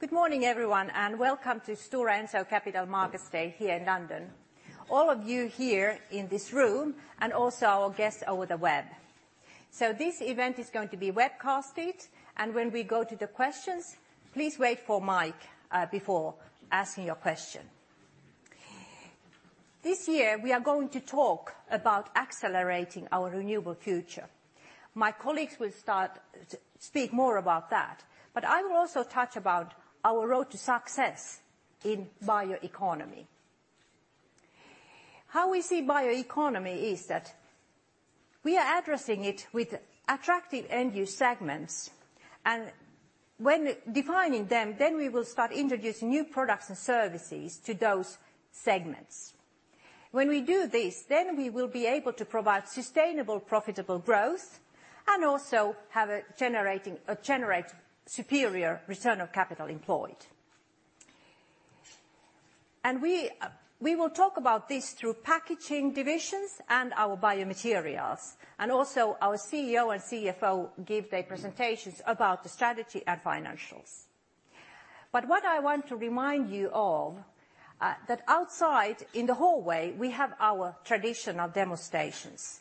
Good morning everyone, welcome to Stora Enso Capital Markets Day here in London. All of you here in this room, also our guests over the web. This event is going to be webcasted, when we go to the questions, please wait for mic before asking your question. This year, we are going to talk about accelerating our renewable future. My colleagues will speak more about that, I will also touch about our road to success in bioeconomy. How we see bioeconomy is that we are addressing it with attractive end-use segments, when defining them, we will start introducing new products and services to those segments. When we do this, we will be able to provide sustainable, profitable growth, also generate superior Return on Capital Employed. We will talk about this through packaging divisions and our biomaterials, also our CEO and CFO give their presentations about the strategy and financials. What I want to remind you all, that outside in the hallway, we have our traditional demo stations.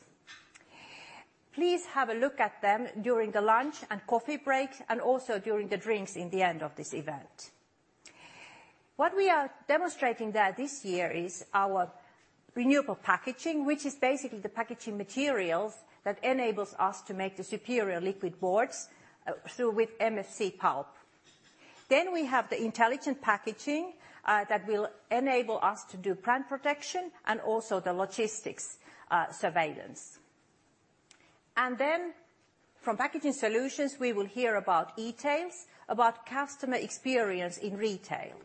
Please have a look at them during the lunch and coffee break, also during the drinks in the end of this event. What we are demonstrating there this year is our renewable packaging, which is basically the packaging materials that enables us to make the superior Liquid Packaging Board with MFC pulp. We have the Intelligent Packaging, that will enable us to do plant protection also the logistics surveillance. From Packaging Solutions, we will hear about e-TALES, about customer experience in retail.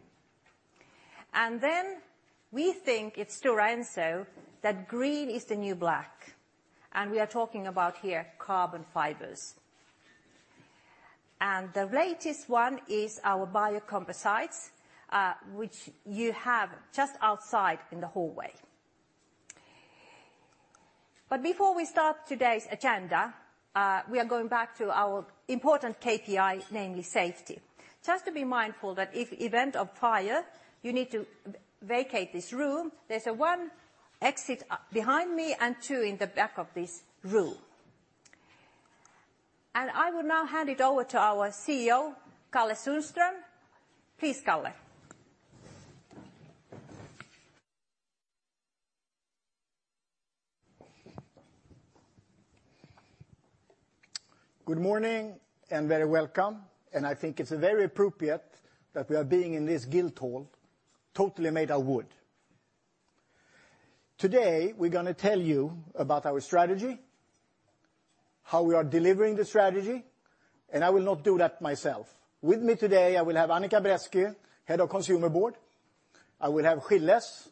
We think at Stora Enso that green is the new black, we are talking about here carbon fibers. The latest one is our biocomposites, which you have just outside in the hallway. Before we start today's agenda, we are going back to our important KPI, namely safety. Just to be mindful that if event of fire, you need to vacate this room. There's one exit behind me and two in the back of this room. I will now hand it over to our CEO, Kalle Sundström. Please, Kalle. Good morning, very welcome, I think it's very appropriate that we are being in this Guildhall, totally made of wood. Today, we're going to tell you about our strategy, how we are delivering the strategy, I will not do that myself. With me today, I will have Annica Bresky, Head of Consumer Board. I will have Gilles,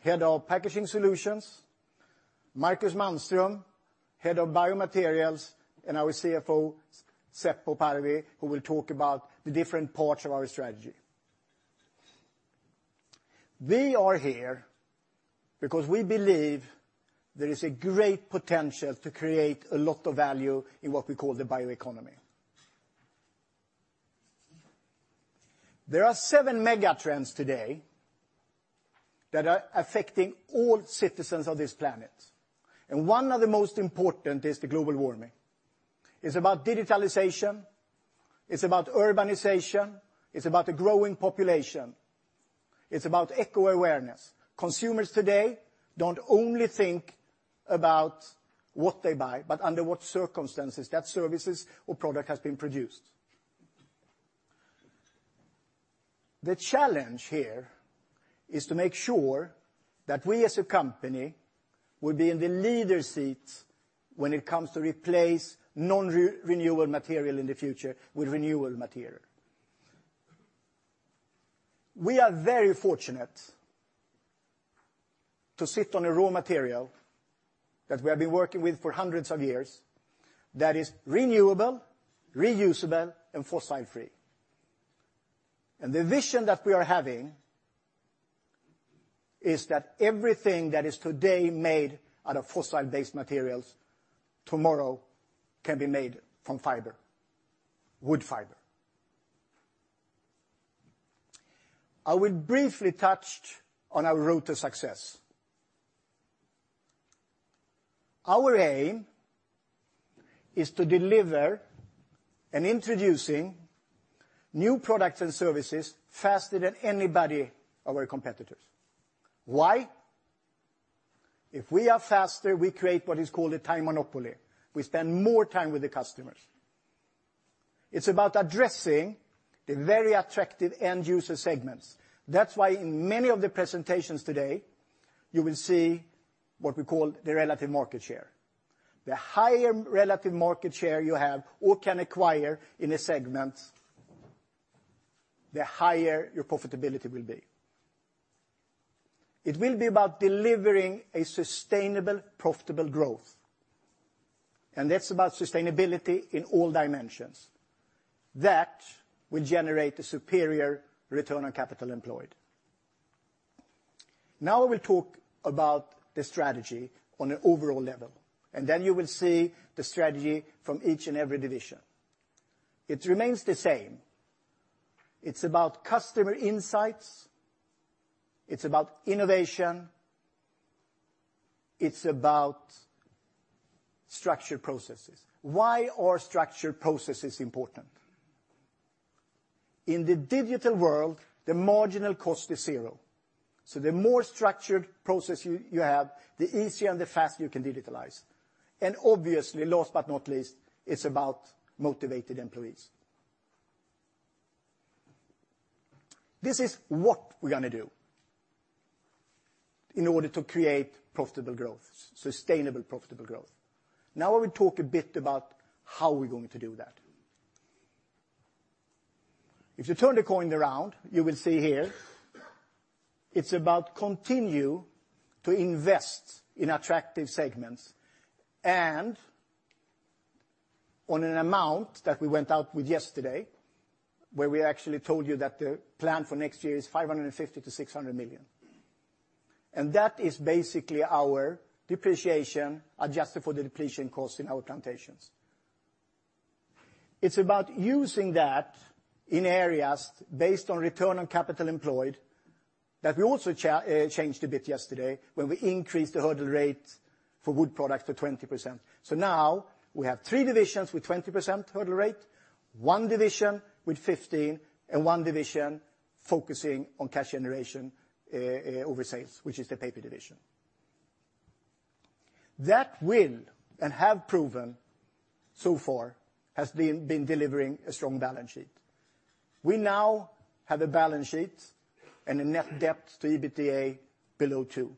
Head of Packaging Solutions. Markus Mannström, Head of Biomaterials, our CFO, Seppo Parvi, who will talk about the different parts of our strategy. We are here because we believe there is a great potential to create a lot of value in what we call the bioeconomy. There are seven mega trends today that are affecting all citizens of this planet. One of the most important is the global warming. It's about digitalization, it's about urbanization, it's about the growing population. It's about eco awareness. Consumers today don't only think about what they buy, but under what circumstances that services or product has been produced. The challenge here is to make sure that we as a company will be in the leader's seat when it comes to replace non-renewable material in the future with renewable material. We are very fortunate to sit on a raw material that we have been working with for hundreds of years that is renewable, reusable, and fossil-free. The vision that we are having is that everything that is today made out of fossil-based materials, tomorrow can be made from fiber, wood fiber. I will briefly touch on our road to success. Our aim is to deliver and introducing new products and services faster than anybody, our competitors. Why? If we are faster, we create what is called a time monopoly. We spend more time with the customers. It's about addressing the very attractive end-user segments. That's why in many of the presentations today, you will see what we call the relative market share. The higher relative market share you have or can acquire in a segment, the higher your profitability will be. It will be about delivering a sustainable, profitable growth. That's about sustainability in all dimensions. That will generate a superior return on capital employed. Now we'll talk about the strategy on an overall level, and then you will see the strategy from each and every division. It remains the same. It's about customer insights, it's about innovation, it's about structured processes. Why are structured processes important? In the digital world, the marginal cost is zero. The more structured process you have, the easier and the faster you can digitalize. Obviously, last but not least, it's about motivated employees. This is what we're going to do in order to create profitable growth, sustainable profitable growth. Now I will talk a bit about how we're going to do that. If you turn the coin around, you will see here it's about continue to invest in attractive segments, and on an amount that we went out with yesterday, where we actually told you that the plan for next year is 550 million to 600 million. That is basically our depreciation adjusted for the depletion cost in our plantations. It's about using that in areas based on return on capital employed, that we also changed a bit yesterday when we increased the hurdle rate for wood products to 20%. Now we have three divisions with 20% hurdle rate, one division with 15%, and one division focusing on cash generation over sales, which is the paper division. That will, and have proven so far, has been delivering a strong balance sheet. We now have a balance sheet and a net debt to EBITDA below two.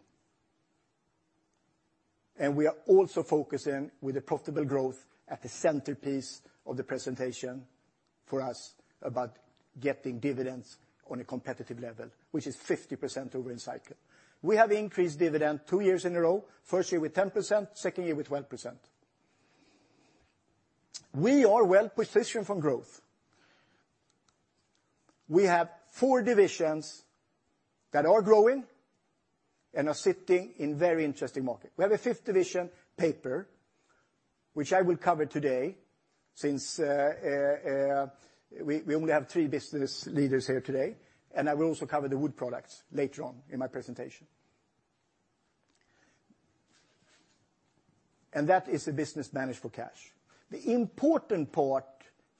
We are also focusing with the profitable growth at the centerpiece of the presentation for us about getting dividends on a competitive level, which is 50% over in cycle. We have increased dividend two years in a row, first year with 10%, second year with 12%. We are well-positioned for growth. We have four divisions that are growing and are sitting in very interesting market. We have a fifth division, paper, which I will cover today since we only have three business leaders here today, and I will also cover the wood products later on in my presentation. That is the business managed for cash. The important part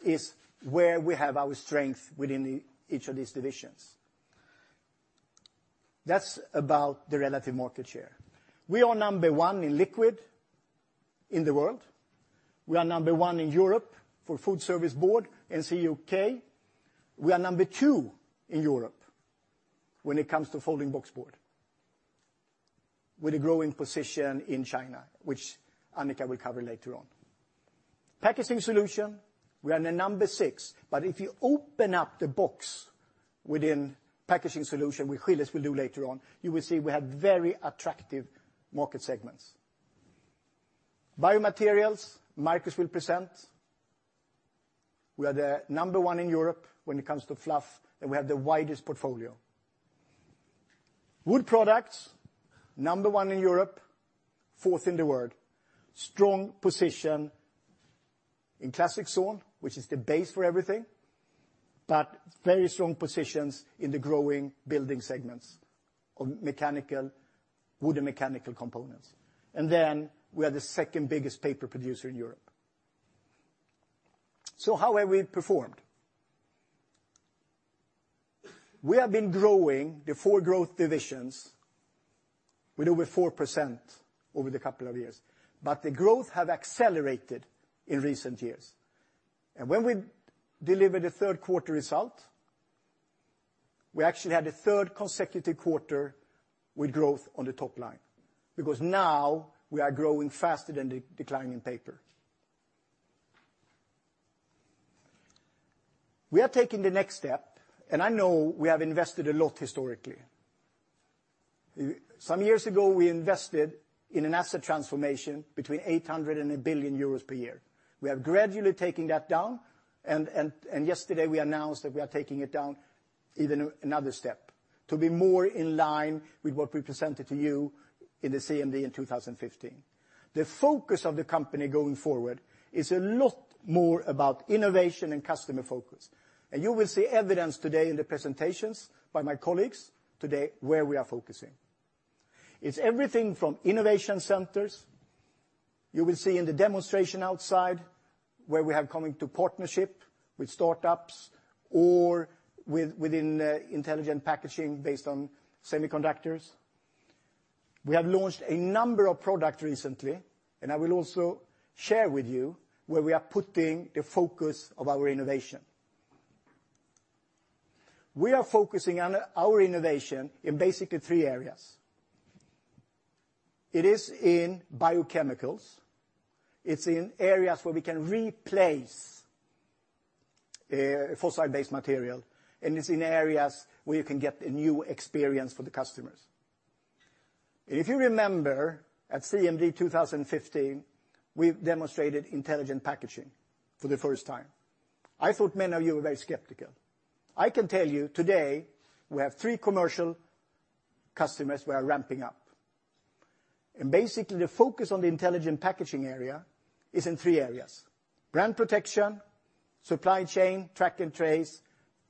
is where we have our strength within each of these divisions. That's about the relative market share. We are number one in liquid in the world. We are number one in Europe for Food Service Board and CUK. We are number two in Europe when it comes to Folding Boxboard with a growing position in China, which Annica will cover later on. Packaging Solutions, we are number six, but if you open up the box within Packaging Solutions, which Gilles will do later on, you will see we have very attractive market segments. Biomaterials, Markus will present. We are the number one in Europe when it comes to fluff, and we have the widest portfolio. Wood Products, number one in Europe, fourth in the world. Strong position in Classic Sawn, which is the base for everything, but very strong positions in the growing building segments of wooden mechanical components. We are the second biggest paper producer in Europe. How have we performed? We have been growing the four growth divisions with over 4% over the couple of years, but the growth have accelerated in recent years. When we delivered the third quarter result, we actually had a third consecutive quarter with growth on the top line, because now we are growing faster than the decline in paper. We are taking the next step. I know we have invested a lot historically. Some years ago, we invested in an asset transformation between 800 and 1 billion euros per year. We are gradually taking that down. Yesterday we announced that we are taking it down even another step to be more in line with what we presented to you in the CMD in 2015. The focus of the company going forward is a lot more about innovation and customer focus. You will see evidence today in the presentations by my colleagues today where we are focusing. It's everything from innovation centers. You will see in the demonstration outside where we have come into partnership with startups or within Intelligent Packaging based on semiconductors. We have launched a number of products recently. I will also share with you where we are putting the focus of our innovation. We are focusing on our innovation in basically three areas. It is in biochemicals, it's in areas where we can replace fossil-based material, and it's in areas where you can get a new experience for the customers. If you remember, at CMD 2015, we demonstrated Intelligent Packaging for the first time. I thought many of you were very skeptical. I can tell you today we have three commercial customers we are ramping up. Basically, the focus on the Intelligent Packaging area is in three areas: brand protection, supply chain, track and trace,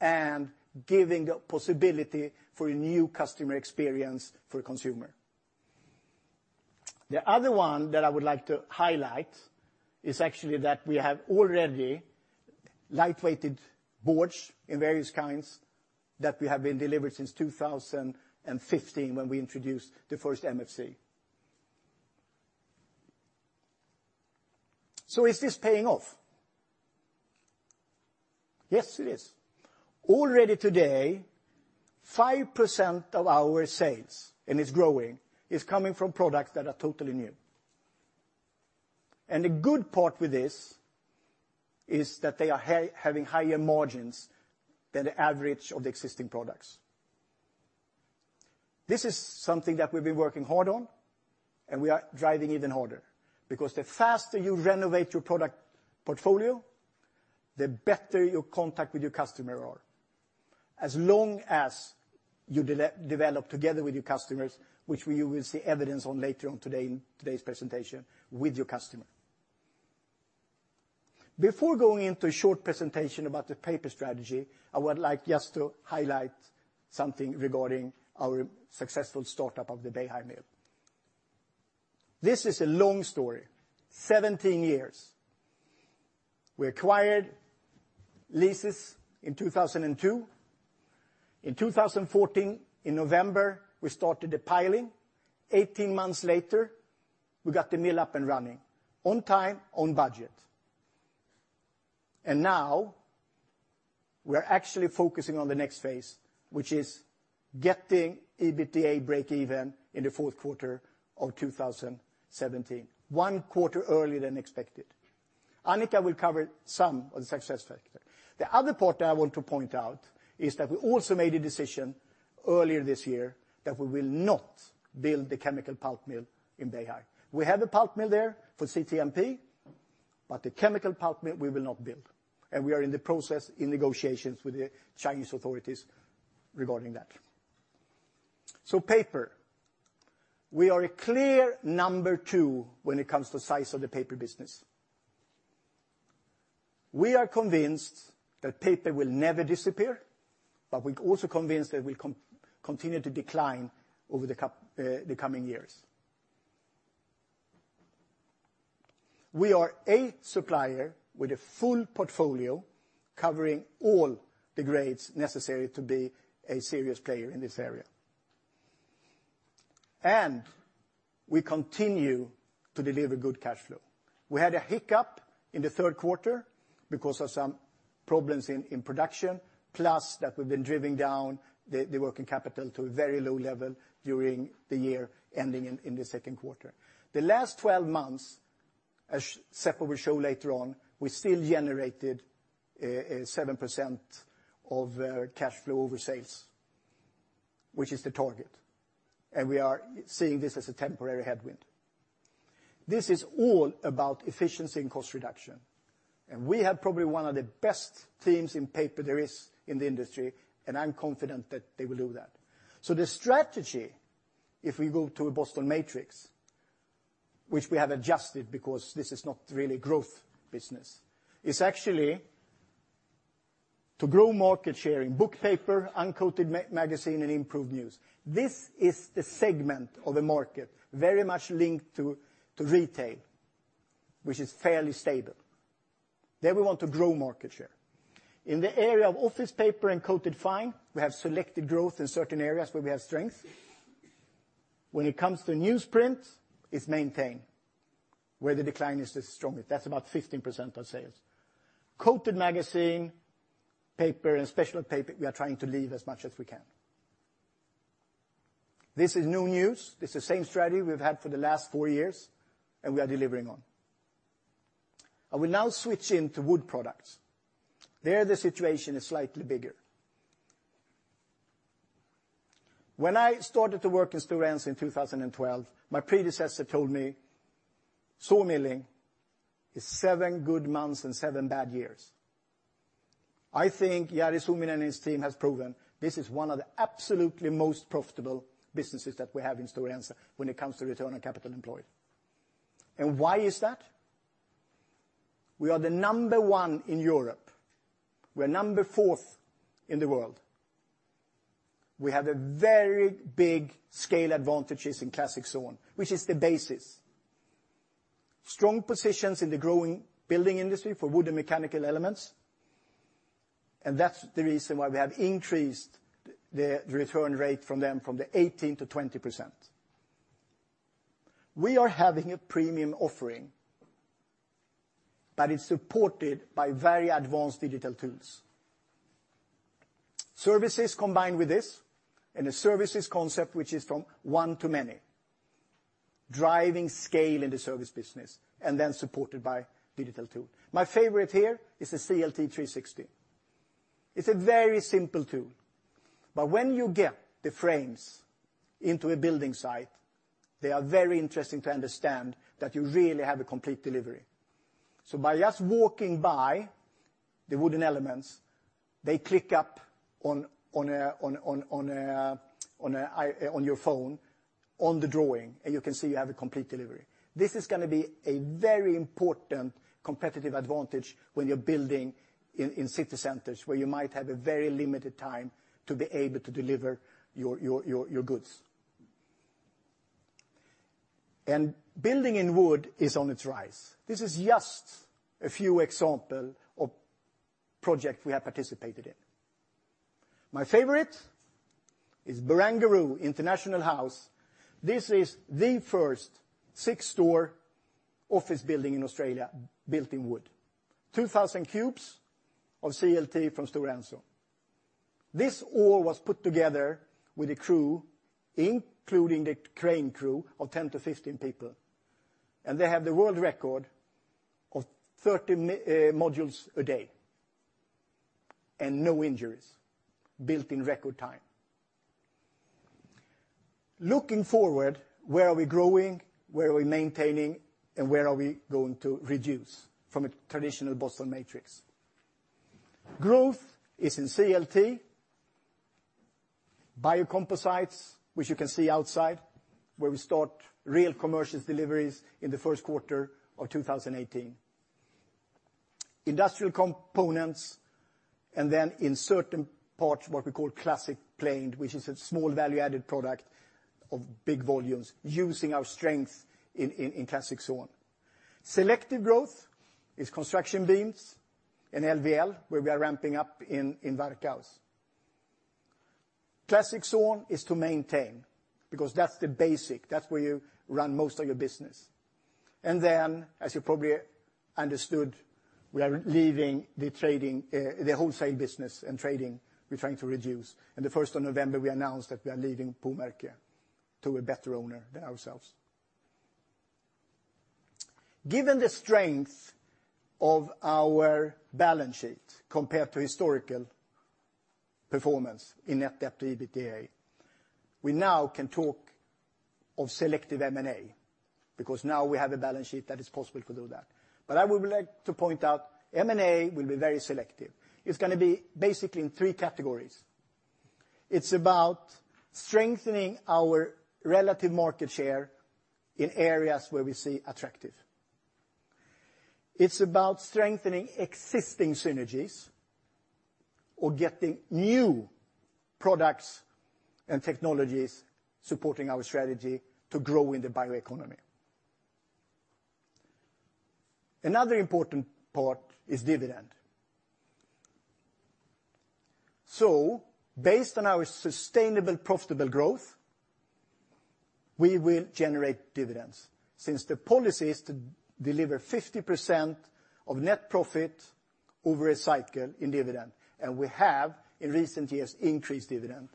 and giving the possibility for a new customer experience for consumer. The other one that I would like to highlight is actually that we have already light weighted boards in various kinds that we have been delivered since 2015 when we introduced the first MFC. Is this paying off? Yes, it is. Already today, 5% of our sales, and it's growing, is coming from products that are totally new. The good part with this is that they are having higher margins than the average of the existing products. This is something that we've been working hard on, we are driving even harder because the faster you renovate your product portfolio, the better your contact with your customer are. As long as you develop together with your customers, which you will see evidence on later on today in today's presentation with your customer. Before going into a short presentation about the paper strategy, I would like just to highlight something regarding our successful startup of the Beihai Mill. This is a long story. 17 years. We acquired leases in 2002. In 2014, in November, we started the piling. 18 months later, we got the mill up and running on time, on budget. Now we're actually focusing on the next phase, which is getting EBITDA breakeven in the fourth quarter of 2017, one quarter earlier than expected. Annica will cover some of the success factors. The other part I want to point out is that we also made a decision earlier this year that we will not build the chemical pulp mill in Beihai. We have a pulp mill there for CTMP, but the chemical pulp mill we will not build. We are in the process in negotiations with the Chinese authorities regarding that. Paper, we are a clear number 2 when it comes to size of the paper business. We are convinced that paper will never disappear, we're also convinced that it will continue to decline over the coming years. We are a supplier with a full portfolio covering all the grades necessary to be a serious player in this area. We continue to deliver good cash flow. We had a hiccup in the third quarter because of some problems in production, plus that we've been driving down the working capital to a very low level during the year ending in the second quarter. The last 12 months, as Seppo will show later on, we still generated 7% of cash flow over sales, which is the target. We are seeing this as a temporary headwind. This is all about efficiency and cost reduction. We have probably one of the best teams in paper there is in the industry, and I'm confident that they will do that. The strategy, if we go to a Boston Matrix, which we have adjusted because this is not really growth business, it's actually to grow market share in book paper, uncoated magazine, and improved news. This is the segment of the market very much linked to retail, which is fairly stable. There we want to grow market share. In the area of office paper and coated fine, we have selected growth in certain areas where we have strength. When it comes to newsprint, it's maintain where the decline is the strongest. That's about 15% of sales. Coated magazine paper and special paper, we are trying to leave as much as we can. This is no news. This is the same strategy we've had for the last four years, we are delivering on. I will now switch into wood products. There, the situation is slightly bigger. When I started to work in Stora Enso in 2012, my predecessor told me sawmilling is seven good months and seven bad years. Jari Suominen and his team has proven this is one of the absolutely most profitable businesses that we have in Stora Enso when it comes to return on capital employed. Why is that? We are the number 1 in Europe. We're number 4 in the world. We have a very big scale advantages in Classic Sawn, which is the basis. Strong positions in the growing building industry for wood and mechanical elements, and that's the reason why we have increased the return rate from them from the 18%-20%. We are having a premium offering that is supported by very advanced digital tools. Services combined with this, and a services concept which is from one to many, driving scale in the service business and then supported by digital tool. My favorite here is the CLT 360. It's a very simple tool, but when you get the frames into a building site, they are very interesting to understand that you really have a complete delivery. So by just walking by the wooden elements, they click up on your phone, on the drawing, and you can see you have a complete delivery. This is going to be a very important competitive advantage when you're building in city centers where you might have a very limited time to be able to deliver your goods. Building in wood is on its rise. This is just a few example of project we have participated in. My favorite is Barangaroo International House. This is the first 6-story office building in Australia built in wood, 2,000 cubes of CLT from Stora Enso. This all was put together with a crew, including the crane crew of 10-15 people, and they have the world record of 30 modules a day, and no injuries, built in record time. Looking forward, where are we growing, where are we maintaining, and where are we going to reduce from a traditional Boston Matrix? Growth is in CLT, biocomposites, which you can see outside, where we start real commercial deliveries in the first quarter of 2018. Industrial components, and then in certain parts, what we call classic planed, which is a small value-added product of big volumes using our strength in Classic Sawn. Selective growth is construction beams and LVL, where we are ramping up in Varkaus. Classic Sawn is to maintain because that's the basic, that's where you run most of your business. As you probably understood, we are leaving the wholesale business, and trading we're trying to reduce. The 1st of November, we announced that we are leaving Puumerkki to a better owner than ourselves. Given the strength of our balance sheet compared to historical performance in net debt to EBITDA, we now can talk of selective M&A because now we have a balance sheet that is possible to do that. But I would like to point out M&A will be very selective. It's going to be basically in three categories. It's about strengthening our relative market share in areas where we see attractive. It's about strengthening existing synergies or getting new products and technologies supporting our strategy to grow in the bio-economy. Another important part is dividend. Based on our sustainable profitable growth, we will generate dividends since the policy is to deliver 50% of net profit over a cycle in dividend, and we have in recent years increased dividend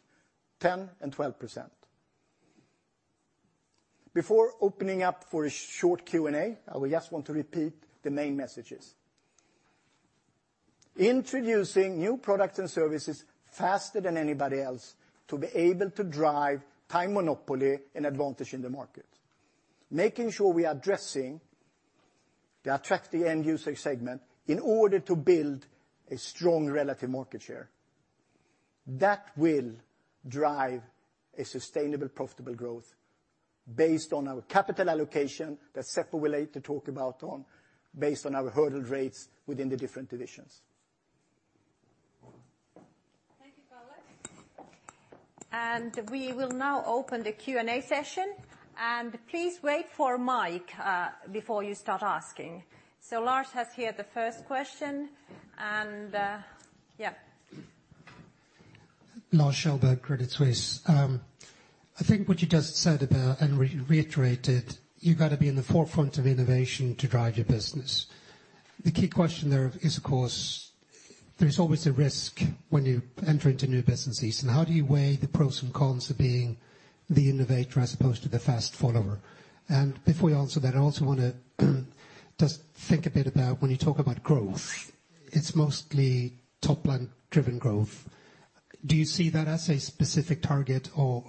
10% and 12%. Before opening up for a short Q&A, I just want to repeat the main messages. Introducing new products and services faster than anybody else to be able to drive time monopoly and advantage in the market, making sure we are addressing the attractive end user segment in order to build a strong relative market share. That will drive a sustainable profitable growth based on our capital allocation that Seppo will later talk about based on our hurdle rates within the different divisions. We will now open the Q&A session, please wait for mic, before you start asking. Lars has here the first question, and yeah. Lars Kjellberg, Credit Suisse. I think what you just said about reiterated, you got to be in the forefront of innovation to drive your business. The key question there is, of course, there's always a risk when you enter into new businesses, how do you weigh the pros and cons of being the innovator as opposed to the fast follower? Before you answer that, I also want to just think a bit about when you talk about growth, it's mostly top-line driven growth. Do you see that as a specific target, or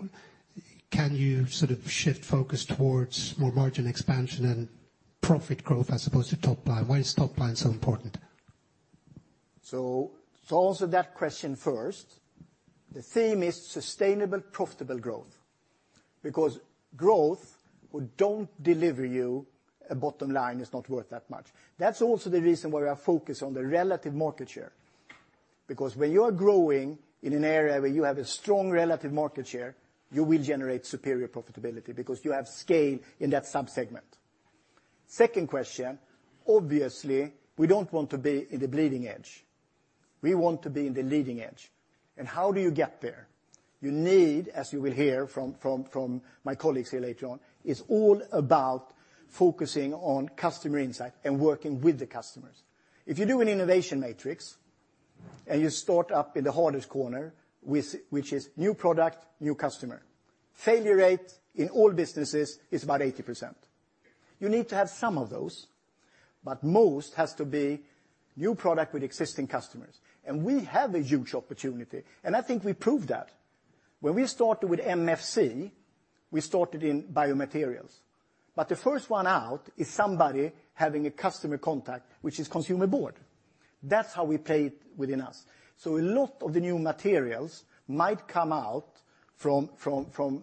can you sort of shift focus towards more margin expansion and profit growth as opposed to top-line? Why is top-line so important? To answer that question first, the theme is sustainable, profitable growth because growth who don't deliver you a bottom line is not worth that much. That's also the reason why we are focused on the relative market share because when you are growing in an area where you have a strong relative market share, you will generate superior profitability because you have scale in that subsegment. Second question, obviously, we don't want to be in the bleeding edge. We want to be in the leading edge, how do you get there? You need, as you will hear from my colleagues here later on, it's all about focusing on customer insight and working with the customers. If you do an innovation matrix and you start up in the hardest corner, which is new product, new customer, failure rate in all businesses is about 80%. You need to have some of those, but most has to be new product with existing customers. We have a huge opportunity, and I think we proved that. When we started with MFC, we started in biomaterials, but the first one out is somebody having a customer contact, which is consumer board. That's how we play it within us. A lot of the new materials might come out from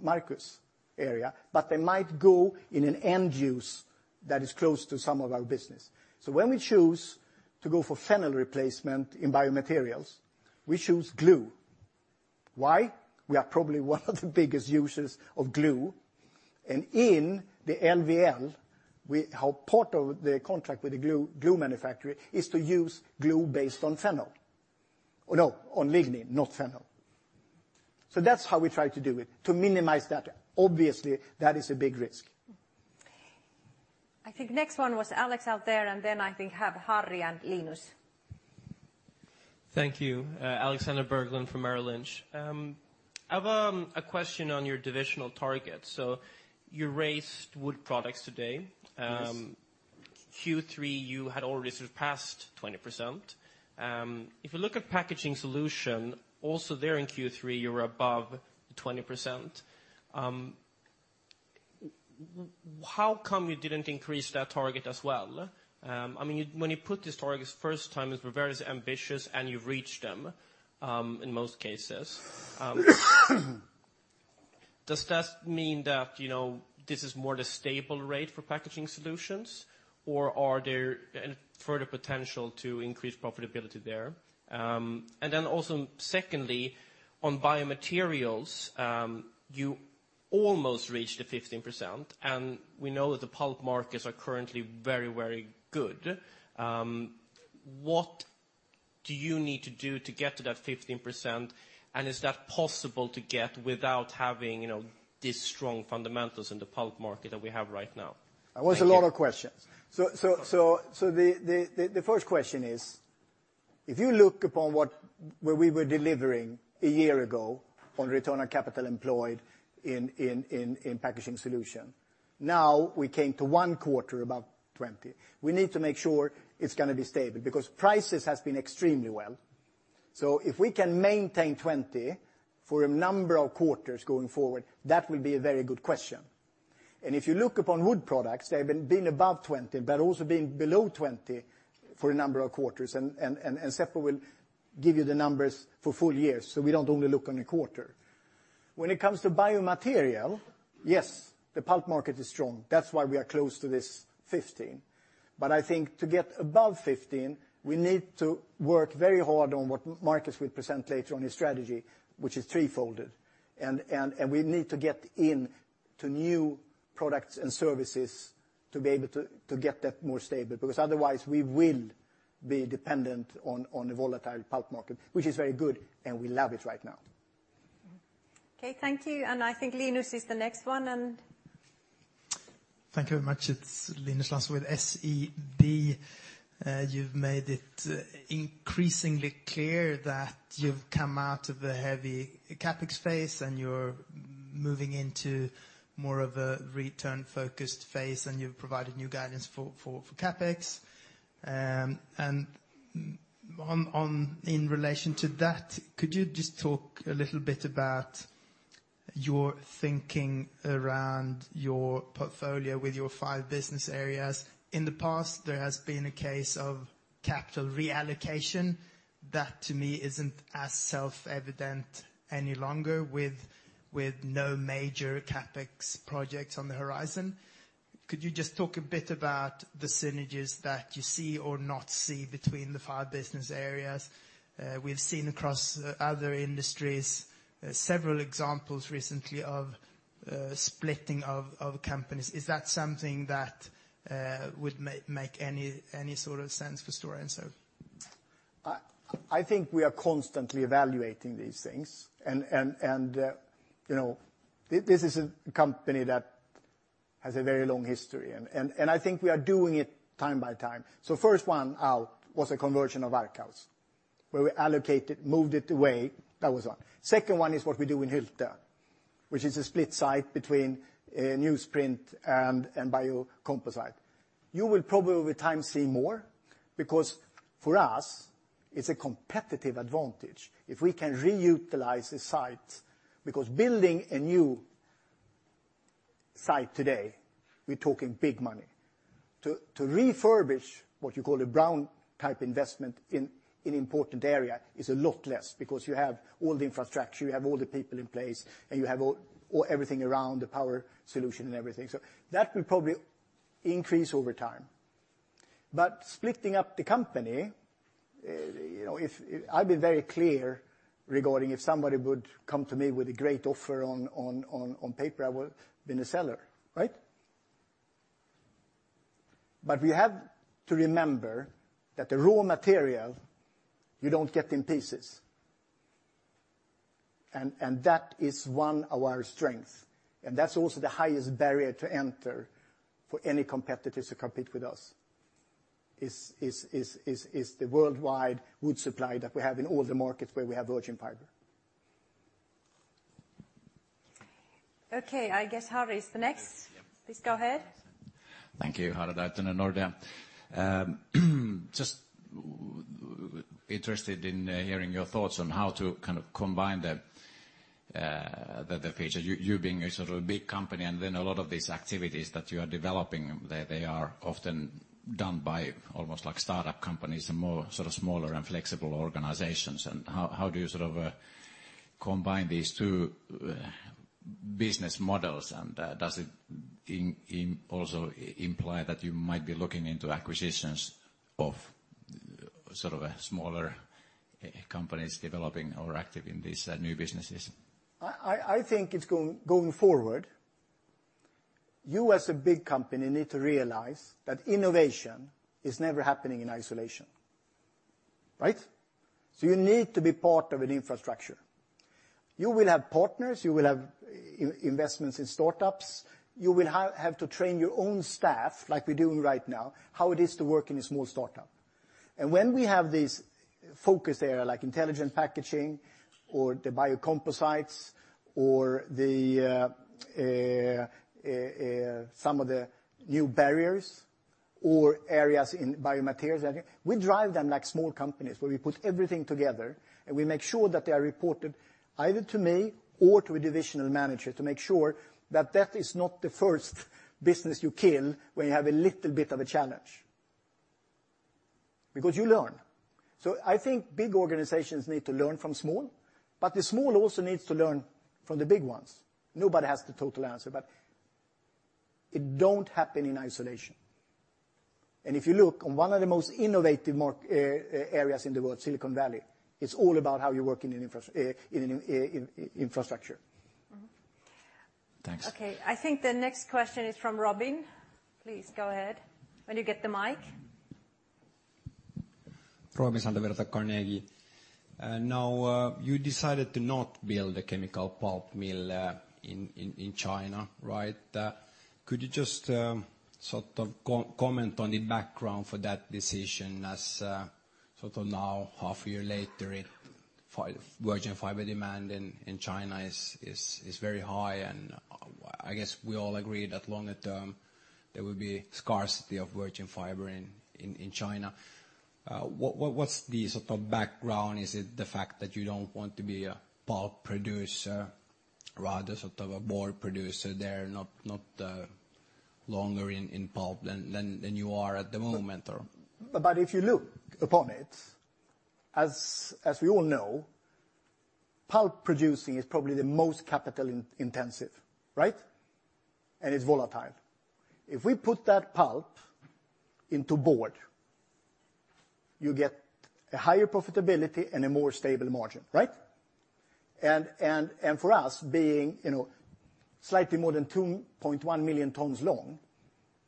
Markus' area, but they might go in an end use that is close to some of our business. When we choose to go for phenol replacement in biomaterials, we choose glue. Why? We are probably one of the biggest users of glue, and in the LVL, part of the contract with the glue manufacturer is to use glue based on phenol. No, on lignin, not phenol. That's how we try to do it, to minimize that. Obviously, that is a big risk. I think next one was Alex out there. Then I think have Harri and Linus. Thank you. Alexander Berglund from Merrill Lynch. I have a question on your divisional targets. You raised wood products today. Yes. Q3, you had already surpassed 20%. If you look at Packaging Solutions, also there in Q3, you were above 20%. How come you didn't increase that target as well? When you put this target first time, it were very ambitious, and you've reached them, in most cases. Does that mean that this is more the stable rate for Packaging Solutions, or are there further potential to increase profitability there? Secondly, on Biomaterials, you almost reached the 15%, and we know that the pulp markets are currently very good. What do you need to do to get to that 15%, and is that possible to get without having these strong fundamentals in the pulp market that we have right now? Thank you. That was a lot of questions. The first question is, if you look upon where we were delivering a year ago on return on capital employed in Packaging Solutions, now we came to one quarter above 20%. We need to make sure it's going to be stable, because prices has been extremely well. If we can maintain 20% for a number of quarters going forward, that will be a very good question. If you look upon Wood Products, they've been above 20%, but also been below 20% for a number of quarters, and Seppo will give you the numbers for full year, so we don't only look on a quarter. When it comes to Biomaterials, yes, the pulp market is strong. That's why we are close to this 15%. I think to get above 15%, we need to work very hard on what Markus will present later on his strategy, which is threefold. We need to get in to new products and services to be able to get that more stable, because otherwise we will be dependent on a volatile pulp market, which is very good, and we love it right now. Okay, thank you. I think Linus is the next one. Thank you very much. It's Linus Larsson with SEB. You've made it increasingly clear that you've come out of a heavy CapEx phase, and you're moving into more of a return-focused phase, and you've provided new guidance for CapEx. In relation to that, could you just talk a little bit about your thinking around your portfolio with your five business areas? In the past, there has been a case of capital reallocation. That, to me, isn't as self-evident any longer with no major CapEx projects on the horizon. Could you just talk a bit about the synergies that you see or not see between the five business areas? We've seen across other industries several examples recently of splitting of companies. Is that something that would make any sort of sense for Stora Enso? I think we are constantly evaluating these things. This is a company that has a very long history, and I think we are doing it time by time. First one out was a conversion of Varkaus, where we allocated, moved it away. That was one. Second one is what we do in Hylte, which is a split site between newsprint and biocomposite. You will probably over time see more because for us, it's a competitive advantage if we can reutilize a site, because building a new site today, we're talking big money. To refurbish what you call a brown type investment in important area is a lot less because you have all the infrastructure, you have all the people in place, and you have everything around the power solution and everything. That will probably increase over time. Splitting up the company, I've been very clear regarding if somebody would come to me with a great offer on paper, I would have been a seller, right? We have to remember that the raw material you don't get in pieces, and that is one of our strengths, and that's also the highest barrier to enter for any competitors to compete with us, is the worldwide wood supply that we have in all the markets where we have virgin fiber. Okay, I guess Harri is the next. Yes. Please go ahead. Thank you, Harri Taittonen, Nordea. Just interested in hearing your thoughts on how to combine the feature, you being a big company, then a lot of these activities that you are developing, they are often done by almost like startup companies, more smaller and flexible organizations. How do you combine these two business models? Does it also imply that you might be looking into acquisitions of smaller companies developing or active in these new businesses? I think it's going forward, you, as a big company, need to realize that innovation is never happening in isolation, right? You need to be part of an infrastructure. You will have partners, you will have investments in startups. You will have to train your own staff, like we're doing right now, how it is to work in a small startup. When we have these focus area, like intelligent packaging or the biocomposites or some of the new barriers or areas in biomaterials, we drive them like small companies, where we put everything together, and we make sure that they are reported either to me or to a divisional manager to make sure that that is not the first business you kill when you have a little bit of a challenge. You learn. I think big organizations need to learn from small, the small also needs to learn from the big ones. Nobody has the total answer, it don't happen in isolation. If you look on one of the most innovative areas in the world, Silicon Valley, it's all about how you work in infrastructure. Thanks. Okay, I think the next question is from Robin. Please go ahead. When you get the mic. Robin Santavirta, the Carnegie. Now, you decided to not build a chemical pulp mill in China, right? Could you just comment on the background for that decision as now, half a year later, virgin fiber demand in China is very high and I guess we all agree that longer term, there will be scarcity of virgin fiber in China. What's the background? Is it the fact that you don't want to be a pulp producer, rather a board producer there, not longer in pulp than you are at the moment, or? If you look upon it, as we all know, pulp producing is probably the most capital intensive, right? It's volatile. If we put that pulp into board, you get a higher profitability and a more stable margin, right? For us, being slightly more than 2.1 million tons long,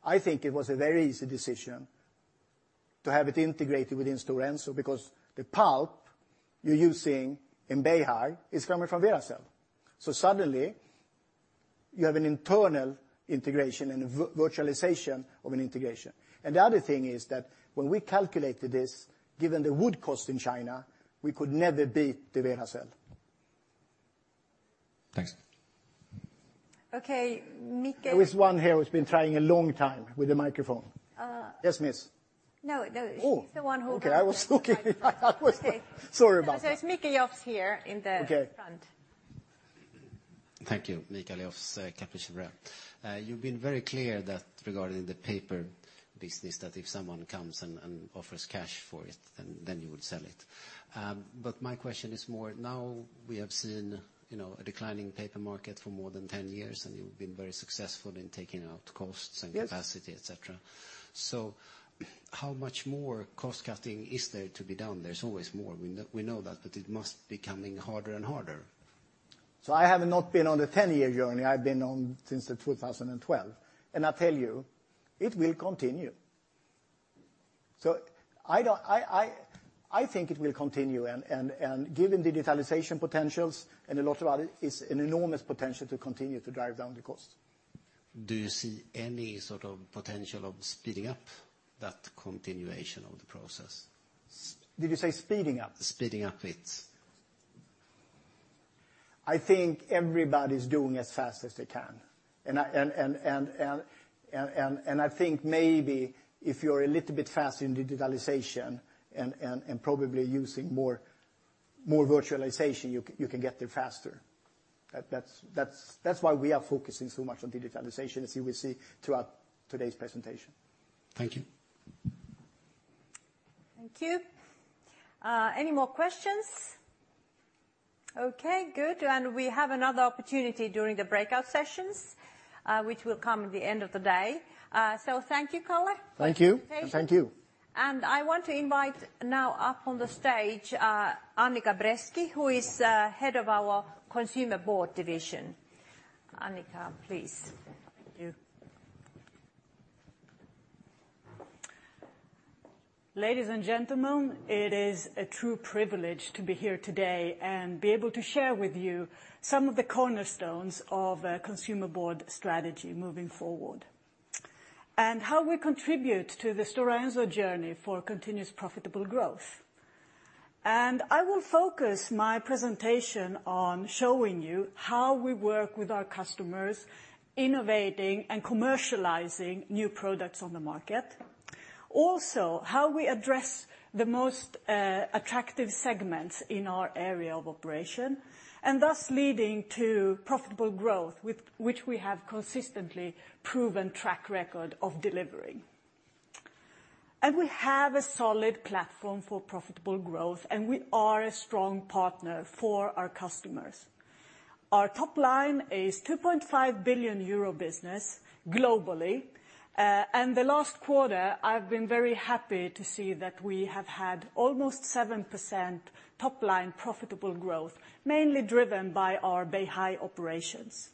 I think it was a very easy decision to have it integrated within Stora Enso because the pulp you're using in Beihai is coming from Veracel. Suddenly, you have an internal integration and a virtualization of an integration. The other thing is that when we calculated this, given the wood cost in China, we could never beat the Veracel. Thanks. Okay, Micke- There is one here who's been trying a long time with the microphone. Uh- Yes, miss? No, she's the one who. Oh, okay. Sorry about that. It's Mikael Löf here in the front. Okay. Thank you. Mikael Löf, Kepler Cheuvreux. You've been very clear that regarding the paper business, that if someone comes and offers cash for it, then you would sell it. My question is more now we have seen a declining paper market for more than 10 years, and you've been very successful in taking out costs and capacity, et cetera. Yes. How much more cost-cutting is there to be done? There's always more. We know that, it must be coming harder and harder. I have not been on the 10-year journey. I've been on since the 2012, I tell you, it will continue. I think it will continue, given digitalization potentials a lot of other, it's an enormous potential to continue to drive down the cost. Do you see any sort of potential of speeding up that continuation of the process? Did you say speeding up? Speeding up it. I think everybody's doing as fast as they can. I think maybe if you're a little bit fast in digitalization and probably using more virtualization, you can get there faster. That's why we are focusing so much on digitalization, as you will see throughout today's presentation. Thank you. Thank you. Any more questions? Okay, good. We have another opportunity during the breakout sessions, which will come at the end of the day. Thank you, Kalle. Thank you. Thank you. I want to invite now up on the stage Annica Bresky, who is head of our Consumer Board division. Annica, please. Thank you. Ladies and gentlemen, it is a true privilege to be here today and be able to share with you some of the cornerstones of our consumer board strategy moving forward. How we contribute to the Stora Enso journey for continuous profitable growth. I will focus my presentation on showing you how we work with our customers, innovating and commercializing new products on the market. Also, how we address the most attractive segments in our area of operation, and thus leading to profitable growth, which we have consistently proven track record of delivering. We have a solid platform for profitable growth, and we are a strong partner for our customers. Our top line is 2.5 billion euro business globally. The last quarter, I've been very happy to see that we have had almost 7% top-line profitable growth, mainly driven by our Beihai operations.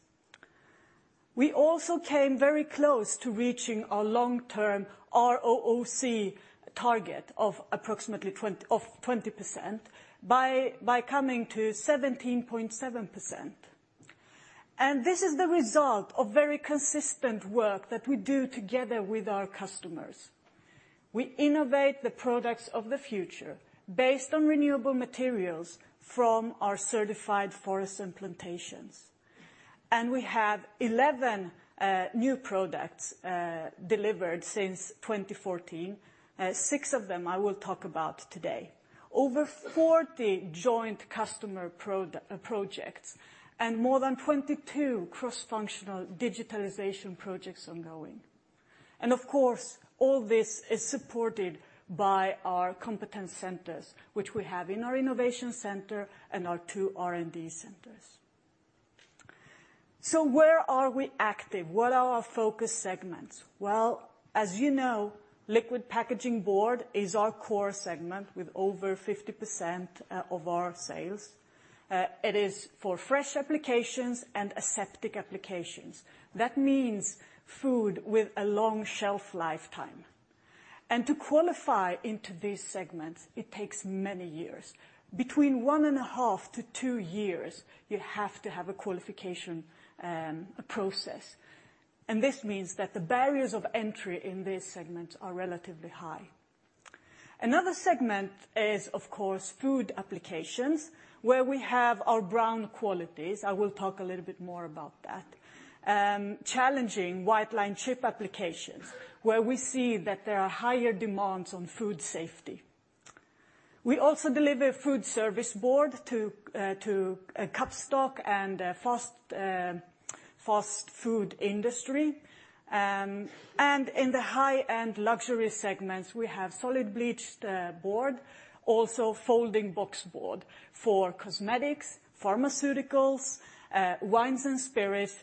We also came very close to reaching our long-term ROCE target of approximately 20% by coming to 17.7%. This is the result of very consistent work that we do together with our customers. We innovate the products of the future based on renewable materials from our certified forest and plantations. We have 11 new products delivered since 2014. Six of them I will talk about today. Over 40 joint customer projects and more than 22 cross-functional digitalization projects ongoing. Of course, all this is supported by our competence centers, which we have in our innovation center and our two R&D centers. Where are we active? What are our focus segments? Well, as you know, Liquid Packaging Board is our core segment with over 50% of our sales. It is for fresh applications and aseptic applications. That means food with a long shelf lifetime. To qualify into these segments, it takes many years. Between one and a half to two years, you have to have a qualification process. This means that the barriers of entry in these segments are relatively high. Another segment is, of course, food applications, where we have our brown grades. I will talk a little bit more about that. Challenging white-lined chipboard applications, where we see that there are higher demands on food safety. We also deliver Food Service Board to cup stock and fast food industry. In the high-end luxury segments, we have Solid Bleached Board, also Folding Boxboard for cosmetics, pharmaceuticals, wines and spirits,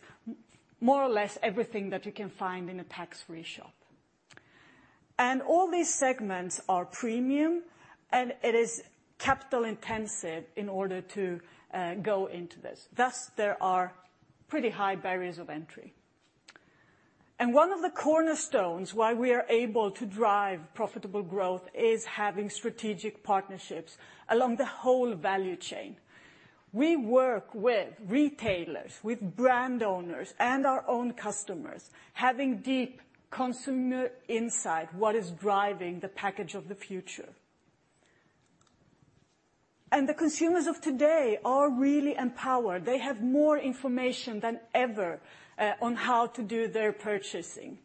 more or less everything that you can find in a tax-free shop. All these segments are premium, and it is capital intensive in order to go into this. Thus, there are pretty high barriers of entry. One of the cornerstones why we are able to drive profitable growth is having strategic partnerships along the whole value chain. We work with retailers, with brand owners, and our own customers, having deep consumer insight what is driving the package of the future. The consumers of today are really empowered. They have more information than ever on how to do their purchasing.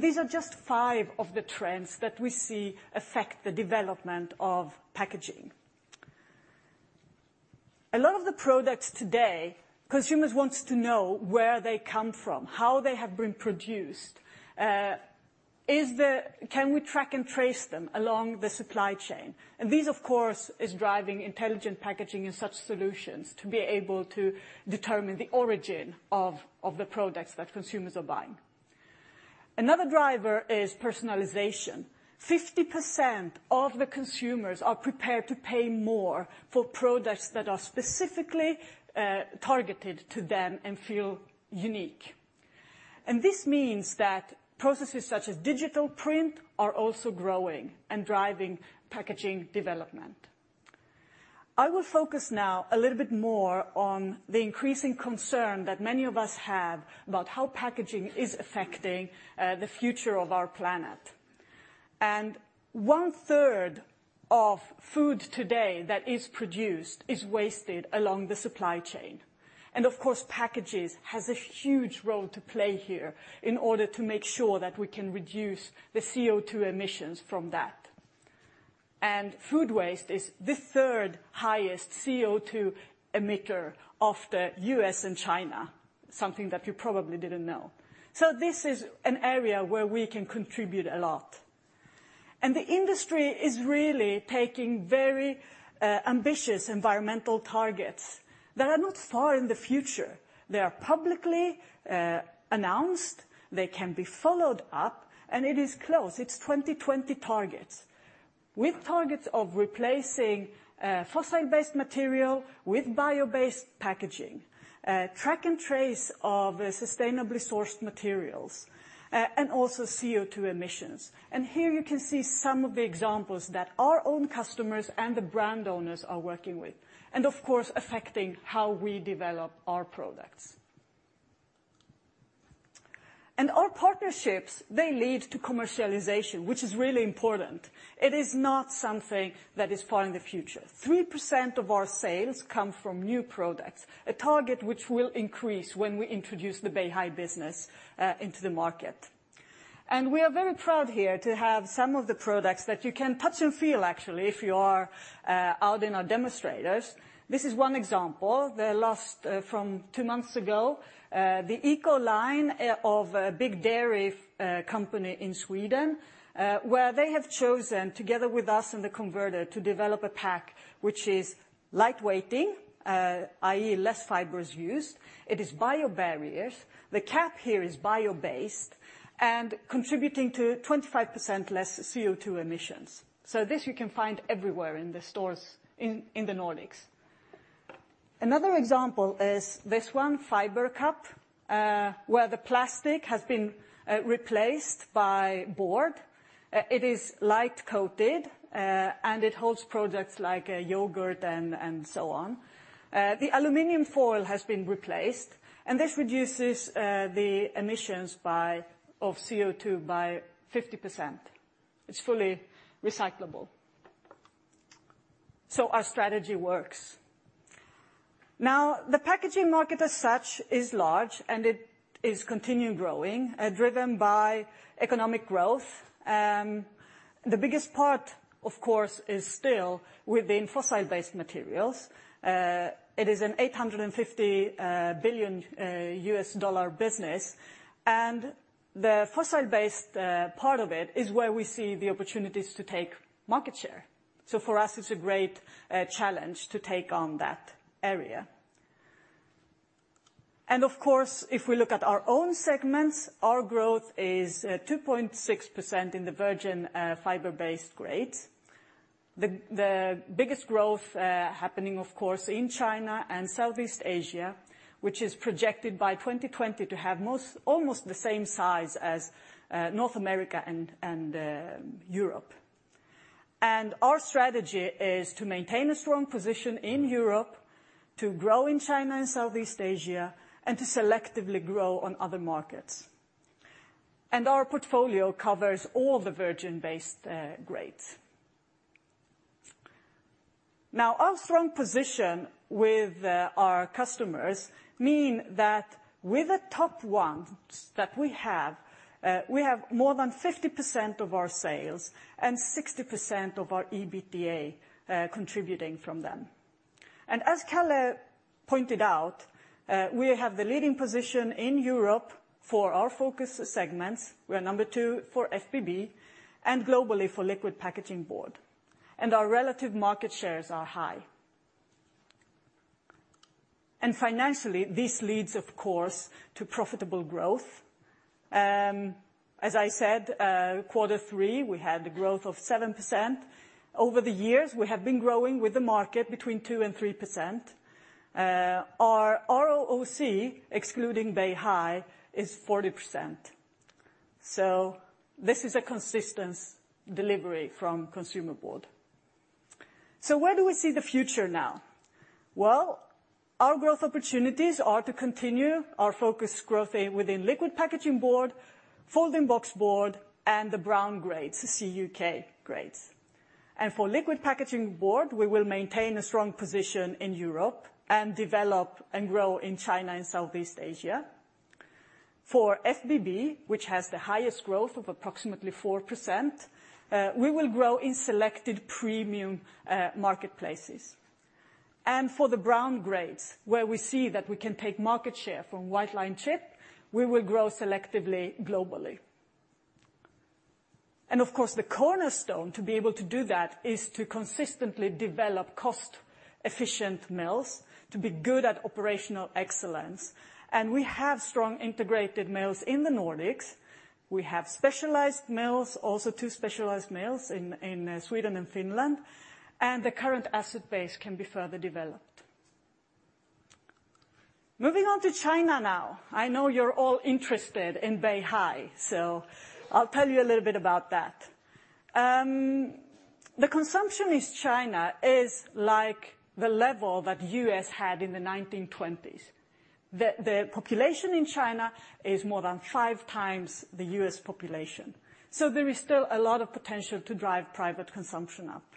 These are just five of the trends that we see affect the development of packaging. A lot of the products today, consumers want to know where they come from, how they have been produced. Can we track and trace them along the supply chain? This, of course, is driving Intelligent Packaging and such solutions to be able to determine the origin of the products that consumers are buying. Another driver is personalization. 50% of the consumers are prepared to pay more for products that are specifically targeted to them and feel unique. This means that processes such as digital print are also growing and driving packaging development. I will focus now a little bit more on the increasing concern that many of us have about how packaging is affecting the future of our planet. One-third of food today that is produced is wasted along the supply chain. Of course, packages has a huge role to play here in order to make sure that we can reduce the CO2 emissions from that. Food waste is the third highest CO2 emitter after U.S. and China, something that you probably didn't know. This is an area where we can contribute a lot. The industry is really taking very ambitious environmental targets that are not far in the future. They are publicly announced, they can be followed up, and it is close. It's 2020 targets. With targets of replacing fossil-based material with bio-based packaging, track and trace of sustainably sourced materials, and also CO2 emissions. Here you can see some of the examples that our own customers and the brand owners are working with, and of course, affecting how we develop our products. Our partnerships, they lead to commercialization, which is really important. It is not something that is far in the future. 3% of our sales come from new products, a target which will increase when we introduce the Beihai business into the market. We are very proud here to have some of the products that you can touch and feel, actually, if you are out in our demonstrators. This is one example, from two months ago, the eco line of a big dairy company in Sweden, where they have chosen, together with us and the converter, to develop a pack which is light-weighting, i.e. less fiber is used. It is bio barriers. The cap here is bio-based and contributing to 25% less CO2 emissions. This you can find everywhere in the stores in the Nordics. Another example is this one, Fiber Cup, where the plastic has been replaced by board. It is light-coated, and it holds products like yogurt and so on. The aluminum foil has been replaced, and this reduces the emissions of CO2 by 50%. It's fully recyclable. Our strategy works. The packaging market as such is large, and it is continuing growing, driven by economic growth. The biggest part, of course, is still within fossil-based materials. It is an $850 billion U.S. dollar business. The fossil-based part of it is where we see the opportunities to take market share. For us, it's a great challenge to take on that area. Of course, if we look at our own segments, our growth is 2.6% in the virgin fiber-based grades. The biggest growth happening, of course, in China and Southeast Asia, which is projected by 2020 to have almost the same size as North America and Europe. Our strategy is to maintain a strong position in Europe, to grow in China and Southeast Asia, and to selectively grow on other markets. Our portfolio covers all the virgin-based grades. Now, our strong position with our customers mean that with the top ones that we have, we have more than 50% of our sales and 60% of our EBITDA contributing from them. As Kalle pointed out, we have the leading position in Europe for our focus segments. We're number 2 for FBB and globally for liquid packaging board. Our relative market shares are high. Financially, this leads, of course, to profitable growth. As I said, quarter three, we had a growth of 7%. Over the years, we have been growing with the market between 2% and 3%. Our ROCE, excluding Beihai, is 40%. This is a consistent delivery from Consumer Board. Where do we see the future now? Well, our growth opportunities are to continue our focus growth within liquid packaging board, folding box board, and the brown grades, CUK grades. For liquid packaging board, we will maintain a strong position in Europe and develop and grow in China and Southeast Asia. For FBB, which has the highest growth of approximately 4%, we will grow in selected premium marketplaces. For the brown grades, where we see that we can take market share from white-lined chipboard, we will grow selectively globally. Of course, the cornerstone to be able to do that is to consistently develop cost-efficient mills to be good at operational excellence. We have strong integrated mills in the Nordics. We have specialized mills, also two specialized mills in Sweden and Finland, and the current asset base can be further developed. Moving on to China now. I know you're all interested in Beihai, so I'll tell you a little bit about that. The consumption in China is like the level that U.S. had in the 1920s. The population in China is more than five times the U.S. population. There is still a lot of potential to drive private consumption up.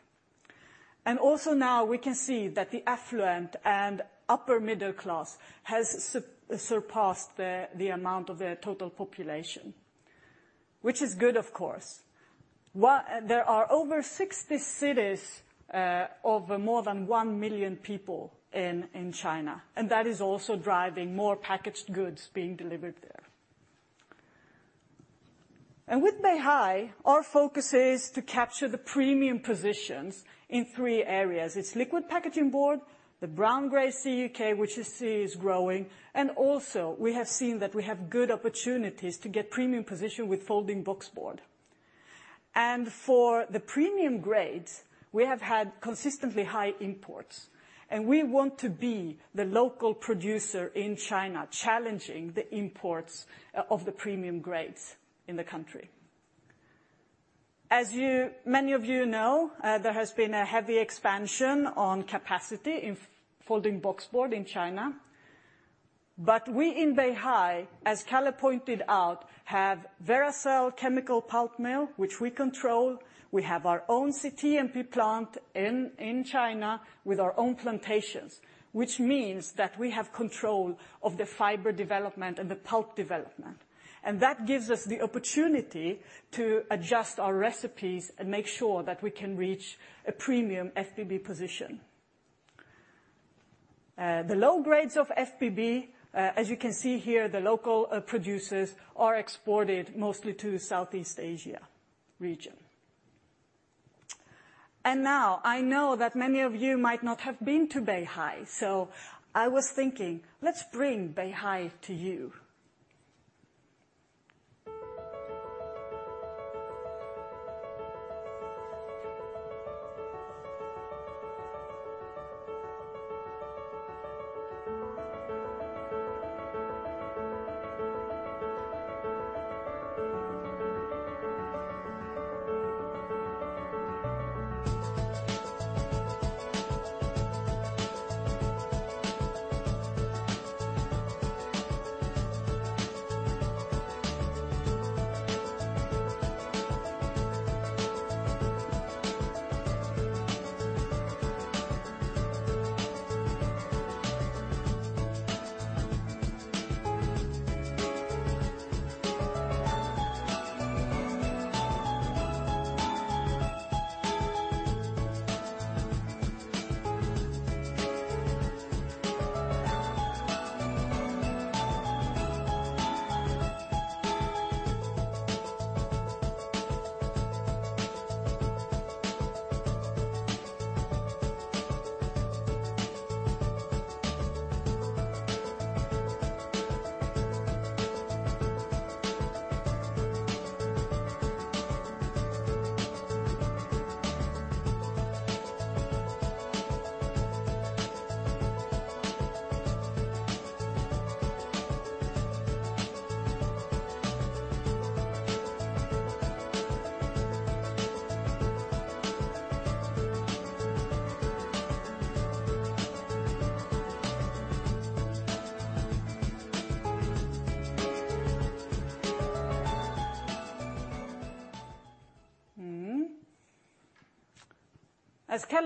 Also now we can see that the affluent and upper middle class has surpassed the amount of the total population, which is good, of course. There are over 60 cities of more than one million people in China. That is also driving more packaged goods being delivered there. With Beihai, our focus is to capture the premium positions in three areas. It's liquid packaging board, the brown grade CUK, which you see is growing. Also we have seen that we have good opportunities to get premium position with folding box board. For the premium grades, we have had consistently high imports. We want to be the local producer in China, challenging the imports of the premium grades in the country. As many of you know, there has been a heavy expansion on capacity in folding boxboard in China. We in Beihai, as Kalle pointed out, have Veracel chemical pulp mill, which we control. We have our own CTMP plant in China with our own plantations, which means that we have control of the fiber development and the pulp development. That gives us the opportunity to adjust our recipes and make sure that we can reach a premium FBB position. The low grades of FBB, as you can see here, the local producers are exported mostly to Southeast Asia region. Now I know that many of you might not have been to Beihai, so I was thinking, let's bring Beihai to you.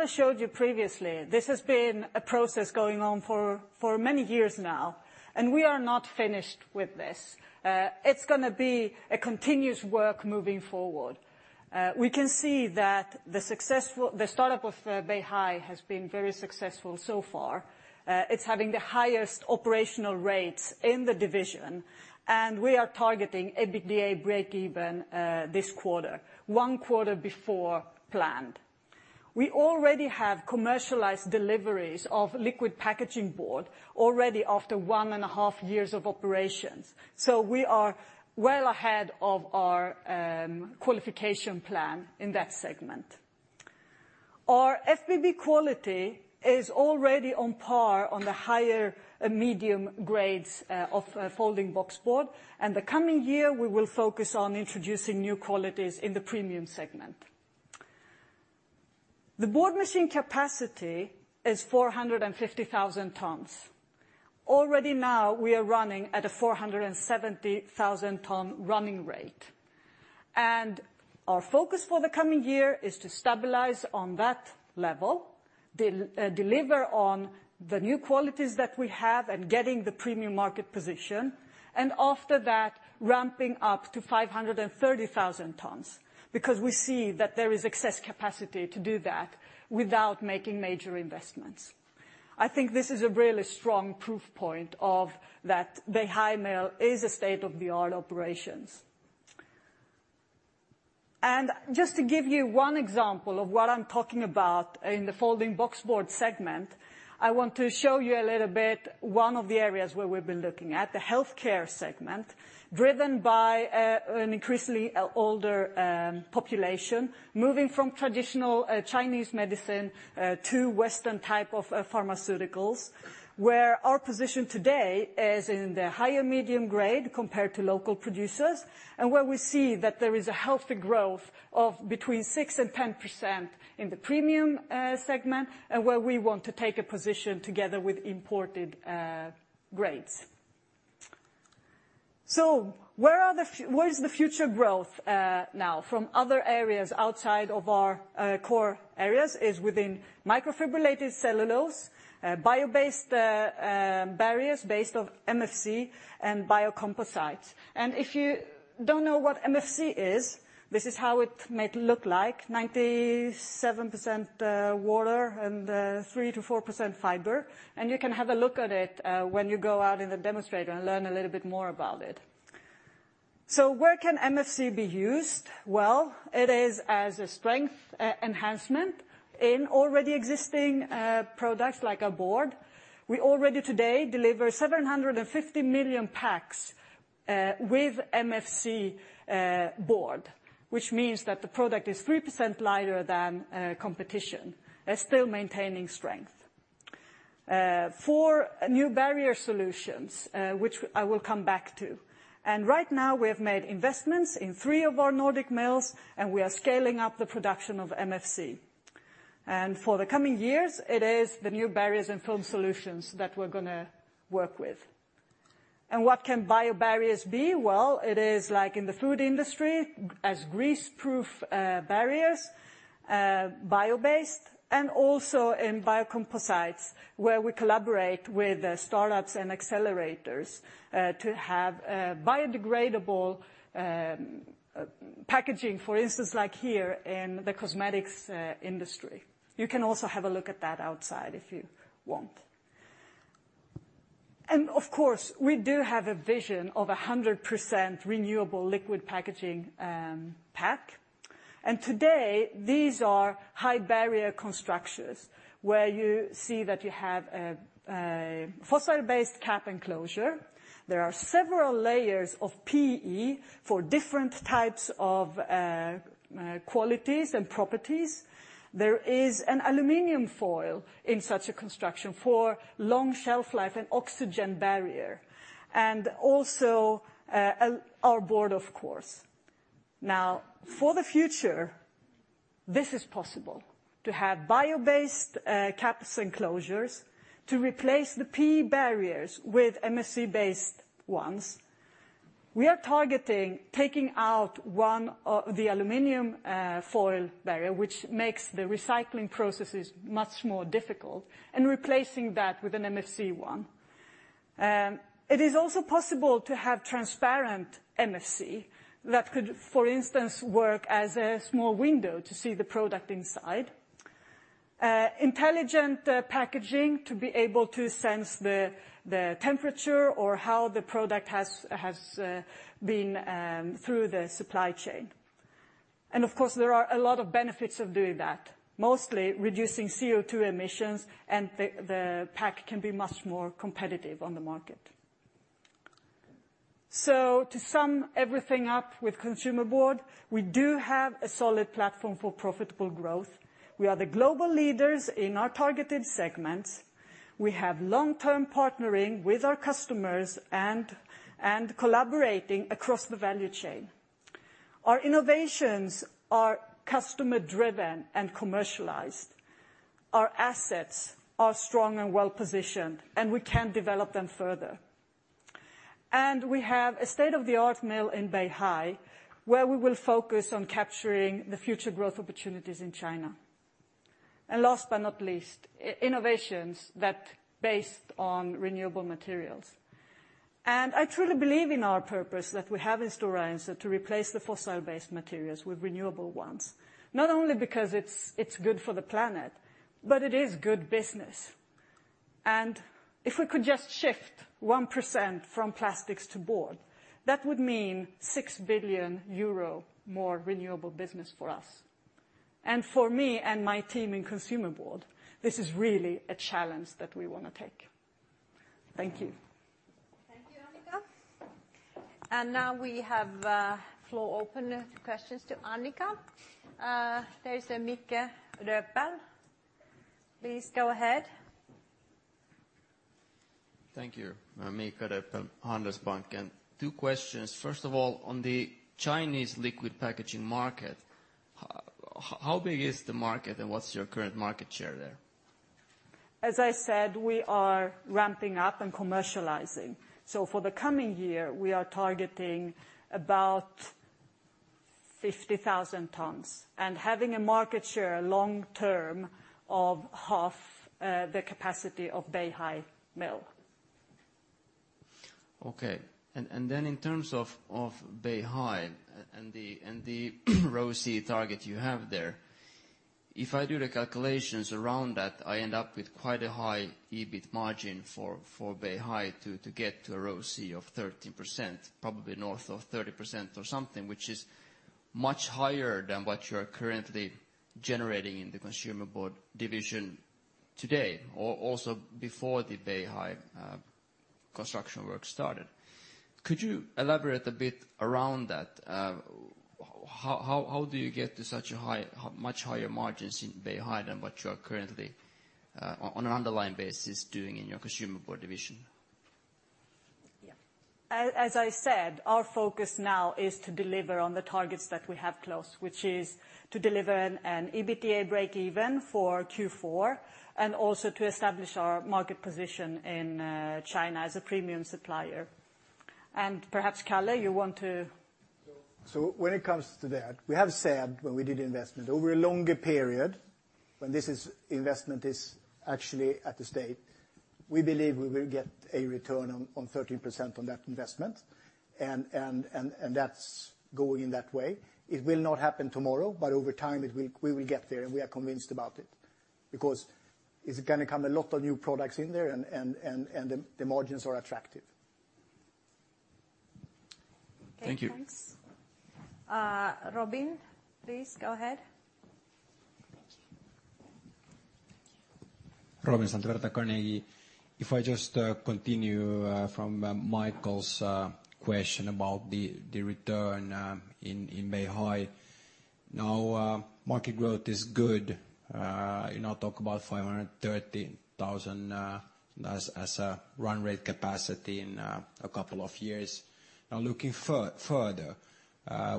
As Kalle showed you previously, this has been a process going on for many years now, we are not finished with this. It's going to be a continuous work moving forward. We can see that the startup of Beihai has been very successful so far. It's having the highest operational rates in the division, we are targeting EBITDA breakeven, this quarter, one quarter before planned. We already have commercialized deliveries of liquid packaging board already after one and a half years of operations. We are well ahead of our qualification plan in that segment. Our FBB quality is already on par on the higher medium grades of folding boxboard, the coming year, we will focus on introducing new qualities in the premium segment. The board machine capacity is 450,000 tons. Already now we are running at a 470,000-ton running rate. Our focus for the coming year is to stabilize on that level, deliver on the new qualities that we have getting the premium market position, after that, ramping up to 530,000 tons because we see that there is excess capacity to do that without making major investments. I think this is a really strong proof point of that Beihai Mill is a state-of-the-art operations. Just to give you one example of what I'm talking about in the folding boxboard segment, I want to show you a little bit one of the areas where we've been looking at, the healthcare segment, driven by an increasingly older population, moving from traditional Chinese medicine, to Western type of pharmaceuticals, where our position today is in the higher medium grade compared to local producers, where we see that there is a healthy growth of between 6% and 10% in the premium segment, where we want to take a position together with imported grades. Where is the future growth now from other areas outside of our core areas is within microfibrillated cellulose, bio-based barriers based of MFC, and biocomposites. If you don't know what MFC is, this is how it might look like, 97% water and 3%-4% fiber. You can have a look at it when you go out in the demonstrator and learn a little bit more about it. Where can MFC be used? It is as a strength enhancement in already existing products like a board. We already today deliver 750 million packs with MFC board, which means that the product is 3% lighter than competition and still maintaining strength. Four new barrier solutions, which I will come back to. Right now we have made investments in three of our Nordic mills, and we are scaling up the production of MFC. For the coming years, it is the new barriers and film solutions that we're going to work with. What can bio barriers be? It is like in the food industry as grease-proof barriers, bio-based, and also in biocomposites, where we collaborate with startups and accelerators to have biodegradable packaging. For instance, like here in the cosmetics industry. You can also have a look at that outside if you want. Of course, we do have a vision of 100% renewable liquid packaging pack. Today these are high barrier constructions where you see that you have a fossil-based cap enclosure. There are several layers of PE for different types of qualities and properties. There is an aluminum foil in such a construction for long shelf life and oxygen barrier, and also our board of course. For the future, this is possible to have bio-based caps and closures to replace the PE barriers with MFC-based ones. We are targeting taking out one of the aluminum foil barrier, which makes the recycling processes much more difficult, and replacing that with an MFC one. It is also possible to have transparent MFC that could, for instance, work as a small window to see the product inside. Intelligent Packaging to be able to sense the temperature or how the product has been through the supply chain. Of course, there are a lot of benefits of doing that, mostly reducing CO2 emissions, and the pack can be much more competitive on the market. To sum everything up with Consumer Board, we do have a solid platform for profitable growth. We are the global leaders in our targeted segments. We have long-term partnering with our customers and collaborating across the value chain. Our innovations are customer-driven and commercialized. Our assets are strong and well-positioned, and we can develop them further. We have a state-of-the-art mill in Beihai, where we will focus on capturing the future growth opportunities in China. Last but not least, innovations that based on renewable materials. I truly believe in our purpose that we have in Stora Enso to replace the fossil-based materials with renewable ones. Not only because it's good for the planet, but it is good business. If we could just shift 1% from plastics to board, that would mean 6 billion euro more renewable business for us. For me and my team in Consumer Board, this is really a challenge that we want to take. Thank you. Thank you, Annica. Now we have floor open questions to Annica. There is a Micke Röpel. Please go ahead. Thank you. Micke Röpel, Handelsbanken. Two questions. First of all, on the Chinese liquid packaging market, how big is the market, and what's your current market share there? As I said, we are ramping up and commercializing. For the coming year, we are targeting about 50,000 tons, and having a market share long term of half the capacity of Beihai Mill. Okay. Then in terms of Beihai and the ROCE target you have there, if I do the calculations around that, I end up with quite a high EBIT margin for Beihai to get to a ROCE of 30%, probably north of 30% or something, which is much higher than what you're currently generating in the Consumer Board Division today, or also before the Beihai construction work started. Could you elaborate a bit around that? How do you get to such a much higher margins in Beihai than what you are currently, on an underlying basis, doing in your Consumer Board Division? Yeah. As I said, our focus now is to deliver on the targets that we have closed, which is to deliver an EBITDA breakeven for Q4, also to establish our market position in China as a premium supplier. Perhaps Kalle, you want to- When it comes to that, we have said when we did investment, over a longer period, when this investment is actually at the state, we believe we will get a return on 13% on that investment, that's going in that way. It will not happen tomorrow, over time we will get there, we are convinced about it. It's going to come a lot of new products in there, the margins are attractive. Thank you. Okay, thanks. Robin, please go ahead. Robin Santavirta Carnegie. If I just continue from Mikael's question about the return in Beihai. Market growth is good. Talk about 530,000 as a run rate capacity in a couple of years. Looking further,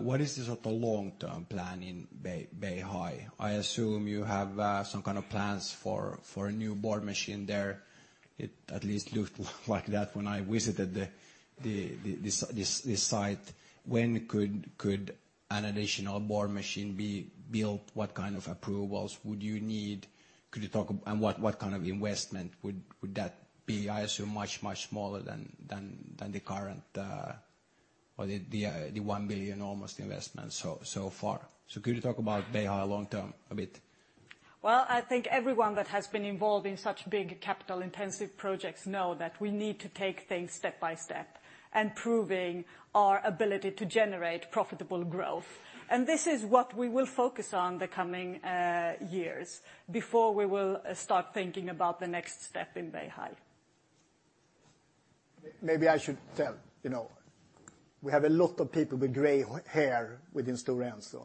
what is the sort of long-term plan in Beihai? I assume you have some kind of plans for a new board machine there. It at least looked like that when I visited this site. When could an additional board machine be built? What kind of approvals would you need? What kind of investment would that be? I assume much smaller than the current or the 1 billion almost investment so far. Could you talk about Beihai long term a bit? Well, I think everyone that has been involved in such big capital-intensive projects know that we need to take things step by step and proving our ability to generate profitable growth. This is what we will focus on the coming years before we will start thinking about the next step in Beihai. Maybe I should tell, we have a lot of people with gray hair within Stora Enso.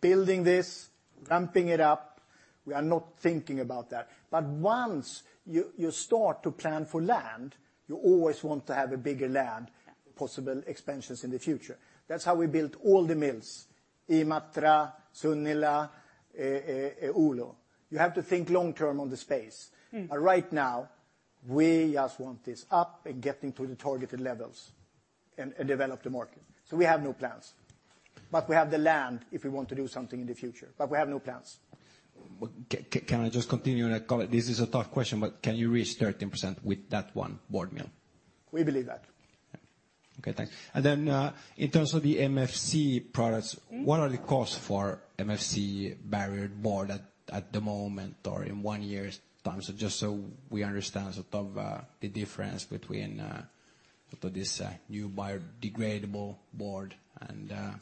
Building this, ramping it up, we are not thinking about that. Once you start to plan for land, you always want to have a bigger land. Yeah possible expansions in the future. That's how we built all the mills, Imatra, Sunila, Oulu. You have to think long term on the space. Right now, we just want this up and getting to the targeted levels and develop the market. We have no plans, but we have the land if we want to do something in the future. We have no plans. Can I just continue on a comment? This is a tough question, but can you reach 13% with that one board mill? We believe that. Okay, thanks. Then, in terms of the MFC products. What are the costs for MFC barrier board at the moment or in one year's time? Just so we understand sort of the difference between sort of this new biodegradable board. I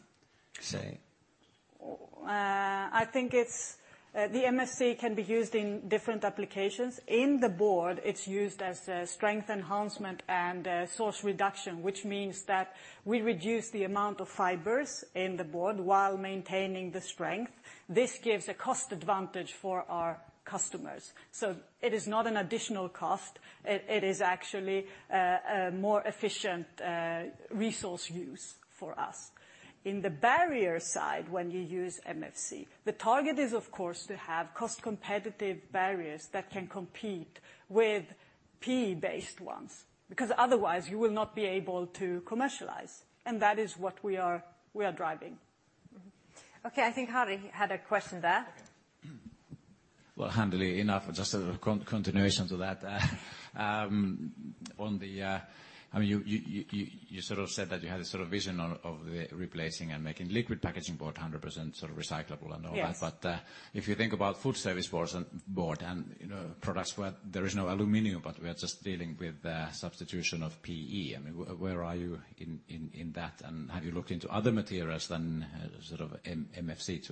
think the MFC can be used in different applications. In the board, it's used as a strength enhancement and a source reduction, which means that we reduce the amount of fibers in the board while maintaining the strength. This gives a cost advantage for our customers. It is not an additional cost, it is actually a more efficient resource use for us. In the barrier side, when you use MFC, the target is of course to have cost competitive barriers that can compete with PE-based ones, because otherwise you will not be able to commercialize. That is what we are driving. Okay, I think Harri had a question there. Well, handily enough, just a continuation to that. You sort of said that you had this vision of replacing and making Liquid Packaging Board 100% recyclable and all that. Yes. If you think about Food Service Board and products where there is no aluminum, we are just dealing with substitution of PE, where are you in that? Have you looked into other materials than sort of MFC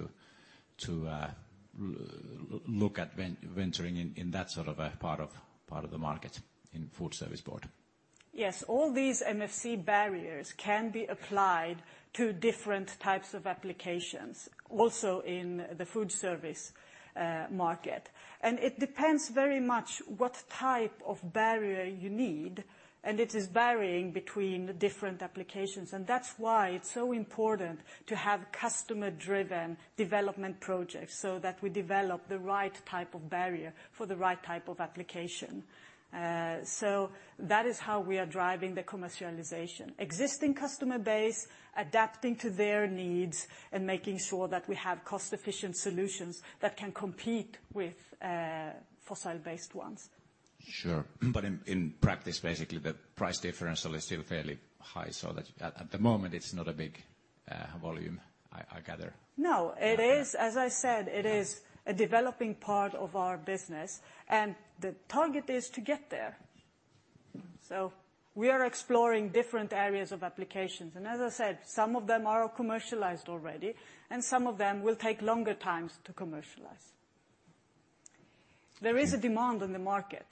to look at venturing in that part of the market, in Food Service Board? Yes. All these MFC barriers can be applied to different types of applications, also in the food service market. It depends very much what type of barrier you need, and it is varying between the different applications. That's why it's so important to have customer-driven development projects, so that we develop the right type of barrier for the right type of application. That is how we are driving the commercialization. Existing customer base, adapting to their needs, and making sure that we have cost-efficient solutions that can compete with fossil-based ones. Sure. In practice, basically, the price differential is still fairly high, so at the moment it's not a big volume, I gather. No. As I said, it is a developing part of our business, and the target is to get there. We are exploring different areas of applications. As I said, some of them are commercialized already, and some of them will take longer times to commercialize. There is a demand in the market.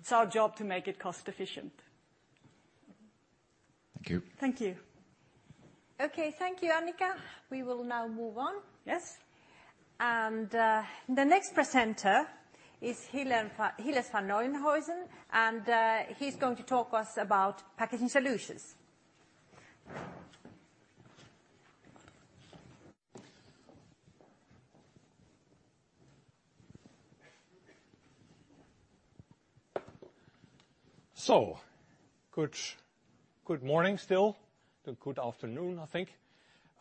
It's our job to make it cost-efficient. Thank you. Thank you. Okay. Thank you, Annica. We will now move on. Yes. The next presenter is Gilles van Nieuwenhuyzen, and he's going to talk to us about Packaging Solutions. Good morning still, good afternoon, I think.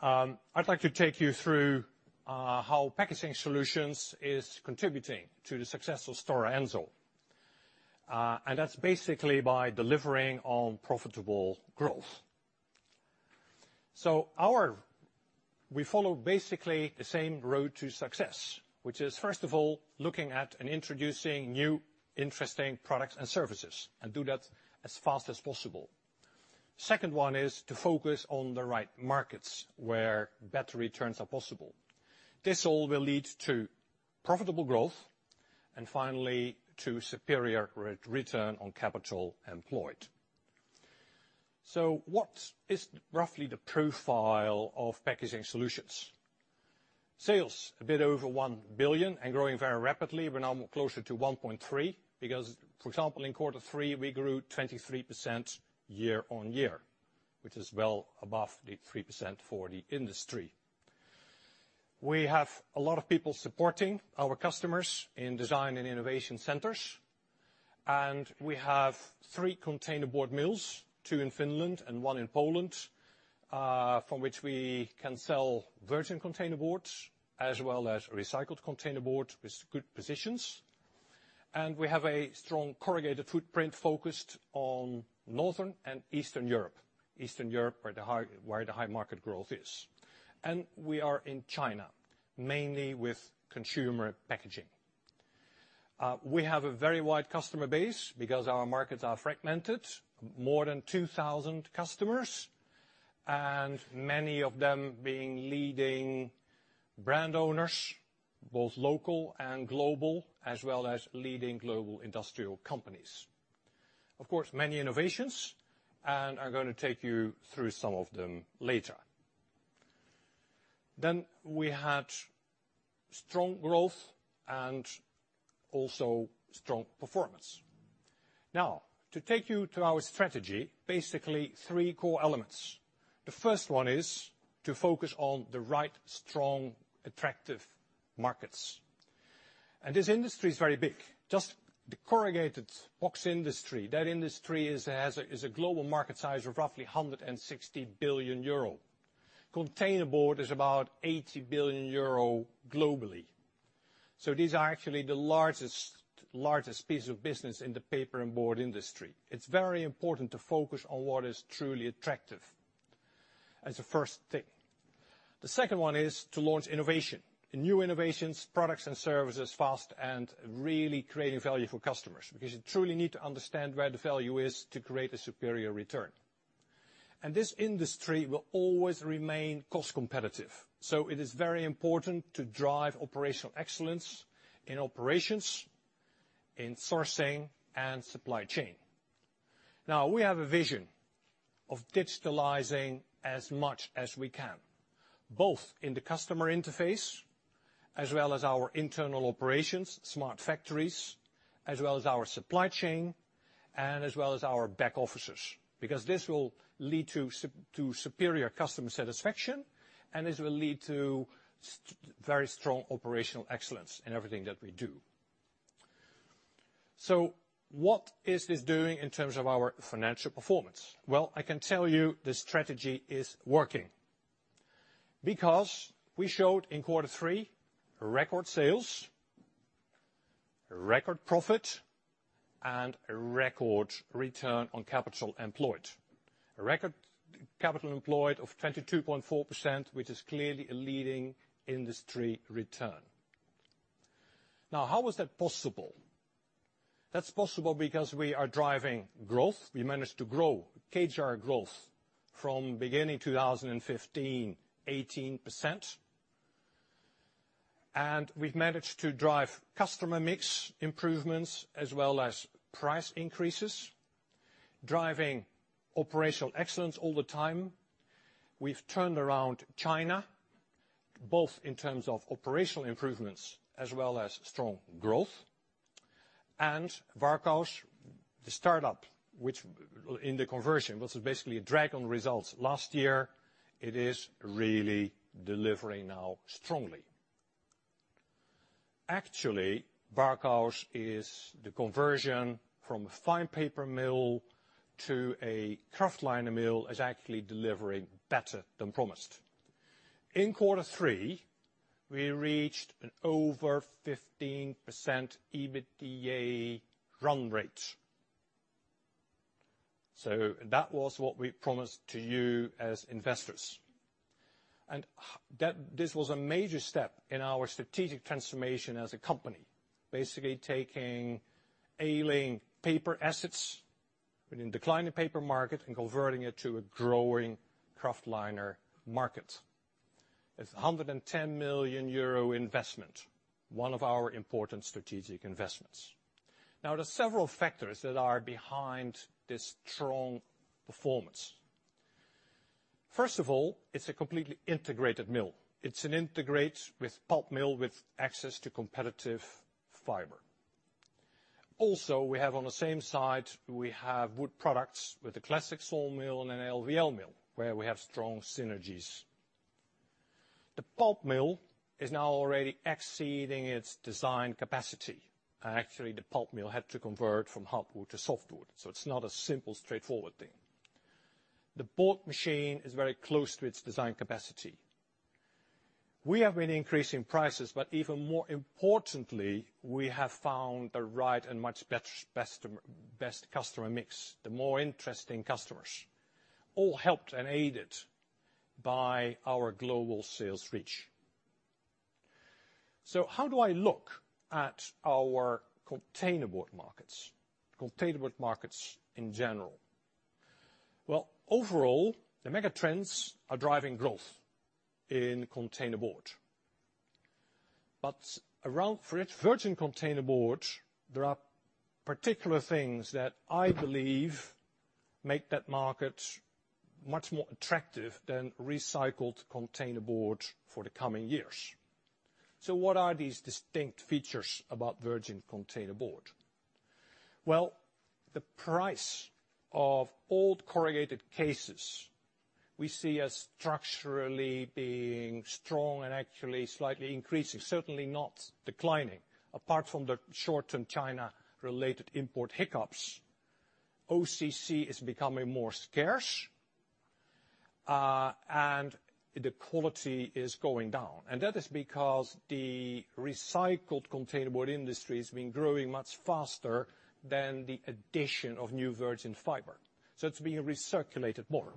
I'd like to take you through how Packaging Solutions is contributing to the success of Stora Enso. That's basically by delivering on profitable growth. We follow basically the same road to success, which is, first of all, looking at and introducing new, interesting products and services, and do that as fast as possible. Second one is to focus on the right markets where better returns are possible. This all will lead to profitable growth, and finally, to superior Return on Capital Employed. What is roughly the profile of Packaging Solutions? Sales, a bit over 1 billion and growing very rapidly. We're now closer to 1.3 billion because, for example, in Q3 we grew 23% year-on-year, which is well above the 3% for the industry. We have a lot of people supporting our customers in design and innovation centers. We have three containerboard mills, two in Finland and one in Poland, from which we can sell virgin containerboard as well as recycled containerboard with good positions. We have a strong corrugated footprint focused on Northern and Eastern Europe. Eastern Europe where the high market growth is. We are in China, mainly with consumer packaging. We have a very wide customer base because our markets are fragmented. More than 2,000 customers, and many of them being leading brand owners, both local and global, as well as leading global industrial companies. Of course, many innovations and I'm going to take you through some of them later. We had strong growth and also strong performance. To take you to our strategy, basically three core elements. The first one is to focus on the right, strong, attractive markets. This industry is very big. Just the corrugated box industry, that industry has a global market size of roughly 160 billion euro. Containerboard is about 80 billion euro globally. These are actually the largest piece of business in the paper and board industry. It's very important to focus on what is truly attractive as a first thing. The second one is to launch innovation. New innovations, products and services fast and really creating value for customers, because you truly need to understand where the value is to create a superior return. This industry will always remain cost competitive. It is very important to drive operational excellence in operations, in sourcing, and supply chain. We have a vision of digitalizing as much as we can, both in the customer interface as well as our internal operations, smart factories, as well as our supply chain and as well as our back offices, because this will lead to superior customer satisfaction and this will lead to very strong operational excellence in everything that we do. What is this doing in terms of our financial performance? Well, I can tell you the strategy is working, because we showed in quarter three record sales, record profit, and a record return on capital employed. A record capital employed of 22.4%, which is clearly a leading industry return. How was that possible? That's possible because we are driving growth. We managed to grow CAGR growth from beginning 2015, 18%. We've managed to drive customer mix improvements as well as price increases, driving operational excellence all the time. We've turned around China, both in terms of operational improvements as well as strong growth. Varkaus, the startup, which in the conversion, was basically a drag on results last year, it is really delivering now strongly. Actually, Varkaus is the conversion from a fine paper mill to a kraftliner mill, is actually delivering better than promised. In quarter three, we reached an over 15% EBITDA run rate. That was what we promised to you as investors. This was a major step in our strategic transformation as a company. Basically taking ailing paper assets in a declining paper market and converting it to a growing kraftliner market. It's a 110 million euro investment, one of our important strategic investments. There are several factors that are behind this strong performance. First of all, it's a completely integrated mill. It integrates with pulp mill with access to competitive fiber. Also, we have on the same site, we have wood products with a classic sawmill and an LVL mill, where we have strong synergies. The pulp mill is now already exceeding its design capacity. Actually, the pulp mill had to convert from hardwood to softwood, so it's not a simple, straightforward thing. The board machine is very close to its design capacity. We have been increasing prices, but even more importantly, we have found the right and much best customer mix, the more interesting customers, all helped and aided by our global sales reach. How do I look at our containerboard markets? Containerboard markets in general. Well, overall, the mega trends are driving growth in containerboard. Around virgin-fiber containerboard, there are particular things that I believe make that market much more attractive than recycled containerboard for the coming years. What are these distinct features about virgin-fiber containerboard? Well, the price of old corrugated cases we see as structurally being strong and actually slightly increasing, certainly not declining. Apart from the short-term China-related import hiccups, OCC is becoming more scarce, and the quality is going down. That is because the recycled containerboard industry has been growing much faster than the addition of new virgin fiber. It's being recirculated more.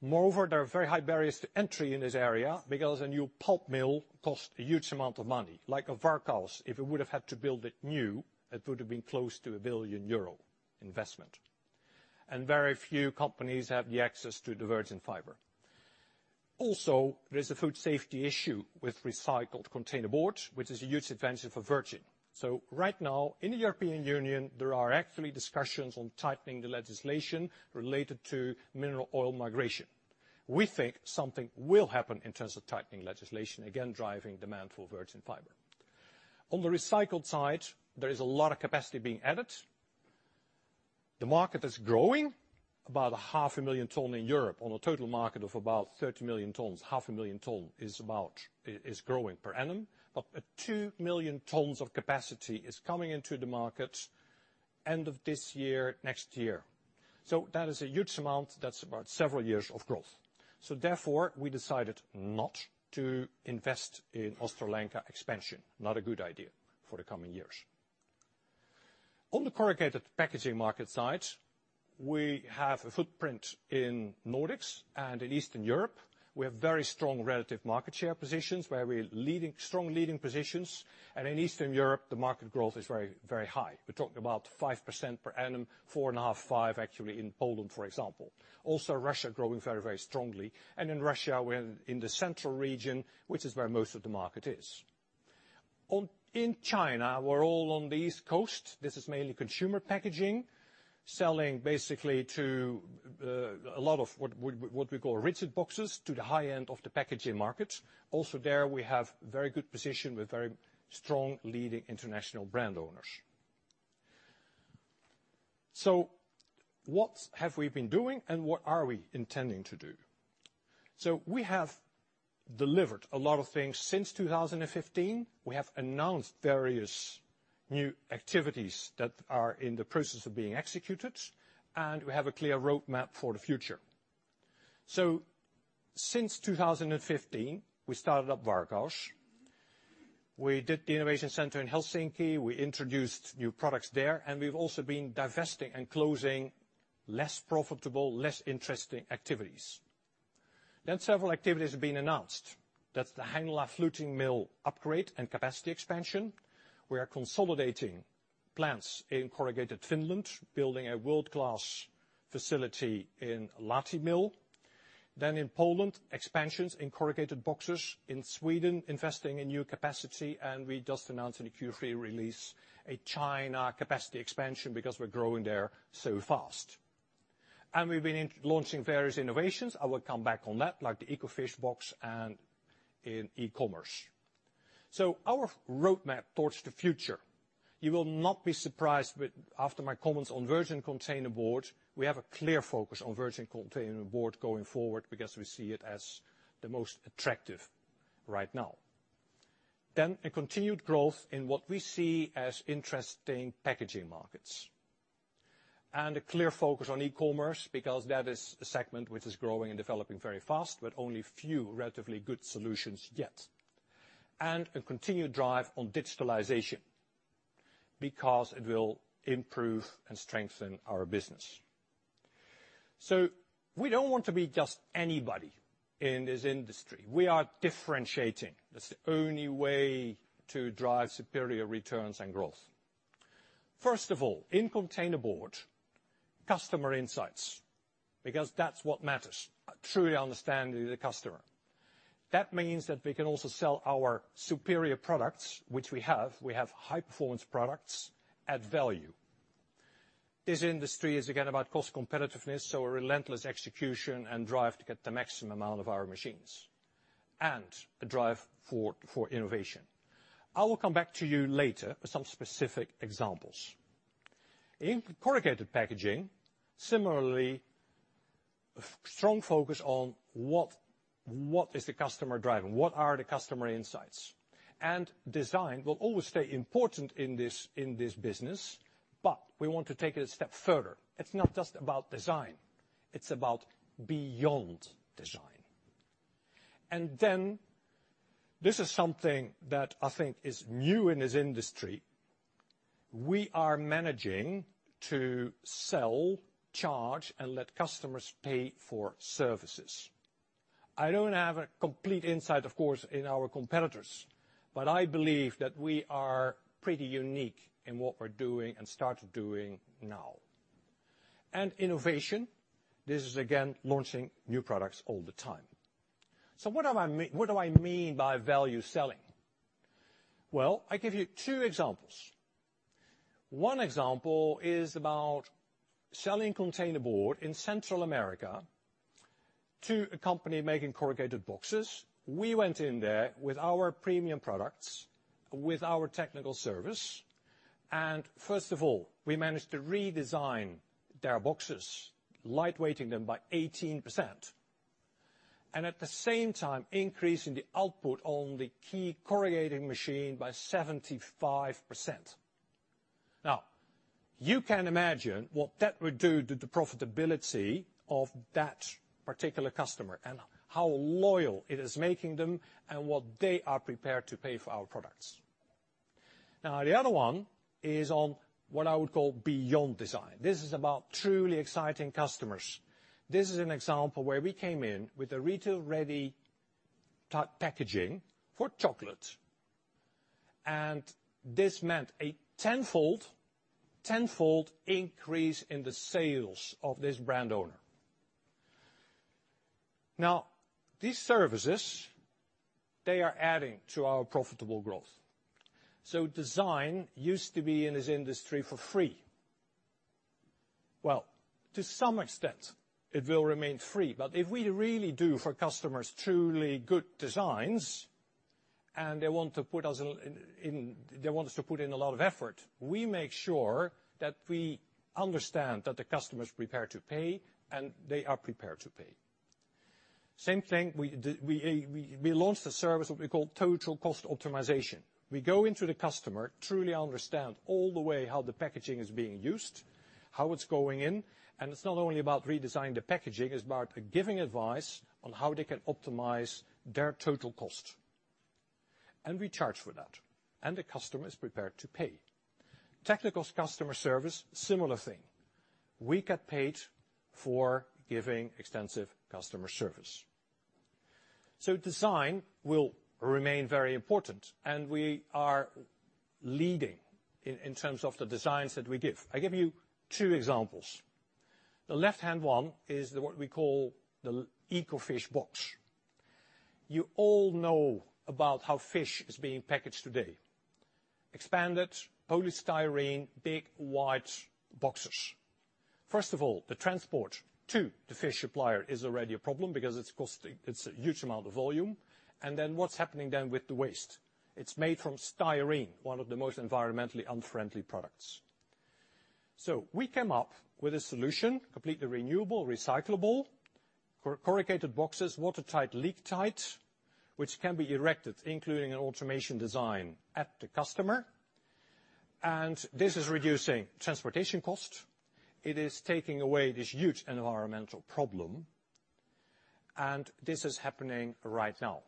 Moreover, there are very high barriers to entry in this area because a new pulp mill costs a huge amount of money. Like a Varkaus, if it would have had to build it new, it would have been close to a 1 billion euro investment. Very few companies have the access to the virgin fiber. Also, there is a food safety issue with recycled containerboard, which is a huge advantage for virgin. Right now, in the European Union, there are actually discussions on tightening the legislation related to mineral oil migration. We think something will happen in terms of tightening legislation, again, driving demand for virgin fiber. On the recycled side, there is a lot of capacity being added. The market is growing, about 0.5 million tons in Europe. On a total market of about 30 million tons, 0.5 million tons is growing per annum. But 2 million tons of capacity is coming into the market end of this year, next year. That is a huge amount. That's about several years of growth. Therefore, we decided not to invest in Ostrołęka expansion. Not a good idea for the coming years. On the corrugated packaging market side, we have a footprint in Nordics and in Eastern Europe. We have very strong relative market share positions where we're strong leading positions. In Eastern Europe, the market growth is very high. We're talking about 5% per annum, 4.5%-5% actually in Poland, for example. Also, Russia growing very, very strongly. In Russia, we're in the central region, which is where most of the market is. In China, we're all on the east coast. This is mainly consumer packaging, selling basically to a lot of what we call rigid boxes to the high end of the packaging market. Also there, we have very good position with very strong leading international brand owners. What have we been doing and what are we intending to do? We have delivered a lot of things since 2015. We have announced various new activities that are in the process of being executed, and we have a clear roadmap for the future. Since 2015, we started up Varkaus. We did the innovation center in Helsinki. We introduced new products there, and we've also been divesting and closing less profitable, less interesting activities. Several activities have been announced. That's the Heinola fluting mill upgrade and capacity expansion. We are consolidating plants in corrugated Finland, building a world-class facility in Lahti mill. In Poland, expansions in corrugated boxes. In Sweden, investing in new capacity, and we just announced in the Q3 release, a China capacity expansion because we're growing there so fast. We've been launching various innovations, I will come back on that, like the EcoFishBox and in e-commerce. Our roadmap towards the future. You will not be surprised after my comments on virgin containerboard, we have a clear focus on virgin containerboard going forward because we see it as the most attractive right now. A continued growth in what we see as interesting packaging markets. A clear focus on e-commerce because that is a segment which is growing and developing very fast, but only few relatively good solutions yet. A continued drive on digitalization because it will improve and strengthen our business. We don't want to be just anybody in this industry. We are differentiating. That's the only way to drive superior returns and growth. First of all, in containerboard, customer insights, because that's what matters. Truly understanding the customer. That means that we can also sell our superior products, which we have. We have high performance products at value. This industry is again about cost competitiveness, a relentless execution and drive to get the maximum out of our machines. A drive for innovation. I will come back to you later with some specific examples. In corrugated packaging, similarly, strong focus on what is the customer driving? What are the customer insights? Design will always stay important in this business, but we want to take it a step further. It's not just about design. It's about beyond design. This is something that I think is new in this industry. We are managing to sell, charge, and let customers pay for services. I don't have a complete insight, of course, in our competitors, but I believe that we are pretty unique in what we're doing and start doing now. Innovation. This is, again, launching new products all the time. What do I mean by value selling? Well, I give you two examples. One example is about selling containerboard in Central America to a company making corrugated boxes. We went in there with our premium products, with our technical service, and first of all, we managed to redesign their boxes, lightweighting them by 18%, and at the same time, increasing the output on the key corrugating machine by 75%. You can imagine what that would do to the profitability of that particular customer, and how loyal it is making them, and what they are prepared to pay for our products. The other one is on what I would call beyond design. This is about truly exciting customers. This is an example where we came in with a retail-ready type packaging for chocolate. This meant a tenfold increase in the sales of this brand owner. These services, they are adding to our profitable growth. Design used to be in this industry for free. Well, to some extent it will remain free, but if we really do for customers truly good designs and they want us to put in a lot of effort, we make sure that we understand that the customer's prepared to pay, and they are prepared to pay. Same thing, we launched a service what we call Total Cost Optimization. We go into the customer, truly understand all the way how the packaging is being used, how it's going in, and it's not only about redesigning the packaging, it's about giving advice on how they can optimize their total cost. We charge for that, and the customer is prepared to pay. Technical customer service, similar thing. We get paid for giving extensive customer service. Design will remain very important, and we are leading in terms of the designs that we give. I give you two examples. The left-hand one is what we call the EcoFishBox. You all know about how fish is being packaged today. Expanded polystyrene, big wide boxes. First of all, the transport to the fish supplier is already a problem because it's a huge amount of volume. What's happening then with the waste? It's made from styrene, one of the most environmentally unfriendly products. We came up with a solution, completely renewable, recyclable, corrugated boxes, watertight, leak-tight, which can be erected, including an automation design at the customer. This is reducing transportation cost. It is taking away this huge environmental problem. This is happening right now.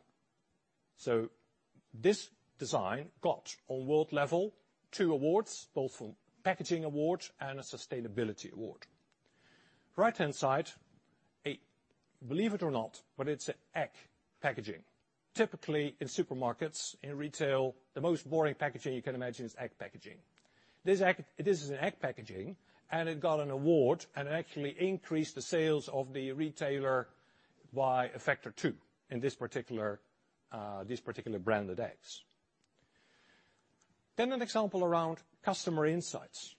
This design got, on world level, two awards, both for packaging award and a sustainability award. Right-hand side, believe it or not, it's an egg packaging. Typically, in supermarkets, in retail, the most boring packaging you can imagine is egg packaging. This is an egg packaging, it got an award, it actually increased the sales of the retailer by a factor of two in these particular branded eggs. An example around customer insights.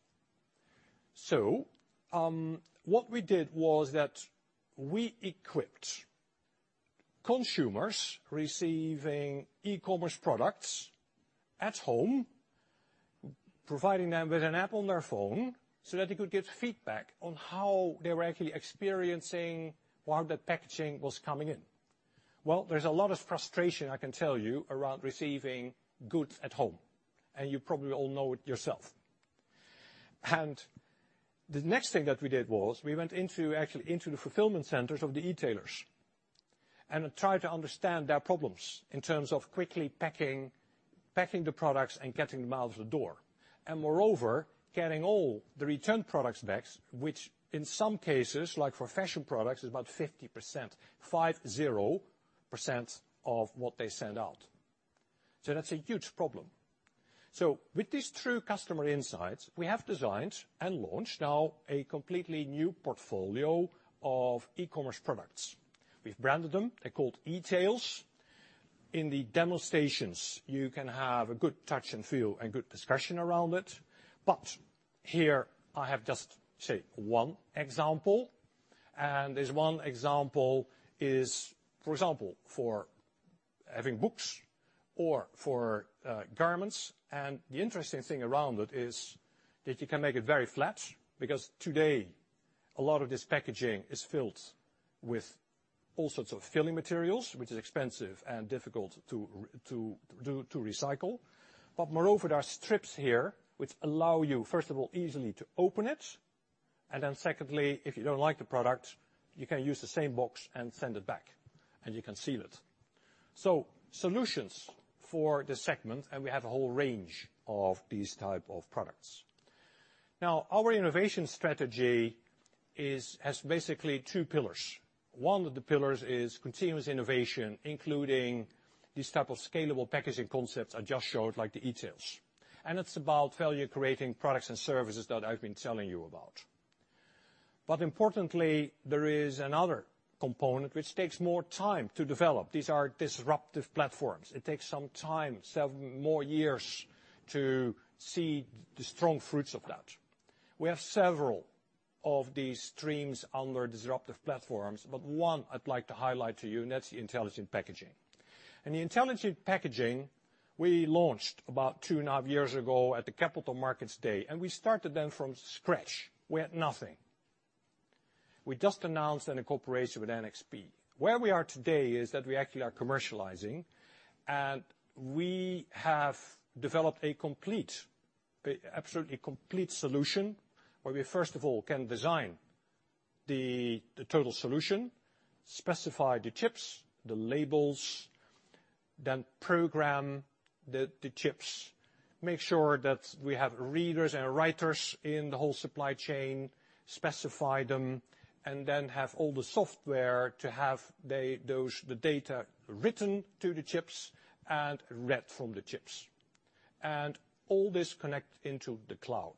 What we did was that we equipped consumers receiving e-commerce products at home, providing them with an app on their phone, so that they could give feedback on how they were actually experiencing how that packaging was coming in. Well, there's a lot of frustration, I can tell you, around receiving goods at home, and you probably all know it yourself. The next thing that we did was we went into the fulfillment centers of the e-tailers and tried to understand their problems in terms of quickly packing the products and getting them out of the door. Moreover, getting all the returned products back, which in some cases, like for fashion products, is about 50% of what they send out. That's a huge problem. With these true customer insights, we have designed and launched now a completely new portfolio of e-commerce products. We've branded them. They're called e-TALES. In the demonstrations, you can have a good touch and feel and good discussion around it. Here I have just say one example, and this one example is, for example, for having books or for garments. The interesting thing around it is that you can make it very flat because today a lot of this packaging is filled with all sorts of filling materials, which is expensive and difficult to recycle. Moreover, there are strips here which allow you, first of all, easily to open it. Then secondly, if you don't like the product, you can use the same box and send it back, and you can seal it. Solutions for this segment, and we have a whole range of these type of products. Our innovation strategy has basically two pillars. One of the pillars is continuous innovation, including these type of scalable packaging concepts I just showed, like the e-TALES. It's about value creating products and services that I've been telling you about. Importantly, there is another component which takes more time to develop. These are disruptive platforms. It takes some time, several more years to see the strong fruits of that. We have several of these streams under disruptive platforms, but one I'd like to highlight to you, and that's the Intelligent Packaging. The Intelligent Packaging we launched about two and a half years ago at the Capital Markets Day, and we started then from scratch. We had nothing. We just announced in a cooperation with NXP. Where we are today is that we actually are commercializing, and we have developed a complete, absolutely complete solution, where we first of all can design the total solution, specify the chips, the labels, then program the chips. Make sure that we have readers and writers in the whole supply chain, specify them, and then have all the software to have the data written to the chips and read from the chips. All this connect into the cloud.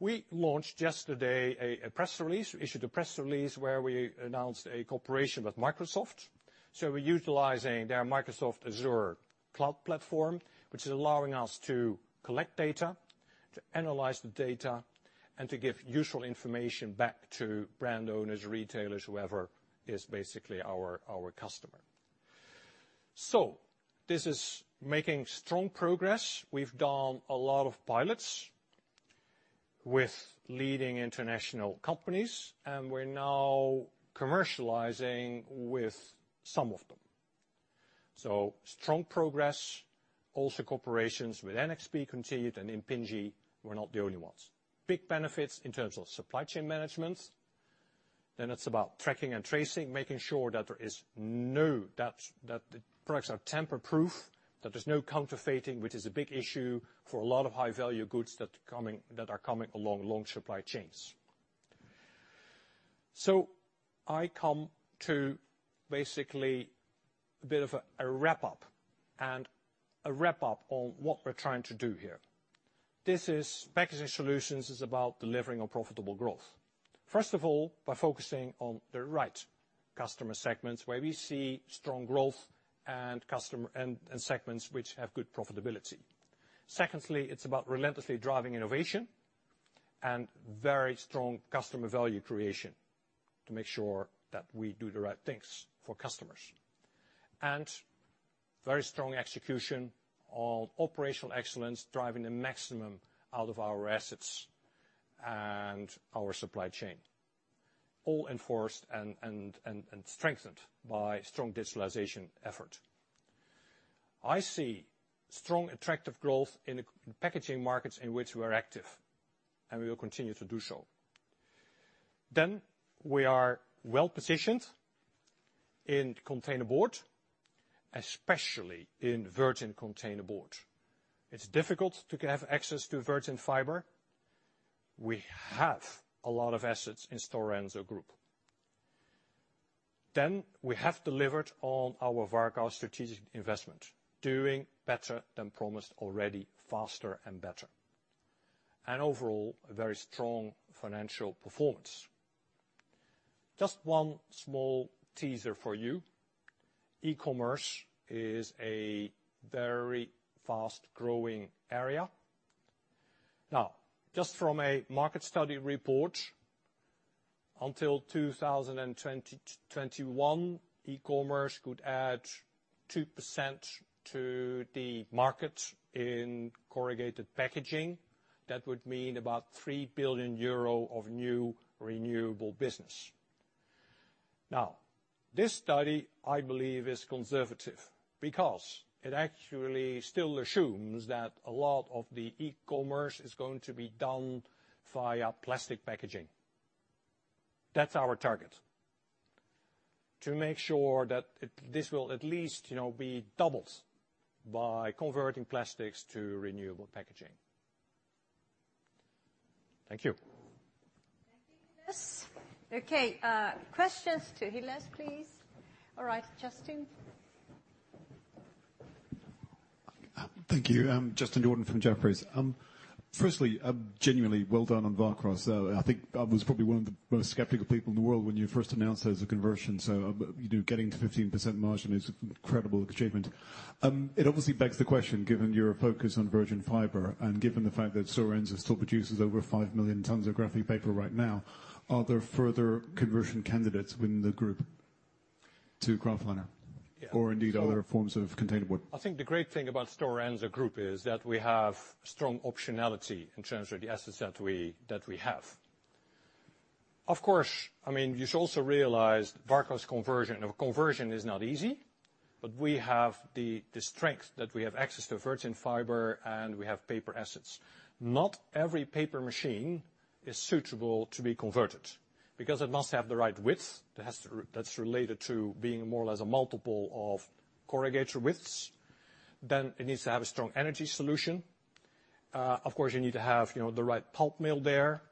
We launched yesterday a press release. We issued a press release where we announced a cooperation with Microsoft, so we're utilizing their Microsoft Azure cloud platform, which is allowing us to collect data, to analyze the data, and to give useful information back to brand owners, retailers, whoever is basically our customer. This is making strong progress. We've done a lot of pilots with leading international companies, and we're now commercializing with some of them. Strong progress. Also, cooperations with NXP continued and Impinj. We're not the only ones. Big benefits in terms of supply chain management. It's about tracking and tracing, making sure that the products are tamper-proof, that there's no counterfeiting, which is a big issue for a lot of high-value goods that are coming along long supply chains. I come to basically a bit of a wrap-up and a wrap-up on what we're trying to do here. packaging solutions is about delivering a profitable growth. First of all, by focusing on the right customer segments, where we see strong growth and segments which have good profitability. Secondly, it's about relentlessly driving innovation and very strong customer value creation to make sure that we do the right things for customers. Very strong execution on operational excellence, driving the maximum out of our assets and our supply chain, all enforced and strengthened by strong digitalization effort. I see strong, attractive growth in the packaging markets in which we're active, and we will continue to do so. We are well positioned in Containerboard, especially in virgin Containerboard. It's difficult to have access to virgin fiber. We have a lot of assets in Stora Enso Group. We have delivered on our Varkaus strategic investment, doing better than promised already, faster and better. Overall, a very strong financial performance. Just one small teaser for you. E-commerce is a very fast-growing area. Just from a market study report, until 2021, e-commerce could add 2% to the market in corrugated packaging. That would mean about 3 billion euro of new renewable business. This study, I believe, is conservative because it actually still assumes that a lot of the e-commerce is going to be done via plastic packaging. That's our target. To make sure that this will at least be doubled by converting plastics to renewable packaging. Thank you. Thank you, Gilles. Questions to Gilles, please. Justin. Thank you. Justin Jordan from Jefferies. Firstly, genuinely well done on Varkaus. I think I was probably one of the most skeptical people in the world when you first announced it as a conversion. Getting to 15% margin is an incredible achievement. It obviously begs the question, given your focus on virgin fiber and given the fact that Stora Enso still produces over 5 million tons of graphic paper right now, are there further conversion candidates within the group to kraftliner? Yeah. Indeed other forms of containerboard? I think the great thing about Stora Enso Group is that we have strong optionality in terms of the assets that we have. Of course, you should also realize Varkaus's conversion is not easy, but we have the strength that we have access to virgin fiber, and we have paper assets. Not every paper machine is suitable to be converted because it must have the right width that's related to being more or less a multiple of corrugator widths. Then it needs to have a strong energy solution. Of course, you need to have the right pulp mill there,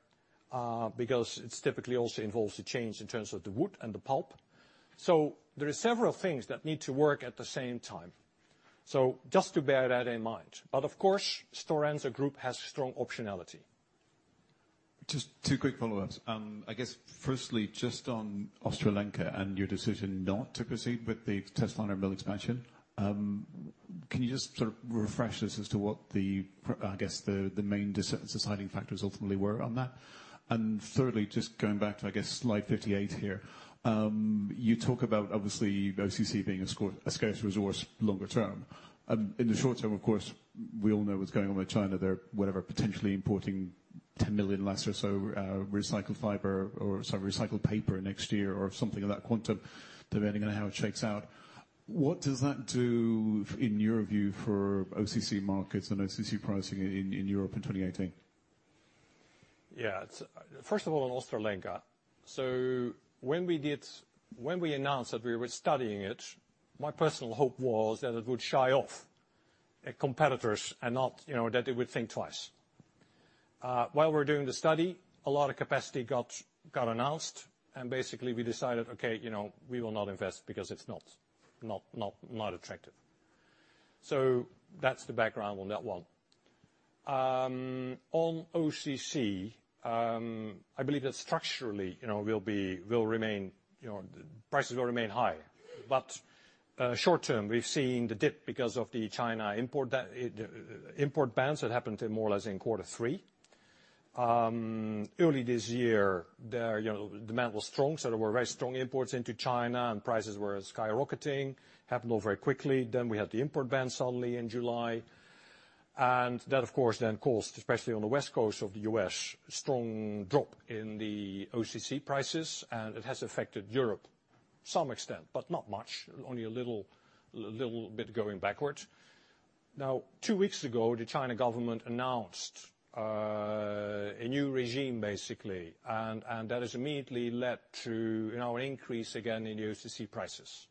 because it typically also involves a change in terms of the wood and the pulp. There are several things that need to work at the same time. Just to bear that in mind. Of course, Stora Enso Group has strong optionality. Just two quick follow-ups. Firstly, just on Ostrołęka and your decision not to proceed with the test line or mill expansion. Can you just sort of refresh us as to what the main deciding factors ultimately were on that? Thirdly, just going back to slide 58 here. You talk about obviously OCC being a scarce resource longer term. In the short term, of course, we all know what's going on with China. They're potentially importing 10 million less or so recycled fiber or sorry, recycled paper next year or something of that quantum, depending on how it shakes out. What does that do, in your view, for OCC markets and OCC pricing in Europe in 2018? First of all, on Ostrołęka. So when we announced that we were studying it, my personal hope was that it would shy off competitors and that they would think twice. While we were doing the study, a lot of capacity got announced. Basically, we decided, okay, we will not invest because it's not attractive. That's the background on that one. On OCC, I believe that structurally prices will remain high. Short term, we've seen the dip because of the China import bounce that happened more or less in quarter 3. Early this year, the demand was strong. There were very strong imports into China and prices were skyrocketing. Happened all very quickly. We had the import ban suddenly in July. That, of course, then caused, especially on the West Coast of the U.S., a strong drop in the OCC prices, and it has affected Europe to some extent, but not much, only a little bit going backwards. Two weeks ago, the China government announced a new regime, basically. That has immediately led to an increase again in OCC prices.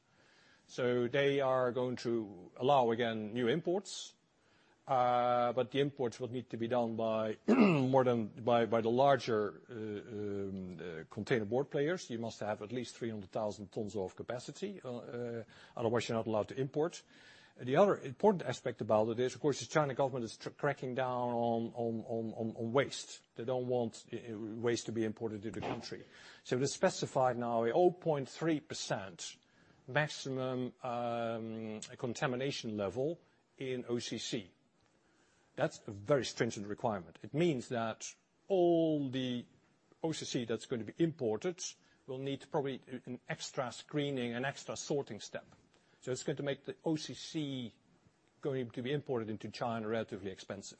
They are going to allow, again, new imports. The imports will need to be done by the larger containerboard players. You must have at least 300,000 tons of capacity, otherwise you're not allowed to import. The other important aspect about it is, of course, the China government is cracking down on waste. They don't want waste to be imported into the country. They specified now a 0.3% maximum contamination level in OCC. That's a very stringent requirement. It means that all the OCC that's going to be imported will need probably an extra screening and extra sorting step. It's going to make the OCC going to be imported into China relatively expensive.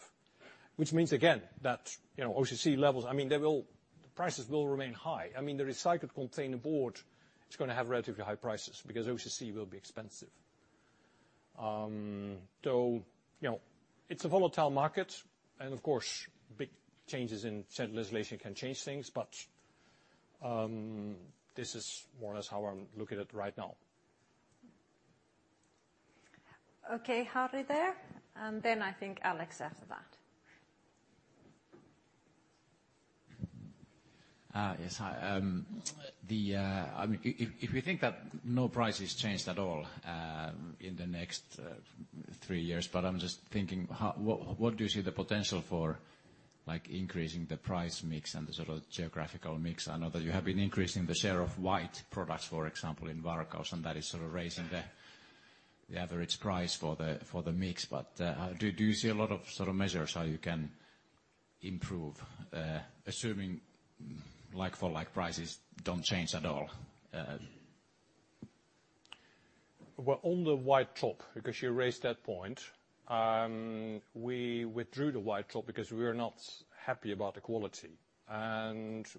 Means, again, that OCC levels, the prices will remain high. The recycled containerboard is going to have relatively high prices because OCC will be expensive. It's a volatile market, and of course, big changes in said legislation can change things, but this is more or less how I look at it right now. Okay. Harri there, and then I think Alex after that. Yes. Hi. If we think that no prices changed at all in the next three years, I'm just thinking, what do you see the potential for increasing the price mix and the sort of geographical mix? I know that you have been increasing the share of white products, for example, in Varkaus, and that is sort of raising the average price for the mix. Do you see a lot of measures how you can improve, assuming like for like prices don't change at all? Well, on the white top, because you raised that point, we withdrew the white top because we were not happy about the quality.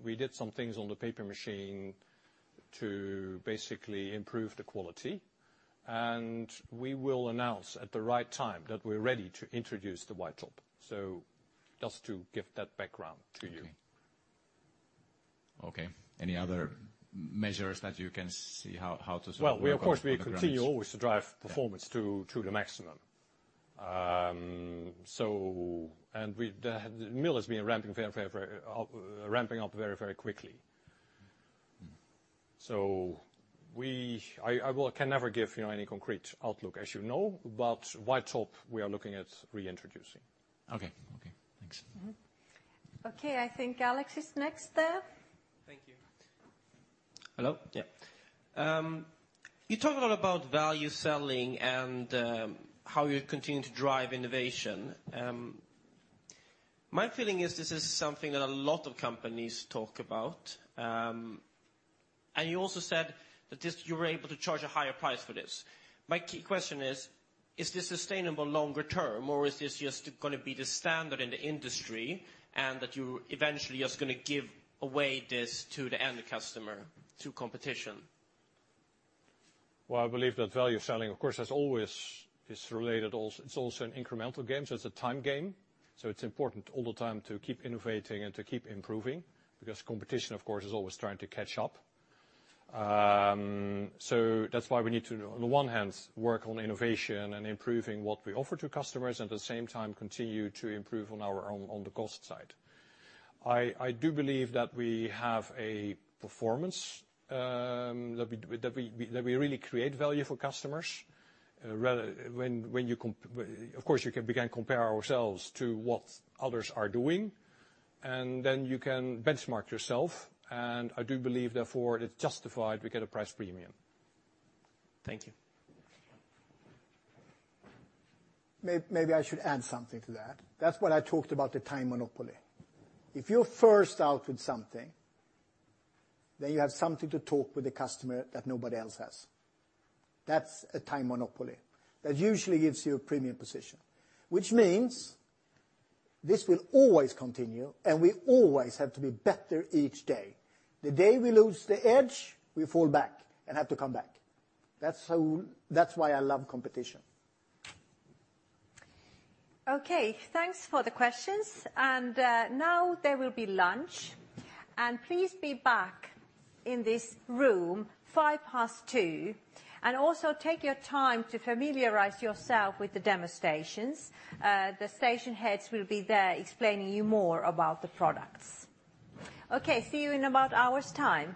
We did some things on the paper machine to basically improve the quality. We will announce at the right time that we're ready to introduce the white top. Just to give that background to you. Okay. Any other measures that you can see how to sort of- Well, we, of course, we continue always to drive performance to the maximum. The mill has been ramping up very, very quickly. I can never give any concrete outlook, as you know, but white top we are looking at reintroducing. Okay. Thanks. Okay, I think Alex is next there. Thank you. Hello? Yeah. You talk a lot about value selling and how you continue to drive innovation. My feeling is this is something that a lot of companies talk about. You also said that you were able to charge a higher price for this. My key question is this sustainable longer term or is this just going to be the standard in the industry and that you eventually just going to give away this to the end customer to competition? Well, I believe that value selling, of course, it's also an incremental game, so it's a time game. It's important all the time to keep innovating and to keep improving, because competition, of course, is always trying to catch up. That's why we need to, on the one hand, work on innovation and improving what we offer to customers, at the same time, continue to improve on the cost side. I do believe that we have a performance that we really create value for customers. Of course, you can compare ourselves to what others are doing, and then you can benchmark yourself. I do believe, therefore, it's justified we get a price premium. Thank you. Maybe I should add something to that. That's what I talked about the time monopoly. If you're first out with something, you have something to talk with the customer that nobody else has. That's a time monopoly. That usually gives you a premium position, which means this will always continue, and we always have to be better each day. The day we lose the edge, we fall back and have to come back. That's why I love competition. Thanks for the questions. Now there will be lunch. Please be back in this room 14:05. Also take your time to familiarize yourself with the demo stations. The station heads will be there explaining you more about the products. See you in about an hour's time.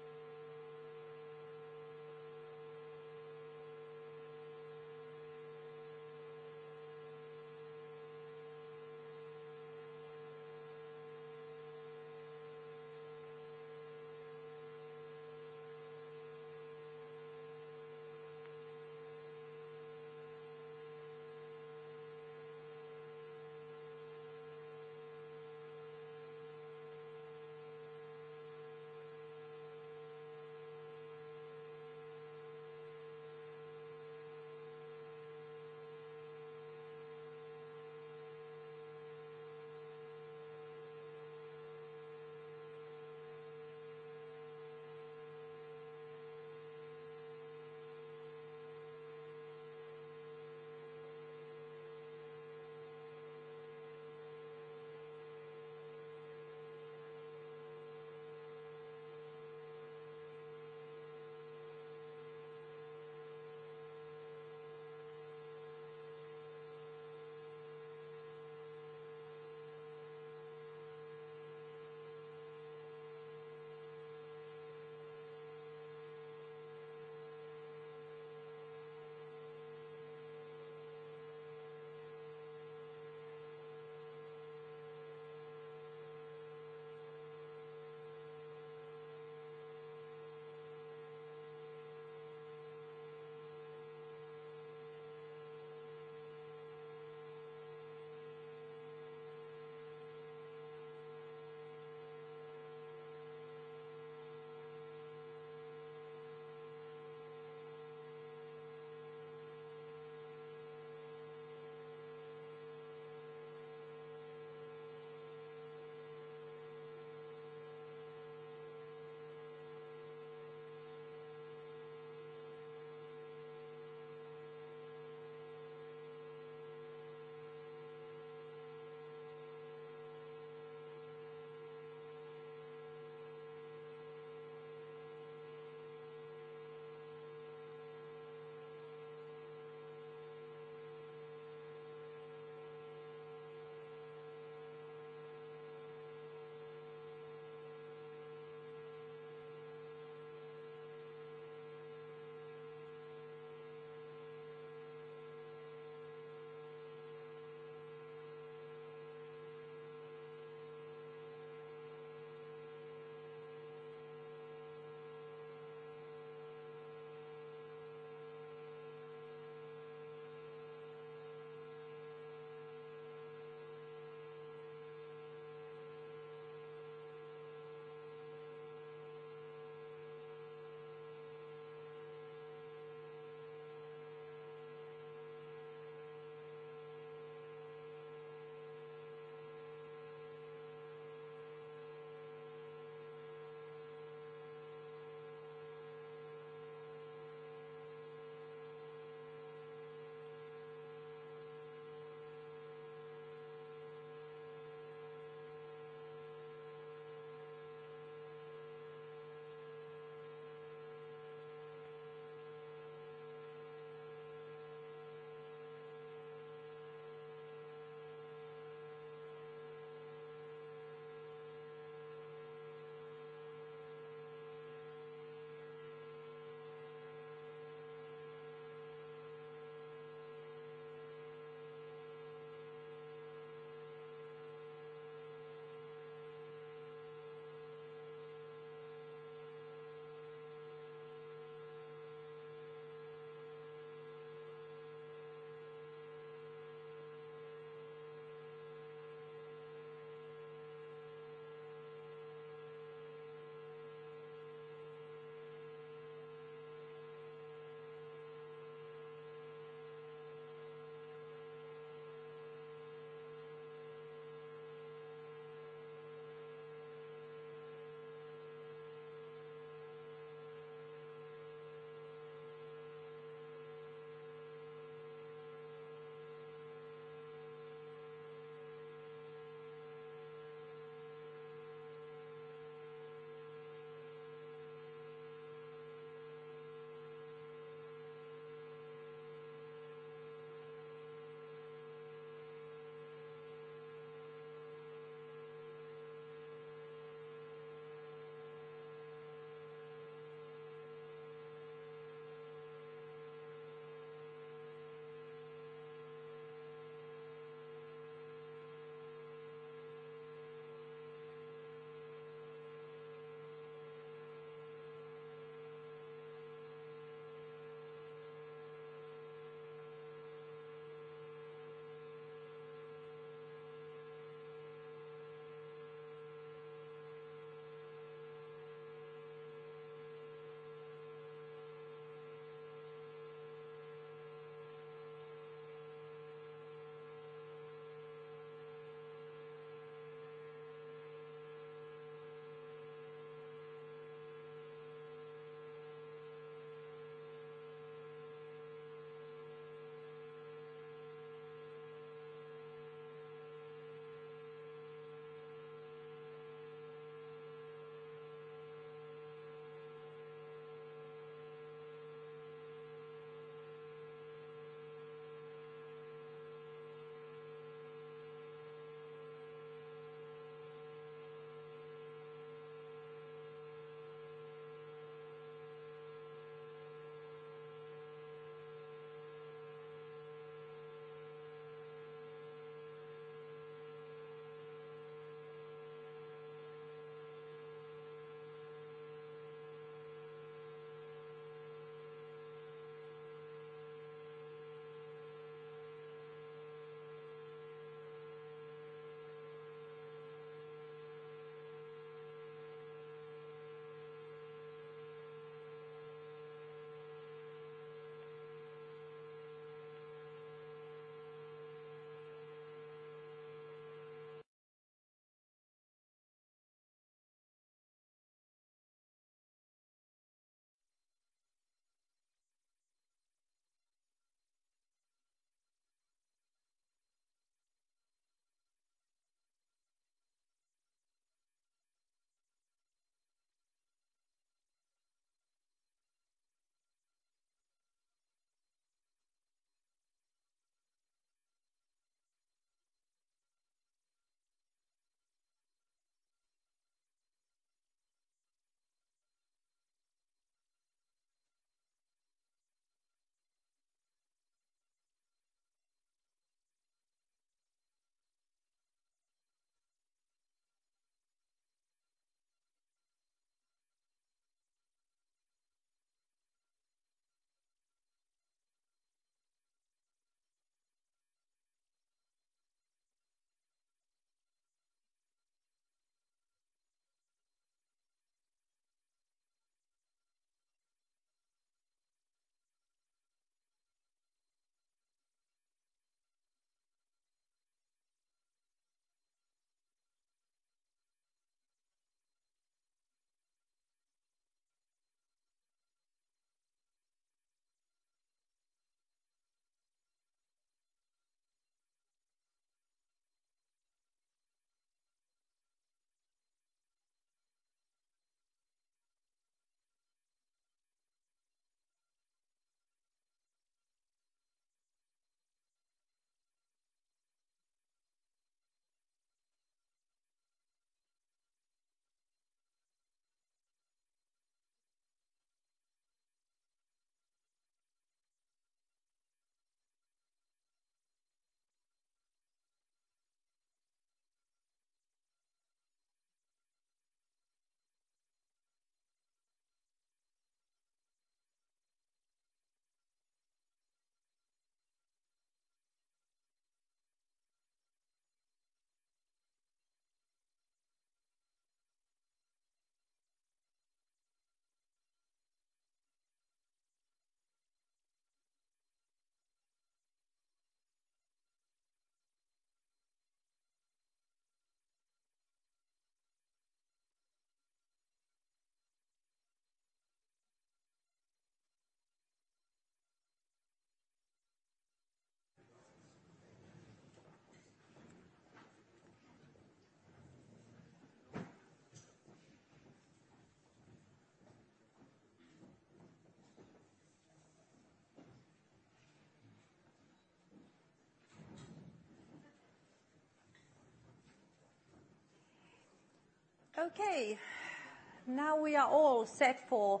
Now we are all set for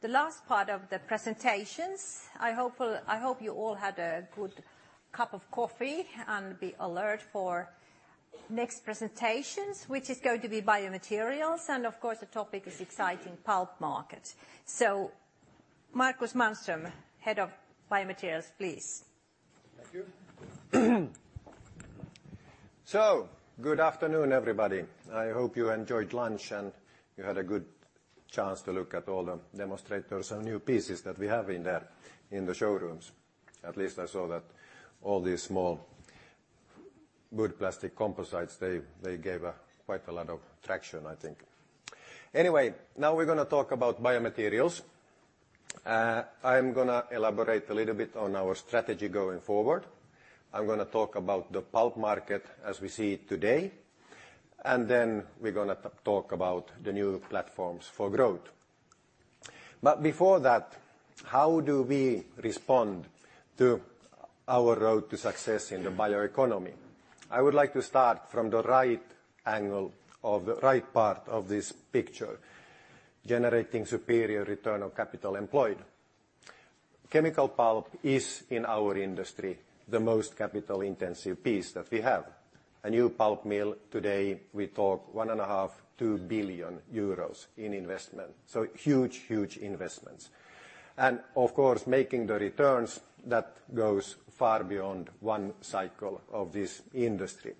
the last part of the presentations. I hope you all had a good cup of coffee and be alert for next presentations, which is going to be biomaterials, and of course, the topic is exciting pulp markets. Markus Mannström, head of biomaterials, please. Thank you. Good afternoon, everybody. I hope you enjoyed lunch, and you had a good chance to look at all the demonstrators and new pieces that we have in there, in the showrooms. At least I saw that all these small wood plastic composites, they gave quite a lot of traction, I think. Now we're going to talk about biomaterials. I'm going to elaborate a little bit on our strategy going forward. I'm going to talk about the pulp market as we see it today, then we're going to talk about the new platforms for growth. Before that, how do we respond to our road to success in the bioeconomy? I would like to start from the right angle of the right part of this picture, generating superior return on capital employed. Chemical pulp is, in our industry, the most capital intensive piece that we have. A new pulp mill today, we talk 1.5 billion-2 billion euros in investment, huge investments. Of course, making the returns, that goes far beyond one cycle of this industry.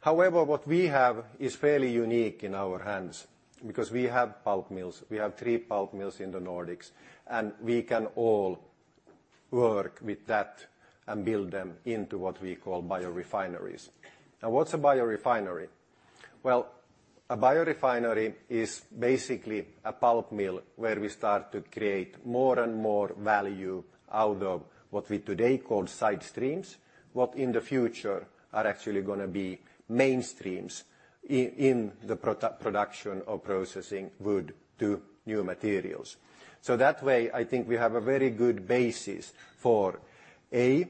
However, what we have is fairly unique in our hands because we have pulp mills. We have three pulp mills in the Nordics, and we can all work with that and build them into what we call biorefineries. What's a biorefinery? A biorefinery is basically a pulp mill where we start to create more and more value out of what we today call side streams, what in the future are actually going to be mainstreams in the production of processing wood to new materials. That way, I think we have a very good basis for, A,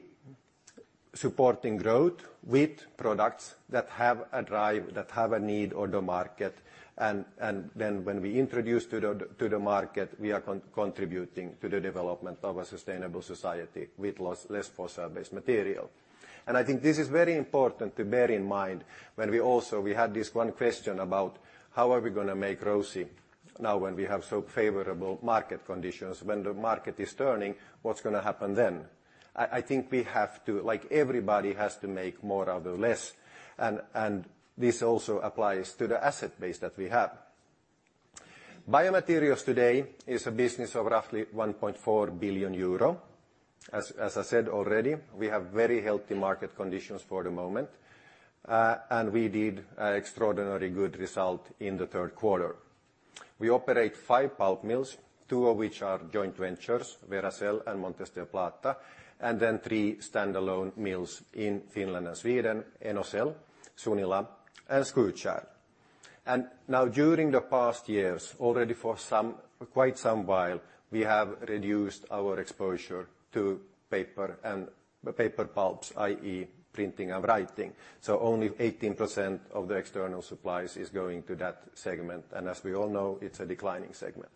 supporting growth with products that have a drive, that have a need on the market. Then when we introduce to the market, we are contributing to the development of a sustainable society with less fossil-based material. I think this is very important to bear in mind when we also-- We had this one question about how are we going to make ROCE now when we have so favorable market conditions? When the market is turning, what's going to happen then? I think we have to, like everybody, has to make more out of less, and this also applies to the asset base that we have. Biomaterials today is a business of roughly 1.4 billion euro. As I said already, we have very healthy market conditions for the moment, we did extraordinary good result in the third quarter. We operate 5 pulp mills, 2 of which are joint ventures, Veracel and Montes del Plata, and then 3 standalone mills in Finland and Sweden, Enocell, Sunila, and Skutskär. Now during the past years, already for quite some while, we have reduced our exposure to paper and paper pulps, i.e., printing and writing. Only 18% of the external supplies is going to that segment, and as we all know, it's a declining segment.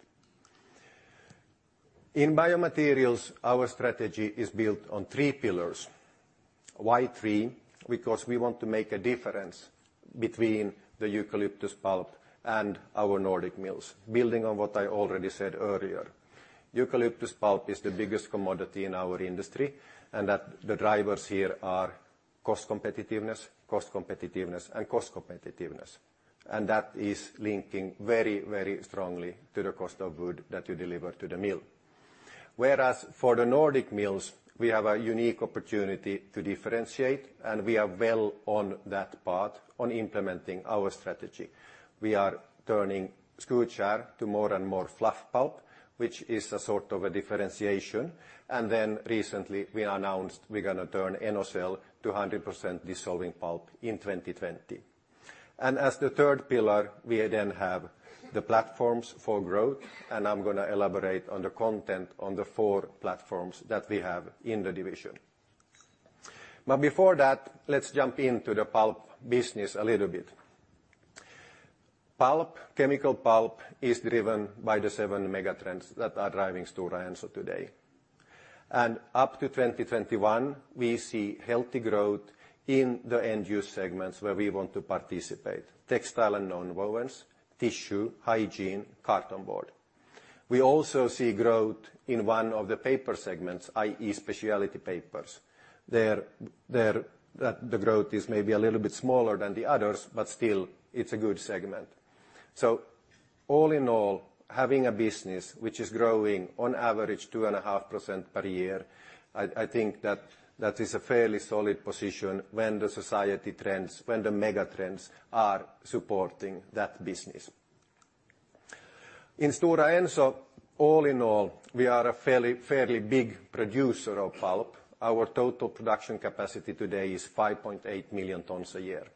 In biomaterials, our strategy is built on 3 pillars. Why 3? Because we want to make a difference between the eucalyptus pulp and our Nordic mills. Building on what I already said earlier, eucalyptus pulp is the biggest commodity in our industry, and that the drivers here are cost competitiveness, cost competitiveness, and cost competitiveness. That is linking very strongly to the cost of wood that you deliver to the mill. Whereas for the Nordic mills, we have a unique opportunity to differentiate, and we are well on that path on implementing our strategy. We are turning Skutskär to more and more fluff pulp, which is a sort of a differentiation. Then recently we announced we're going to turn Enocell to 100% dissolving pulp in 2020. As the 3rd pillar, we then have the platforms for growth, and I'm going to elaborate on the content on the 4 platforms that we have in the division. Before that, let's jump into the pulp business a little bit. Chemical pulp is driven by the 7 mega trends that are driving Stora Enso today. Up to 2021, we see healthy growth in the end-use segments where we want to participate, textile and nonwovens, tissue, hygiene, carton board. We also see growth in 1 of the paper segments, i.e. speciality papers. There the growth is maybe a little bit smaller than the others, but still it's a good segment. All in all, having a business which is growing on average 2.5% per year, I think that is a fairly solid position when the society trends, when the mega trends are supporting that business. In Stora Enso, all in all, we are a fairly big producer of pulp. Our total production capacity today is 5.8 million tons a year.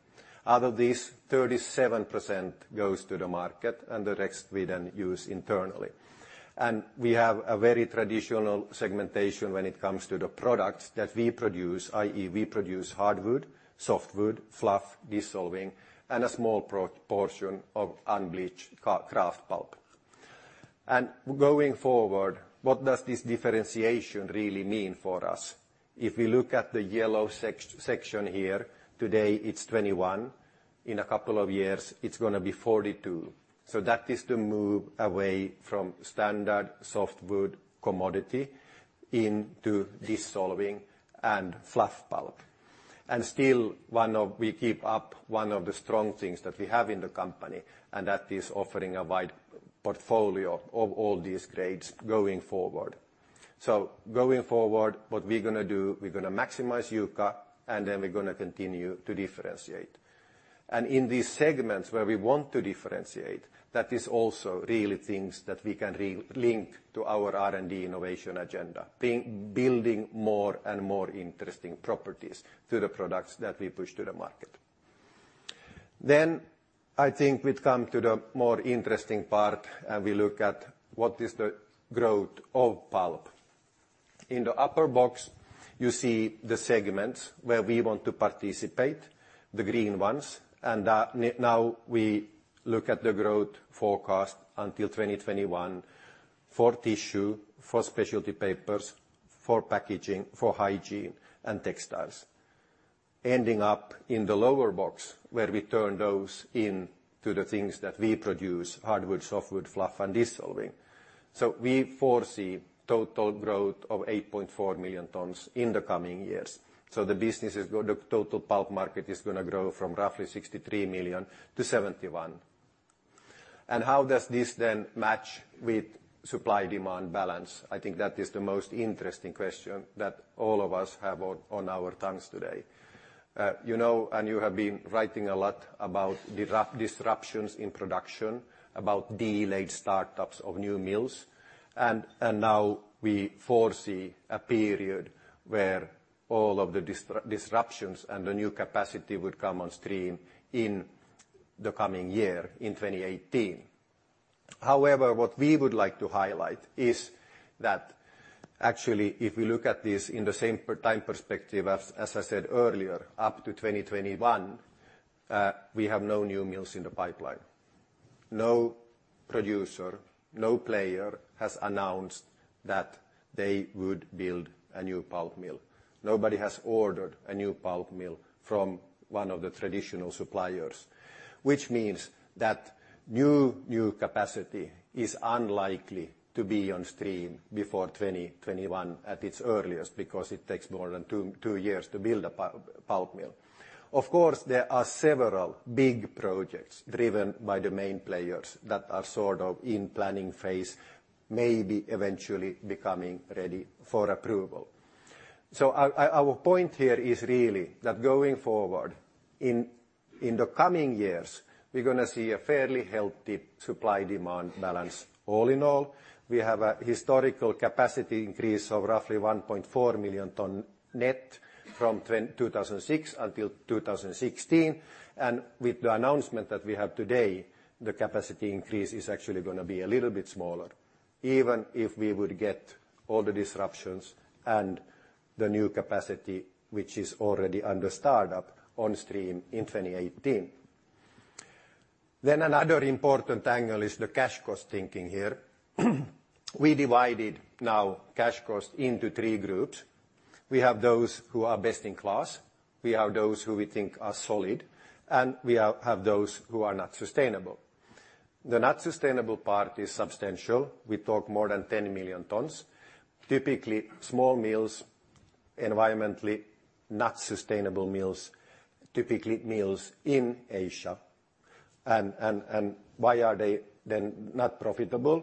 Out of these, 37% goes to the market, and the rest we then use internally. We have a very traditional segmentation when it comes to the products that we produce, i.e. we produce hardwood, softwood, fluff, dissolving, and a small proportion of unbleached kraft pulp. Going forward, what does this differentiation really mean for us? If we look at the yellow section here, today it's 21%. In a couple of years, it's going to be 42%. That is the move away from standard softwood commodity into dissolving and fluff pulp. Still, we keep up 1 of the strong things that we have in the company, and that is offering a wide portfolio of all these grades going forward. Going forward, what we're going to do, we're going to maximize JUCA, and then we're going to continue to differentiate. In these segments where we want to differentiate, that is also really things that we can link to our R&D innovation agenda, building more and more interesting properties to the products that we push to the market. I think we'd come to the more interesting part, and we look at what is the growth of pulp. In the upper box, you see the segments where we want to participate, the green ones. We look at the growth forecast until 2021 for tissue, for specialty papers, for packaging, for hygiene, and textiles. Ending up in the lower box, where we turn those into the things that we produce, hardwood, softwood, fluff, and dissolving. We foresee total growth of 8.4 million tons in the coming years. The total pulp market is going to grow from roughly 63 million tons to 71 million tons. How does this then match with supply-demand balance? I think that is the most interesting question that all of us have on our tongues today. You know, you have been writing a lot about disruptions in production, about delayed startups of new mills. We foresee a period where all of the disruptions and the new capacity would come on stream in the coming year, in 2018. What we would like to highlight is that actually, if we look at this in the same time perspective, as I said earlier, up to 2021, we have no new mills in the pipeline. No producer, no player has announced that they would build a new pulp mill. Nobody has ordered a new pulp mill from one of the traditional suppliers, which means that new capacity is unlikely to be on stream before 2021 at its earliest because it takes more than two years to build a pulp mill. Of course, there are several big projects driven by the main players that are sort of in planning phase, maybe eventually becoming ready for approval. Our point here is really that going forward in the coming years, we're going to see a fairly healthy supply-demand balance. All in all, we have a historical capacity increase of roughly 1.4 million tons net from 2006 until 2016. With the announcement that we have today, the capacity increase is actually going to be a little bit smaller, even if we would get all the disruptions and the new capacity, which is already under startup on stream in 2018. Another important angle is the cash cost thinking here. We divided now cash cost into 3 groups. We have those who are best in class, we have those who we think are solid, and we have those who are not sustainable. The not sustainable part is substantial. We talk more than 10 million tons. Typically small mills, environmentally not sustainable mills, typically mills in Asia. Why are they then not profitable?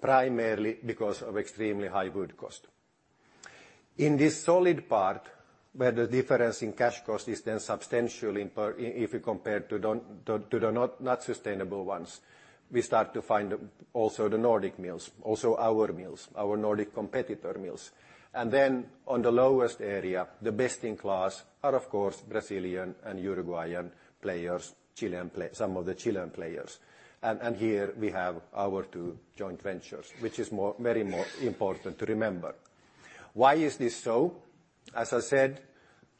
Primarily because of extremely high wood cost. In this solid part, where the difference in cash cost is then substantial if we compare to the not sustainable ones, we start to find also the Nordic mills, also our mills, our Nordic competitor mills. On the lowest area, the best in class are of course Brazilian and Uruguayan players, some of the Chilean players. Here we have our two joint ventures, which is very important to remember. Why is this so? As I said,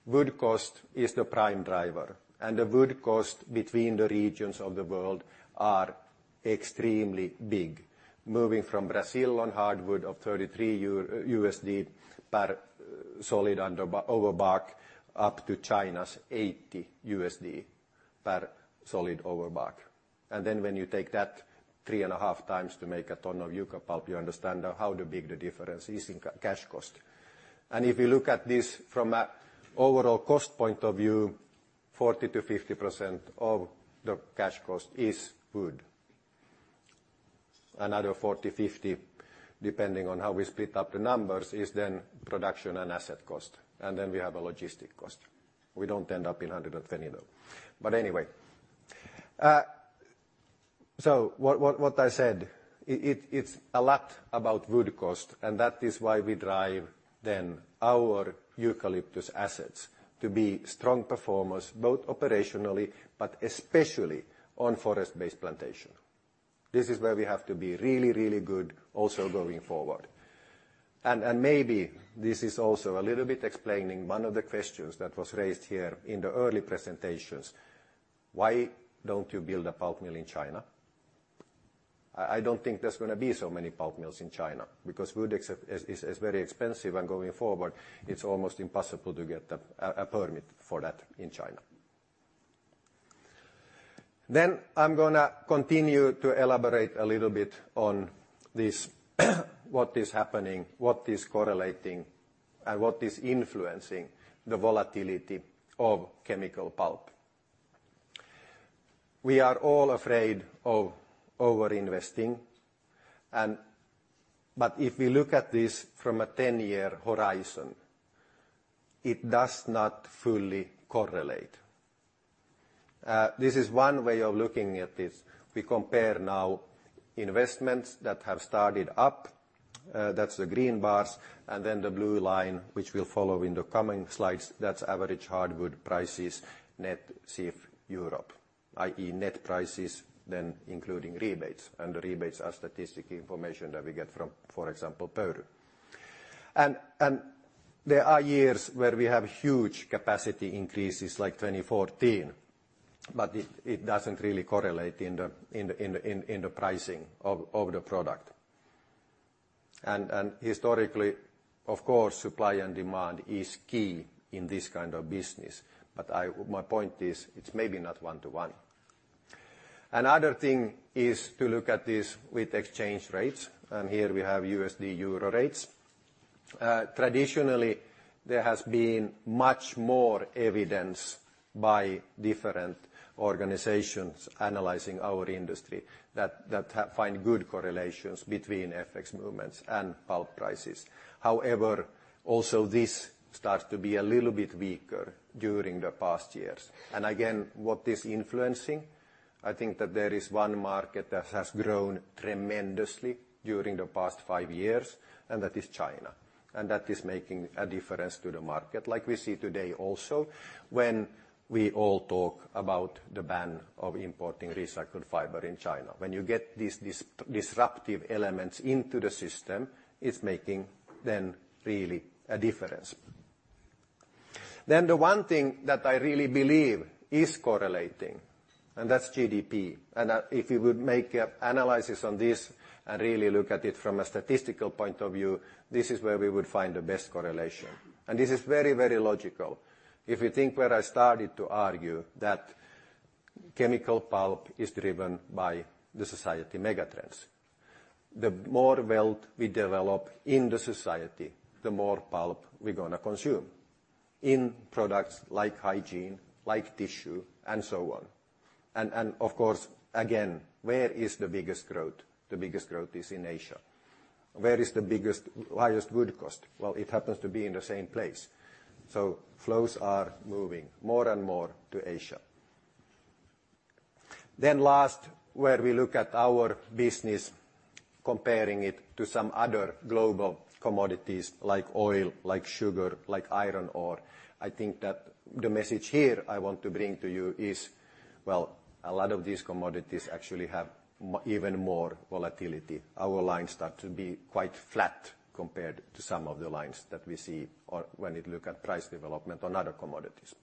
wood cost is the prime driver. The wood cost between the regions of the world are extremely big. Moving from Brazil on hardwood of 33 USD per solid overbark, up to China's 80 USD per solid overbark. When you take that three and a half times to make a ton of eucalyptus, you understand how big the difference is in cash cost. If you look at this from an overall cost point of view, 40%-50% of the cash cost is wood. Another 40%, 50%, depending on how we split up the numbers, is production and asset cost. We have a logistic cost. We don't end up in 120 mill. Anyway. What I said, it's a lot about wood cost, and that is why we drive our eucalyptus assets to be strong performers, both operationally but especially on forest-based plantation. This is where we have to be really, really good also going forward. Maybe this is also a little bit explaining one of the questions that was raised here in the early presentations. Why don't you build a pulp mill in China? I don't think there's going to be so many pulp mills in China because wood is very expensive and going forward, it's almost impossible to get a permit for that in China. I'm going to continue to elaborate a little bit on this. What is happening, what is correlating, and what is influencing the volatility of chemical pulp. We are all afraid of over-investing, but if we look at this from a 10-year horizon, it does not fully correlate. This is one way of looking at this. We compare now investments that have started up, that's the green bars, the blue line, which we'll follow in the coming slides, that's average hardwood prices net CIF Europe, i.e., net prices, including rebates, and the rebates are statistic information that we get from, for example, RISI. There are years where we have huge capacity increases like 2014, but it doesn't really correlate in the pricing of the product. Historically, of course, supply and demand is key in this kind of business, but my point is it's maybe not one to one. Another thing is to look at this with exchange rates, and here we have USD/EUR rates. Traditionally, there has been much more evidence by different organizations analyzing our industry that find good correlations between FX movements and pulp prices. However, also this starts to be a little bit weaker during the past years. Again, what is influencing? I think that there is one market that has grown tremendously during the past five years, and that is China. That is making a difference to the market. Like we see today also when we all talk about the ban of importing recycled fiber in China. When you get these disruptive elements into the system, it's making really a difference. The one thing that I really believe is correlating, and that's GDP. If you would make an analysis on this and really look at it from a statistical point of view, this is where we would find the best correlation. This is very, very logical. If you think where I started to argue that chemical pulp is driven by the society megatrends. The more wealth we develop in the society, the more pulp we're going to consume in products like hygiene, like tissue, and so on. Of course, again, where is the biggest growth? The biggest growth is in Asia. Where is the highest wood cost? Well, it happens to be in the same place. Flows are moving more and more to Asia. Last, where we look at our business, comparing it to some other global commodities like oil, like sugar, like iron ore. I think that the message here I want to bring to you is, well, a lot of these commodities actually have even more volatility. Our lines start to be quite flat compared to some of the lines that we see or when it look at price development on other commodities.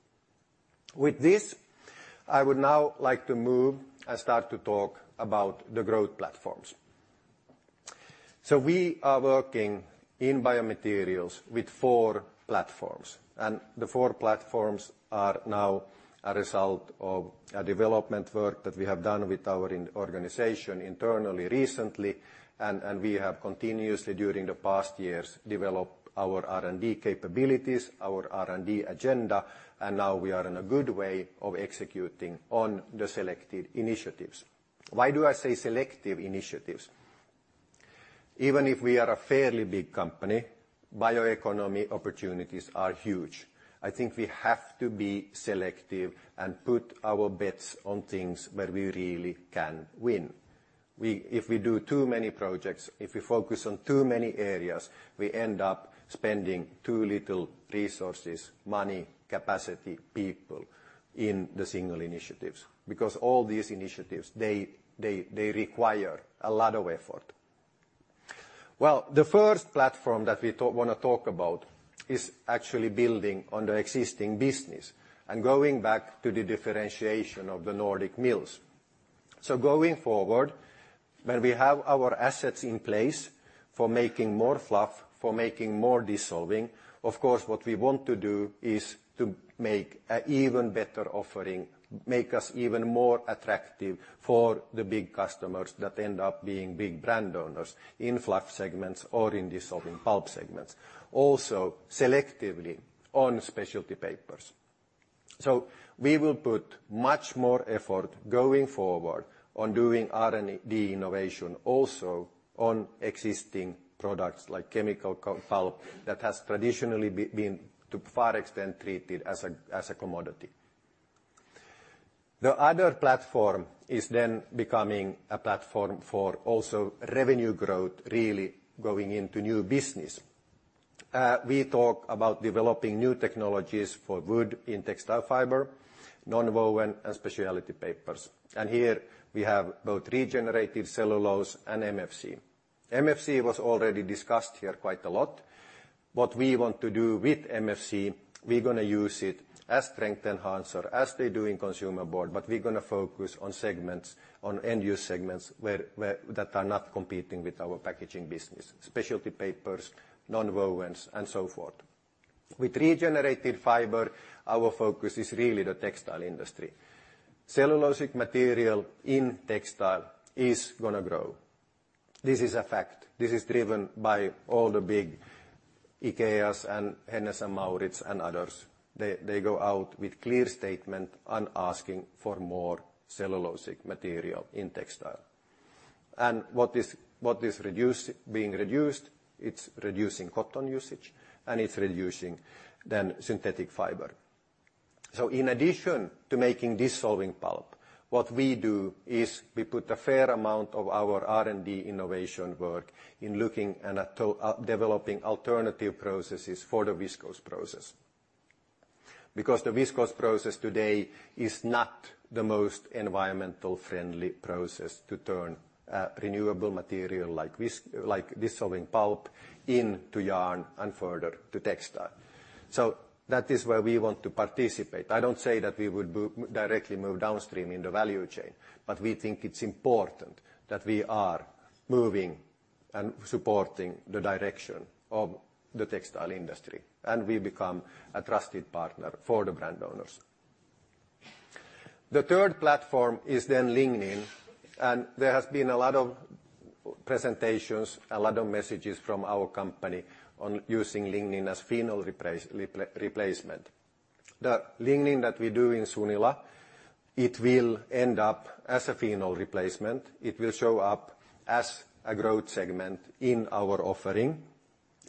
With this, I would now like to move and start to talk about the growth platforms. We are working in biomaterials with four platforms, and the four platforms are now a result of a development work that we have done with our organization internally recently, and we have continuously during the past years, developed our R&D capabilities, our R&D agenda, and now we are in a good way of executing on the selected initiatives. Why do I say selective initiatives? Even if we are a fairly big company, bioeconomy opportunities are huge. I think we have to be selective and put our bets on things where we really can win. If we do too many projects, if we focus on too many areas, we end up spending too little resources, money, capacity, people in the single initiatives. All these initiatives, they require a lot of effort. Well, the first platform that we want to talk about is actually building on the existing business and going back to the differentiation of the Nordic mills. Going forward, when we have our assets in place for making more fluff, for making more dissolving, of course, what we want to do is to make an even better offering, make us even more attractive for the big customers that end up being big brand owners in fluff segments or in dissolving pulp segments, also selectively on specialty papers. We will put much more effort going forward on doing R&D innovation also on existing products like chemical pulp that has traditionally been, to a far extent, treated as a commodity. The other platform is then becoming a platform for also revenue growth, really going into new business. We talk about developing new technologies for wood in textile fiber, nonwoven, and specialty papers. Here we have both regenerated cellulose and MFC. MFC was already discussed here quite a lot. What we want to do with MFC, we're going to use it as strength enhancer, as they do in consumer board, but we're going to focus on end-use segments that are not competing with our packaging business, specialty papers, nonwovens, and so forth. With regenerated fiber, our focus is really the textile industry. Cellulosic material in textile is going to grow. This is a fact. This is driven by all the big IKEA and H&M, and others. They go out with clear statement and asking for more cellulosic material in textile. What is being reduced, it's reducing cotton usage, and it's reducing then synthetic fiber. In addition to making dissolving pulp, what we do is we put a fair amount of our R&D innovation work in looking and developing alternative processes for the viscose process, because the viscose process today is not the most environmentally friendly process to turn renewable material like dissolving pulp into yarn and further to textile. That is where we want to participate. I don't say that we would directly move downstream in the value chain, but we think it's important that we are moving and supporting the direction of the textile industry, and we become a trusted partner for the brand owners. The third platform is lignin, and there has been a lot of presentations, a lot of messages from our company on using lignin as phenol replacement. The lignin that we do in Sunila, it will end up as a phenol replacement. It will show up as a growth segment in our offering.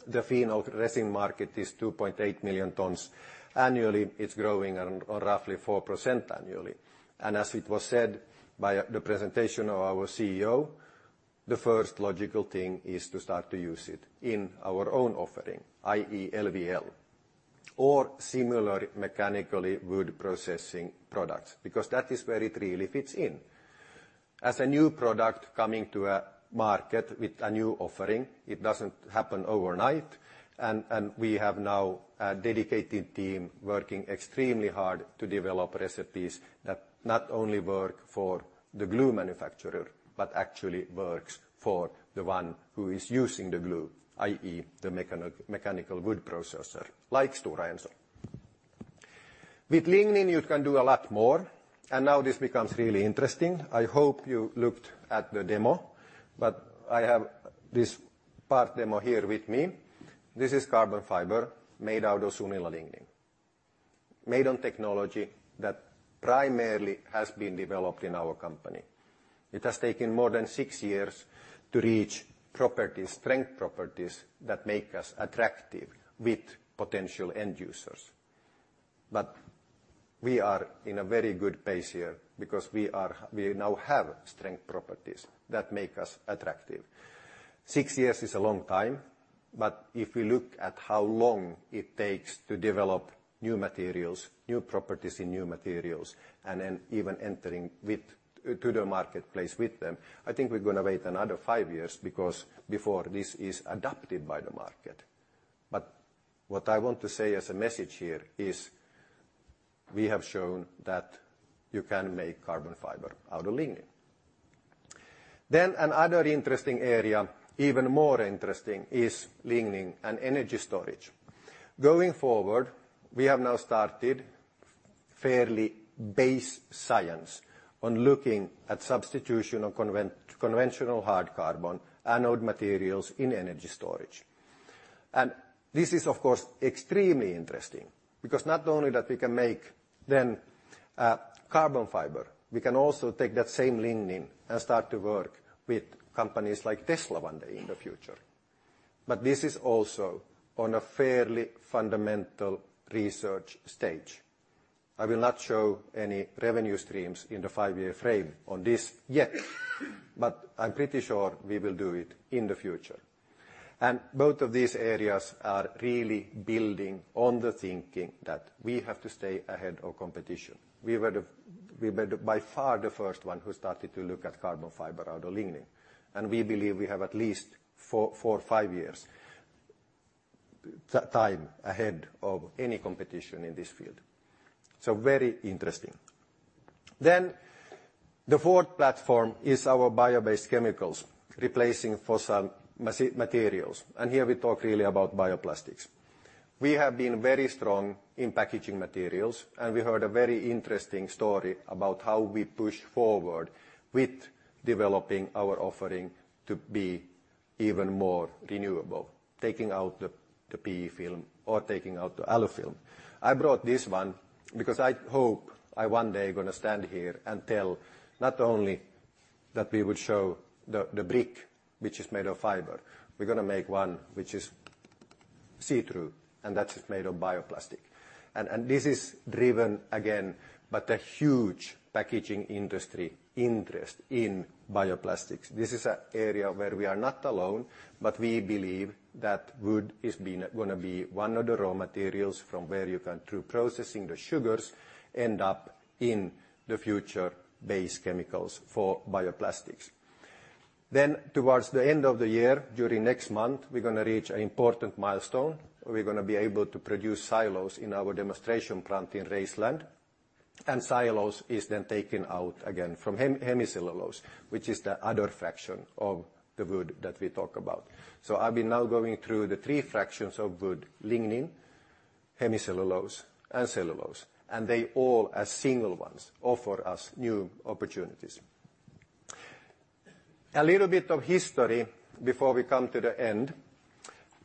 The phenol resin market is 2.8 million tons annually. It's growing on roughly 4% annually. As it was said by the presentation of our CEO, the first logical thing is to start to use it in our own offering, i.e., LVL or similar mechanically wood processing products, because that is where it really fits in. As a new product coming to a market with a new offering, it doesn't happen overnight, and we have now a dedicated team working extremely hard to develop recipes that not only work for the glue manufacturer, but actually works for the one who is using the glue, i.e., the mechanical wood processor, like Stora Enso. With lignin, you can do a lot more, now this becomes really interesting. I hope you looked at the demo, I have this part demo here with me. This is carbon fiber made out of Sunila lignin, made on technology that primarily has been developed in our company. It has taken more than six years to reach strength properties that make us attractive with potential end users. We are in a very good pace here because we now have strength properties that make us attractive. Six years is a long time, but if we look at how long it takes to develop new materials, new properties in new materials, and then even entering to the marketplace with them, I think we're going to wait another five years before this is adopted by the market. What I want to say as a message here is we have shown that you can make carbon fiber out of lignin. Another interesting area, even more interesting, is lignin and energy storage. Going forward, we have now started fairly base science on looking at substitution of conventional hard carbon anode materials in energy storage. This is, of course, extremely interesting because not only that we can make then carbon fiber, we can also take that same lignin and start to work with companies like Tesla one day in the future. This is also on a fairly fundamental research stage. I will not show any revenue streams in the five-year frame on this yet, but I'm pretty sure we will do it in the future. Both of these areas are really building on the thinking that we have to stay ahead of competition. We made by far the first one who started to look at carbon fiber out of lignin, and we believe we have at least four or five years time ahead of any competition in this field. Very interesting. The fourth platform is our bio-based chemicals, replacing fossil materials, and here we talk really about bioplastics. We have been very strong in packaging materials, and we heard a very interesting story about how we push forward with developing our offering to be even more renewable, taking out the PE film or taking out the alu film. I brought this one because I hope I one day going to stand here and tell not only that we would show the brick which is made of fiber. We're going to make one which is see-through, and that is made of bioplastic. This is driven, again, by the huge packaging industry interest in bioplastics. This is an area where we are not alone, we believe that wood is going to be one of the raw materials from where you can, through processing the sugars, end up in the future base chemicals for bioplastics. Towards the end of the year, during next month, we're going to reach an important milestone, where we're going to be able to produce cellulose in our demonstration plant in Raceland. Cellulose is then taken out again from hemicellulose, which is the other fraction of the wood that we talk about. I've been now going through the three fractions of wood, lignin, hemicellulose, and cellulose, and they all, as single ones, offer us new opportunities. A little bit of history before we come to the end.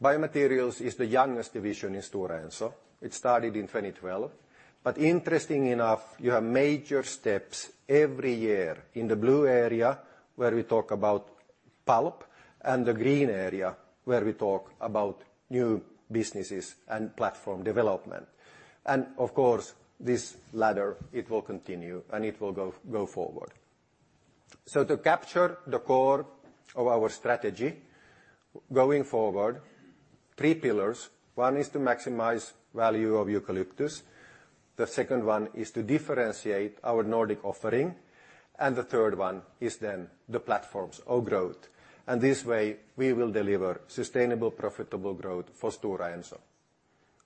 Biomaterials is the youngest division in Stora Enso. It started in 2012, but interesting enough, you have major steps every year in the blue area, where we talk about pulp, and the green area, where we talk about new businesses and platform development. Of course, this ladder, it will continue, and it will go forward. To capture the core of our strategy going forward, three pillars. One is to maximize value of eucalyptus. The second one is to differentiate our Nordic offering. The third one is then the platforms of growth. This way, we will deliver sustainable, profitable growth for Stora Enso.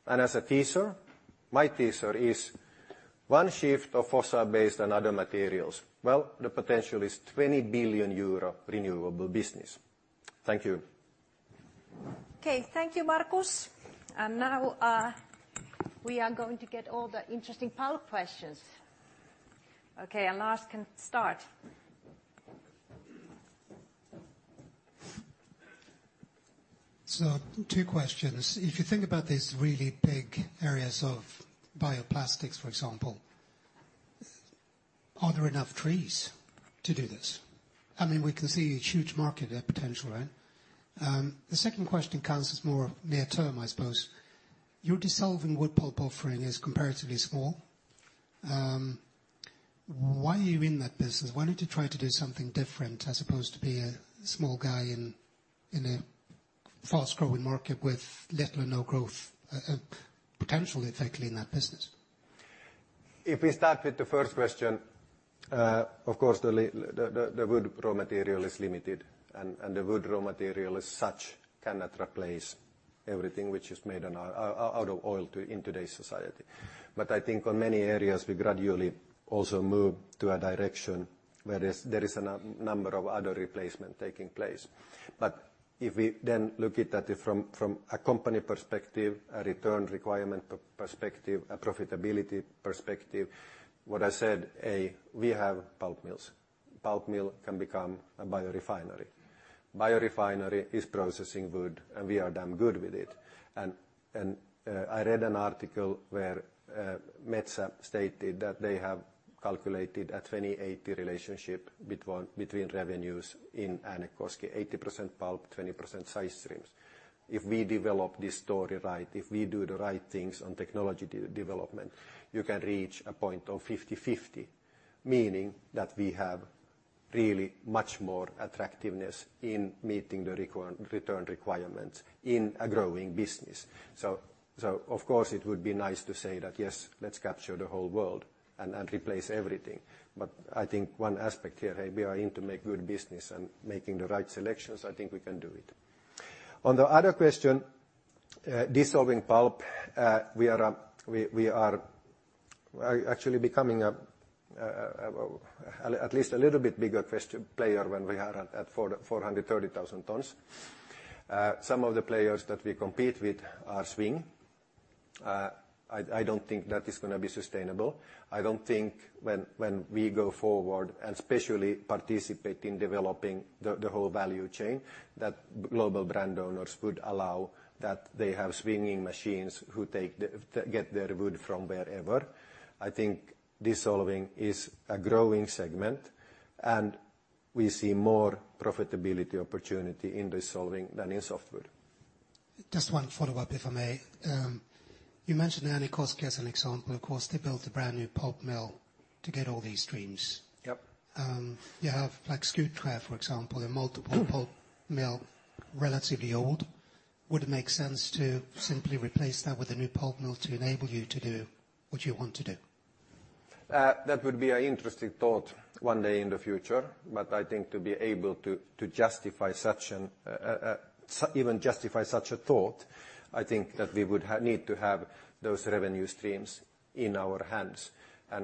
As a teaser, my teaser is one shift of fossil-based and other materials. Well, the potential is 20 billion euro renewable business. Thank you. Okay. Thank you, Markus. Now we are going to get all the interesting pulp questions. Okay, Lars can start. Two questions. If you think about these really big areas of bioplastics, for example, are there enough trees to do this? We can see huge market potential, right? The second question comes as more near term, I suppose. Your dissolving wood pulp offering is comparatively small. Why are you in that business? Why don't you try to do something different, as opposed to be a small guy in a fast-growing market with little or no growth potential, effectively, in that business? If we start with the first question, of course, the wood raw material is limited, the wood raw material as such cannot replace everything which is made out of oil in today's society. I think on many areas, we gradually also move to a direction where there is a number of other replacement taking place. If we then look at that from a company perspective, a return requirement perspective, a profitability perspective, what I said, we have pulp mills. Pulp mill can become a biorefinery. Biorefinery is processing wood, we are damn good with it. I read an article where Metsä stated that they have calculated a 20/80 relationship between revenues in Äänekoski, 80% pulp, 20% side streams. If we develop this story right, if we do the right things on technology development, you can reach a point of 50/50, meaning that we have really much more attractiveness in meeting the return requirements in a growing business. Of course, it would be nice to say that, yes, let's capture the whole world and replace everything. I think one aspect here, we are in to make good business and making the right selections. I think we can do it. On the other question, dissolving pulp, we are actually becoming at least a little bit bigger player when we are at 430,000 tons. Some of the players that we compete with are swing. I don't think that is going to be sustainable. I don't think when we go forward, especially participate in developing the whole value chain, that global brand owners would allow that they have swinging machines who get their wood from wherever. I think dissolving is a growing segment, we see more profitability opportunity in dissolving than in softwood. Just one follow-up, if I may. You mentioned Äänekoski as an example. Of course, they built a brand new pulp mill to get all these streams. Yep. You have Skutskär, for example, a multiple pulp mill, relatively old. Would it make sense to simply replace that with a new pulp mill to enable you to do what you want to do? That would be an interesting thought one day in the future, but I think to be able to even justify such a thought, I think that we would need to have those revenue streams in our hands.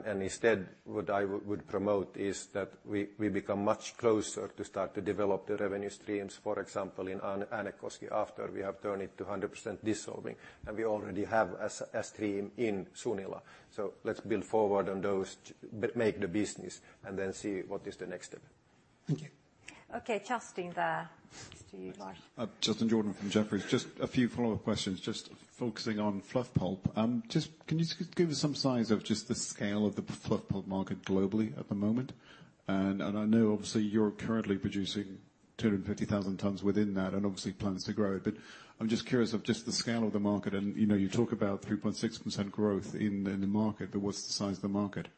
Instead, what I would promote is that we become much closer to start to develop the revenue streams, for example, in Äänekoski, after we have turned it to 100% dissolving, and we already have a stream in Sunila. Let's build forward on those, make the business, and then see what is the next step. Thank you. Okay. Justin, there. To you, Lars. Justin Jordan from Jefferies. Just a few follow-up questions, just focusing on fluff pulp. Can you give us some signs of just the scale of the fluff pulp market globally at the moment? I know obviously you're currently producing 250,000 tons within that, and obviously plans to grow, but I'm just curious of just the scale of the market and you talk about 3.6% growth in the market, but what's the size of the market?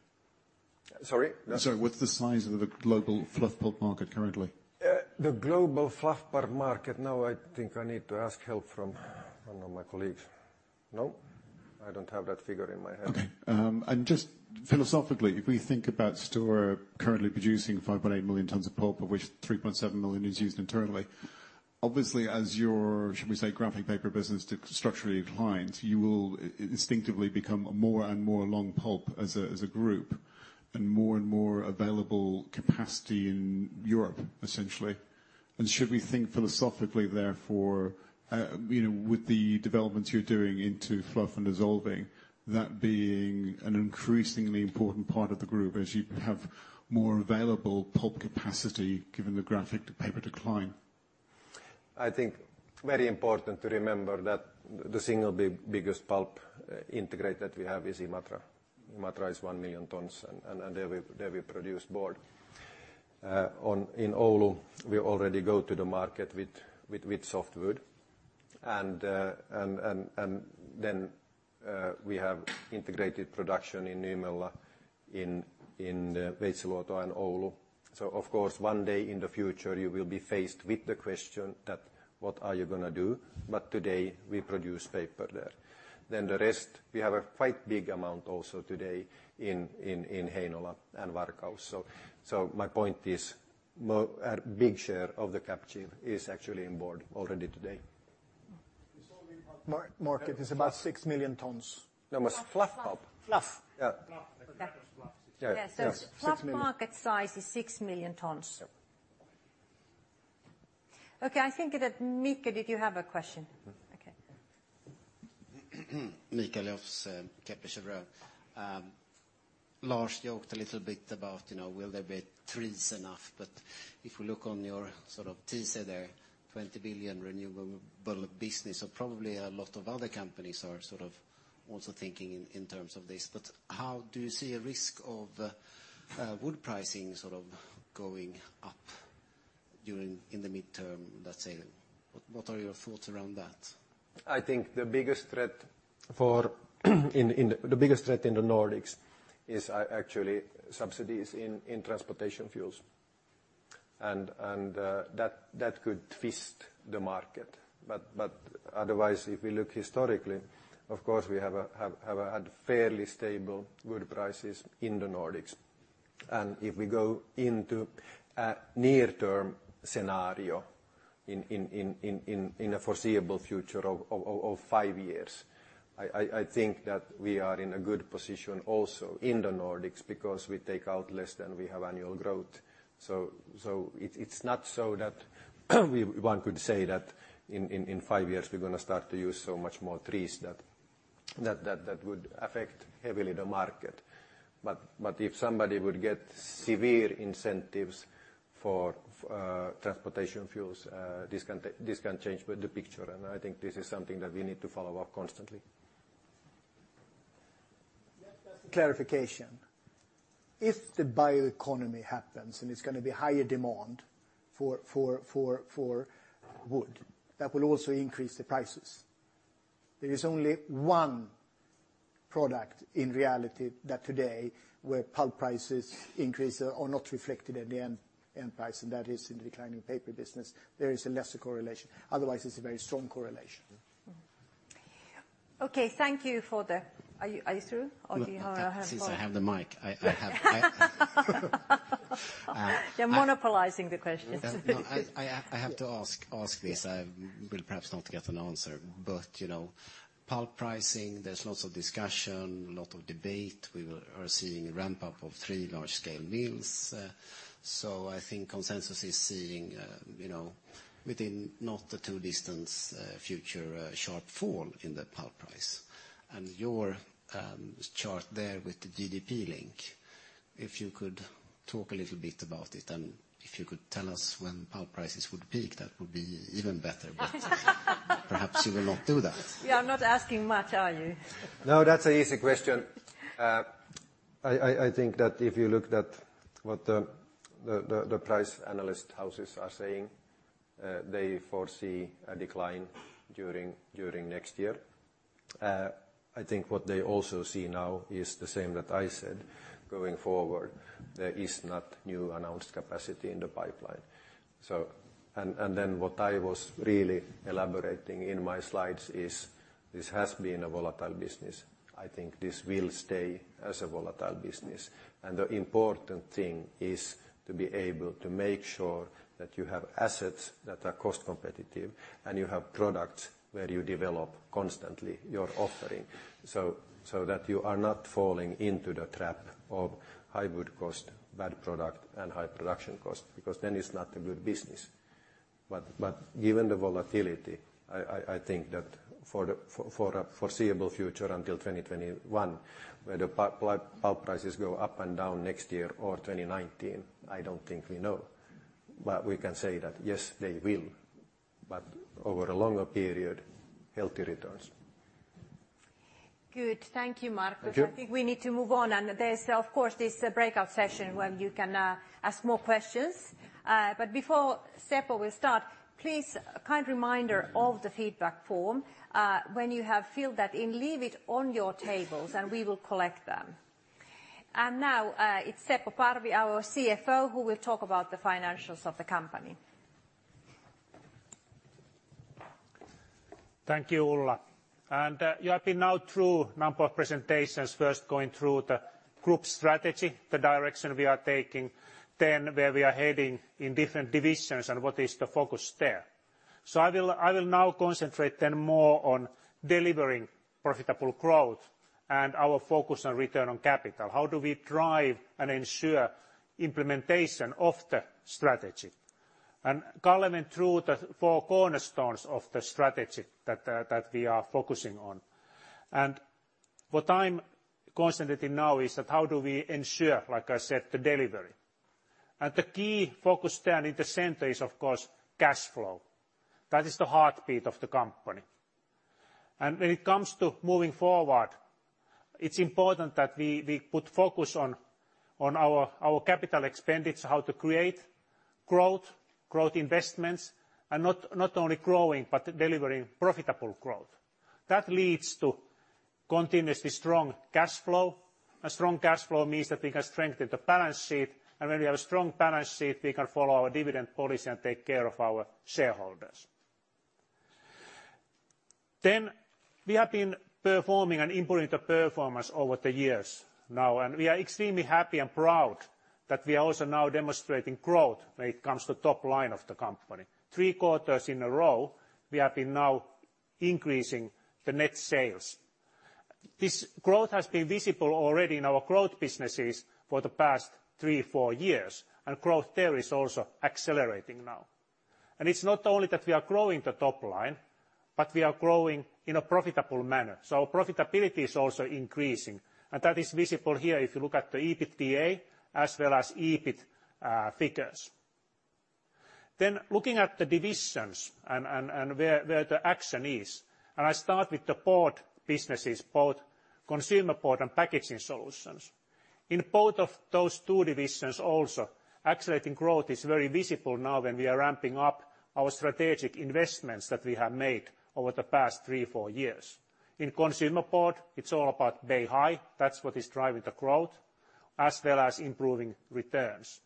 Sorry? Sorry, what's the size of the global fluff pulp market currently? The global fluff pulp market. I think I need to ask help from one of my colleagues. No? I don't have that figure in my head. Okay. Just philosophically, if we think about Stora currently producing 5.8 million tons of pulp, of which 3.7 million is used internally, obviously as your, should we say, graphic paper business structurally declines, you will instinctively become more and more along pulp as a group, and more and more available capacity in Europe, essentially. Should we think philosophically, therefore, with the developments you're doing into fluff and dissolving, that being an increasingly important part of the group as you have more available pulp capacity given the graphic paper decline? I think very important to remember that the single biggest pulp integrate that we have is Imatra. Imatra is 1 million tons, there we produce board. In Oulu, we already go to the market with softwood. We have integrated production in Nymölla, in Veitsiluoto, and Oulu. Of course, one day in the future, you will be faced with the question that what are you going to do? Today we produce paper there. The rest, we have a quite big amount also today in Heinola and Varkaus. My point is, a big share of the cap chip is actually in board already today. Dissolving pulp market is about 6 million tons. No, it's fluff pulp. Fluff. Fluff. Yeah. Yeah. Six million. fluff market size is six million tons. Yeah. Okay. I think that Mika, did you have a question? Mika Löf, Kepler Cheuvreux. Lars joked a little bit about will there be trees enough. If we look on your sort of teaser there, 20 billion renewable business, probably a lot of other companies are sort of also thinking in terms of this. How do you see a risk of wood pricing going up during in the midterm, let's say? What are your thoughts around that? I think the biggest threat in the Nordics is actually subsidies in transportation fuels. That could twist the market. Otherwise, if we look historically, of course, we have had fairly stable wood prices in the Nordics. If we go into a near-term scenario in a foreseeable future of five years, I think that we are in a good position also in the Nordics because we take out less than we have annual growth. It's not so that one could say that in five years we're going to start to use so much more trees that would affect heavily the market. If somebody would get severe incentives for transportation fuels, this can change the picture, and I think this is something that we need to follow up constantly. Just as a clarification. If the bioeconomy happens, and it's going to be higher demand for wood, that will also increase the prices. There is only one product in reality that today where pulp prices increase are not reflected in the end price, and that is in the declining paper business. There is a lesser correlation. Otherwise, it's a very strong correlation. Okay. Thank you for the. Are you through? Since I have the mic. You're monopolizing the questions. I have to ask this. I will perhaps not get an answer. Pulp pricing, there's lots of discussion, a lot of debate. We are seeing a ramp-up of three large-scale mills. I think consensus is seeing, within not the too distant future, a sharp fall in the pulp price. Your chart there with the GDP link, if you could talk a little bit about it, if you could tell us when pulp prices would peak, that would be even better. Perhaps you will not do that. You are not asking much, are you? No, that's an easy question. I think that if you looked at what the price analyst houses are saying, they foresee a decline during next year. I think what they also see now is the same that I said, going forward, there is not new announced capacity in the pipeline. What I was really elaborating in my slides is this has been a volatile business. I think this will stay as a volatile business. The important thing is to be able to make sure that you have assets that are cost competitive, and you have products where you develop constantly your offering, so that you are not falling into the trap of high wood cost, bad product, and high production cost, because then it's not a good business. Given the volatility, I think that for a foreseeable future until 2021, whether pulp prices go up and down next year or 2019, I don't think we know. We can say that yes, they will. Over a longer period, healthy returns. Good. Thank you, Markus. Thank you. I think we need to move on, there's, of course, this breakout session where you can ask more questions. Before Seppo will start, please, a kind reminder of the feedback form. When you have filled that in, leave it on your tables and we will collect them. Now, it's Seppo Parvi, our CFO, who will talk about the financials of the company. Thank you, Ulla. You have been now through a number of presentations, first going through the group strategy, the direction we are taking, where we are heading in different divisions and what is the focus there. I will now concentrate then more on delivering profitable growth and our focus on return on capital. How do we drive and ensure implementation of the strategy? Kalle went through the four cornerstones of the strategy that we are focusing on. What I'm concentrating now is that how do we ensure, like I said, the delivery. The key focus there in the center is, of course, cash flow. That is the heartbeat of the company. When it comes to moving forward, it's important that we put focus on our capital expenditure, how to create growth investments, and not only growing, but delivering profitable growth. That leads to continuously strong cash flow. A strong cash flow means that we can strengthen the balance sheet. When we have a strong balance sheet, we can follow our dividend policy and take care of our shareholders. We have been performing and improving the performance over the years now, and we are extremely happy and proud that we are also now demonstrating growth when it comes to top line of the company. Three quarters in a row, we have been now increasing the net sales. This growth has been visible already in our growth businesses for the past three, four years, and growth there is also accelerating now. It's not only that we are growing the top line, but we are growing in a profitable manner. Profitability is also increasing, and that is visible here if you look at the EBITDA as well as EBIT figures. Looking at the divisions and where the action is, I start with the board businesses, both consumer board and packaging solutions. In both of those two divisions also, accelerating growth is very visible now when we are ramping up our strategic investments that we have made over the past three, four years. In consumer board, it's all about Beihai. That's what is driving the growth, as well as improving returns.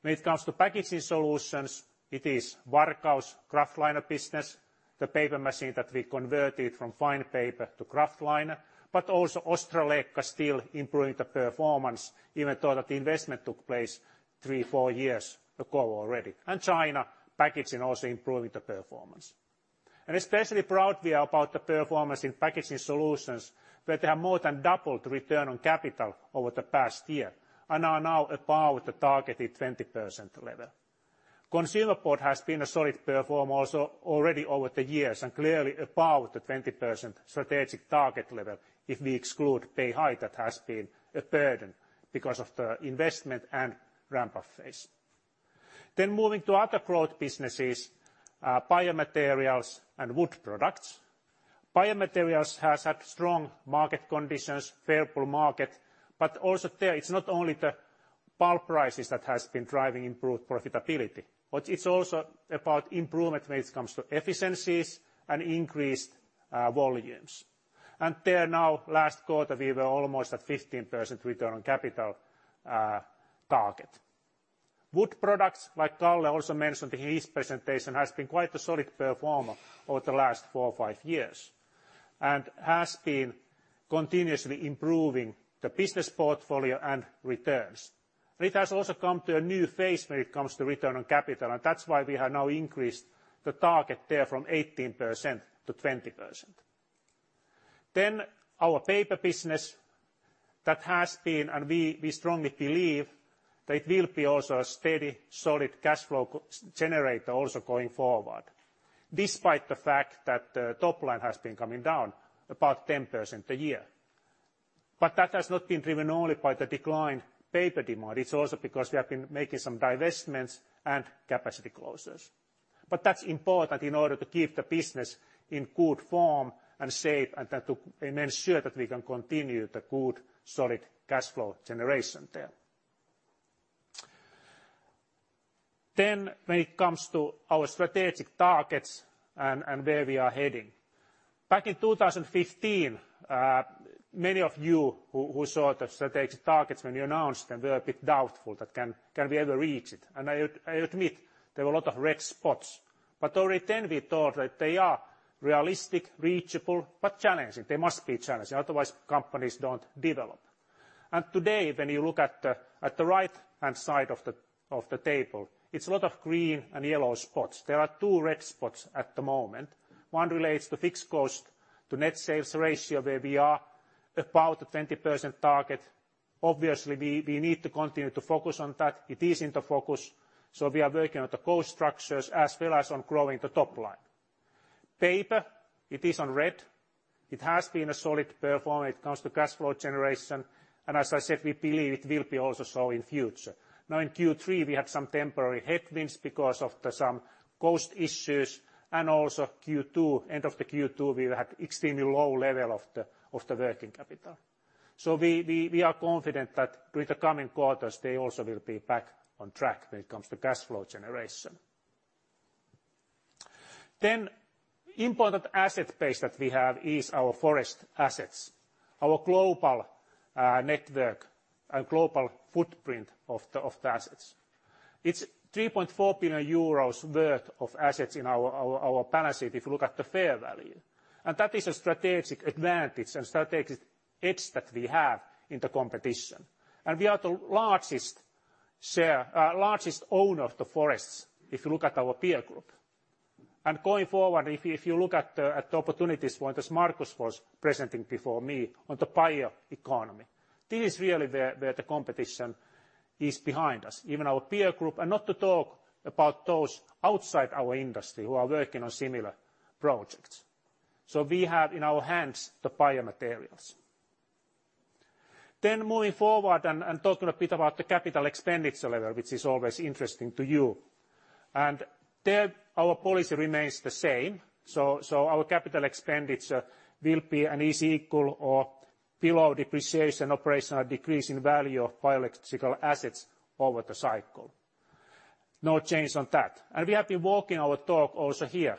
When it comes to packaging solutions, it is Varkaus kraftliner business, the paper machine that we converted from fine paper to kraftliner, but also Ostrołęka still improving the performance, even though that investment took place three, four years ago already. China packaging also improving the performance. Especially proud we are about the performance in Packaging Solutions, where they have more than doubled return on capital over the past year and are now above the targeted 20% level. Consumer Board has been a solid performer also already over the years and clearly above the 20% strategic target level if we exclude Beihai that has been a burden because of the investment and ramp-up phase. Moving to other growth businesses, Biomaterials and Wood Products. Biomaterials has had strong market conditions, favorable market, but also there, it's not only the pulp prices that has been driving improved profitability, but it's also about improvement when it comes to efficiencies and increased volumes. There now, last quarter, we were almost at 15% return on capital target. Wood Products, like Kalle also mentioned in his presentation, has been quite a solid performer over the last four or five years, and has been continuously improving the business portfolio and returns. It has also come to a new phase when it comes to return on capital, and that's why we have now increased the target there from 18%-20%. Our paper business, that has been, and we strongly believe that it will be also a steady, solid cash flow generator also going forward, despite the fact that the top line has been coming down about 10% a year. That has not been driven only by the decline paper demand. It's also because we have been making some divestments and capacity closures. That's important in order to keep the business in good form and shape and to ensure that we can continue the good, solid cash flow generation there. When it comes to our strategic targets and where we are heading. Back in 2015, many of you who saw the strategic targets when we announced them, were a bit doubtful that can we ever reach it? I admit there were a lot of red spots, but already then we thought that they are realistic, reachable, but challenging. They must be challenging, otherwise companies don't develop. Today, when you look at the right-hand side of the table, it's a lot of green and yellow spots. There are two red spots at the moment. One relates to fixed cost to net sales ratio, where we are about a 20% target. Obviously, we need to continue to focus on that. It is into focus. We are working on the cost structures as well as on growing the top line. Paper, it is on red. It has been a solid performer when it comes to cash flow generation. As I said, we believe it will be also so in future. Now in Q3, we had some temporary headwinds because of some cost issues and also Q2, end of the Q2, we had extremely low level of the working capital. We are confident that during the coming quarters, they also will be back on track when it comes to cash flow generation. Important asset base that we have is our forest assets, our global network and global footprint of the assets. It's 3.4 billion euros worth of assets in our balance sheet, if you look at the fair value. That is a strategic advantage and strategic edge that we have in the competition. We are the largest owner of the forests, if you look at our peer group. Going forward, if you look at the opportunities, one that Markus was presenting before me on the bioeconomy, this is really where the competition is behind us, even our peer group, not to talk about those outside our industry who are working on similar projects. We have in our hands the biomaterials. Moving forward and talking a bit about the capital expenditure level, which is always interesting to you. There our policy remains the same. Our capital expenditure will be is equal or below depreciation, operational decrease in value of biological assets over the cycle. No change on that. We have been walking our talk also here,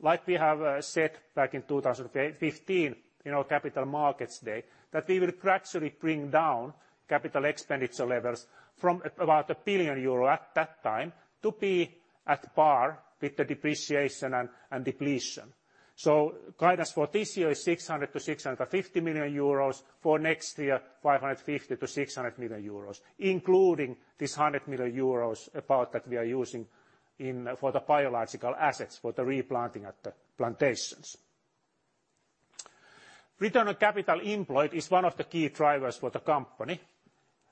like we have said back in 2015, in our Capital Markets Day, that we will gradually bring down capital expenditure levels from about 1 billion euro at that time to be at par with the depreciation and depletion. Guidance for this year is 600 million-650 million euros. For next year, 550 million-600 million euros, including this 100 million euros that we are using for the biological assets for the replanting at the plantations. Return on Capital Employed is one of the key drivers for the company,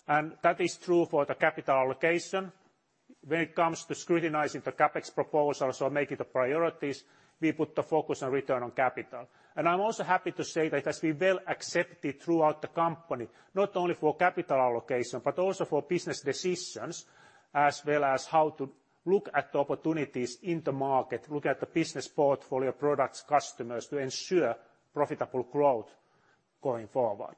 that is true for the capital allocation. When it comes to scrutinizing the CapEx proposals or making the priorities, we put the focus on return on capital. I'm also happy to say that it has been well accepted throughout the company, not only for capital allocation, but also for business decisions, as well as how to look at the opportunities in the market, look at the business portfolio, products, customers to ensure profitable growth going forward.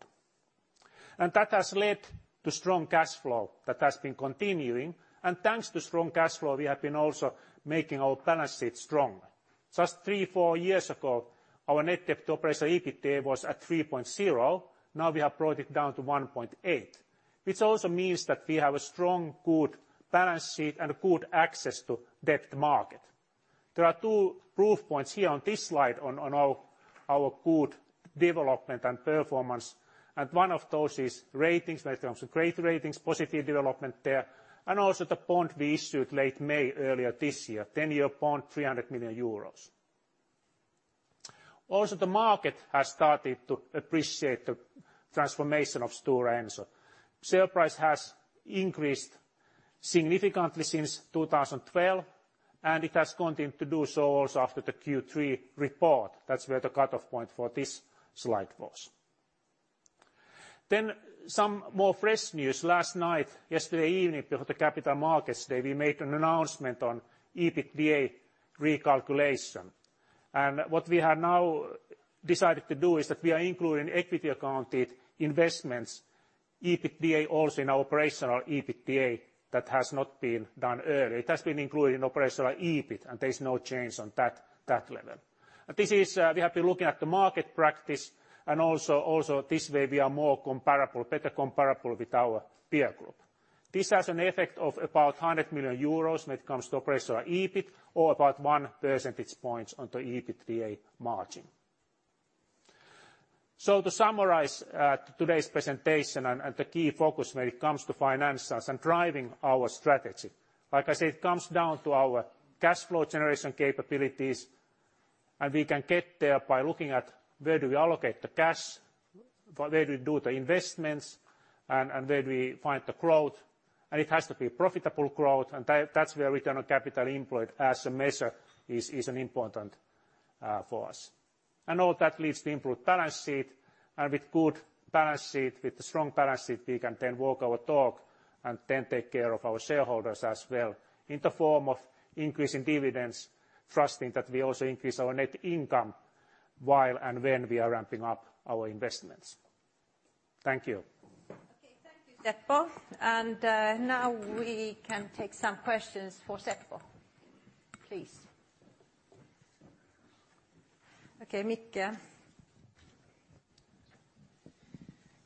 That has led to strong cash flow that has been continuing. Thanks to strong cash flow, we have been also making our balance sheet strong. Just three, four years ago, our net debt to operational EBITDA was at 3.0. Now we have brought it down to 1.8, which also means that we have a strong good balance sheet and good access to debt market. There are two proof points here on this slide on our good development and performance, one of those is ratings when it comes to credit ratings, positive development there, also the bond we issued late May earlier this year, 10-year bond, 300 million euros. The market has started to appreciate the transformation of Stora Enso. Share price has increased significantly since 2012, and it has continued to do so also after the Q3 report. That's where the cutoff point for this slide was. Some more fresh news. Last night, yesterday evening before the Capital Markets Day, we made an announcement on EBITDA recalculation. What we have now decided to do is that we are including equity accounted investments' EBITDA, also in our operational EBITDA that has not been done earlier. It has been included in operational EBIT, and there's no change on that level. We have been looking at the market practice and also this way we are more comparable, better comparable with our peer group. This has an effect of about 100 million euros when it comes to operational EBIT or about one percentage points on the EBITDA margin. To summarize today's presentation and the key focus when it comes to financials and driving our strategy, like I said, it comes down to our cash flow generation capabilities, and we can get there by looking at where do we allocate the cash, where do we do the investments, and where do we find the growth, and it has to be profitable growth, and that's where return on capital employed as a measure is an important for us. All that leads to improved balance sheet with good balance sheet, with a strong balance sheet, we can then walk our talk and take care of our shareholders as well in the form of increasing dividends, trusting that we also increase our net income while and when we are ramping up our investments. Thank you. Okay. Thank you, Seppo. Now we can take some questions for Seppo. Please. Okay, Mika.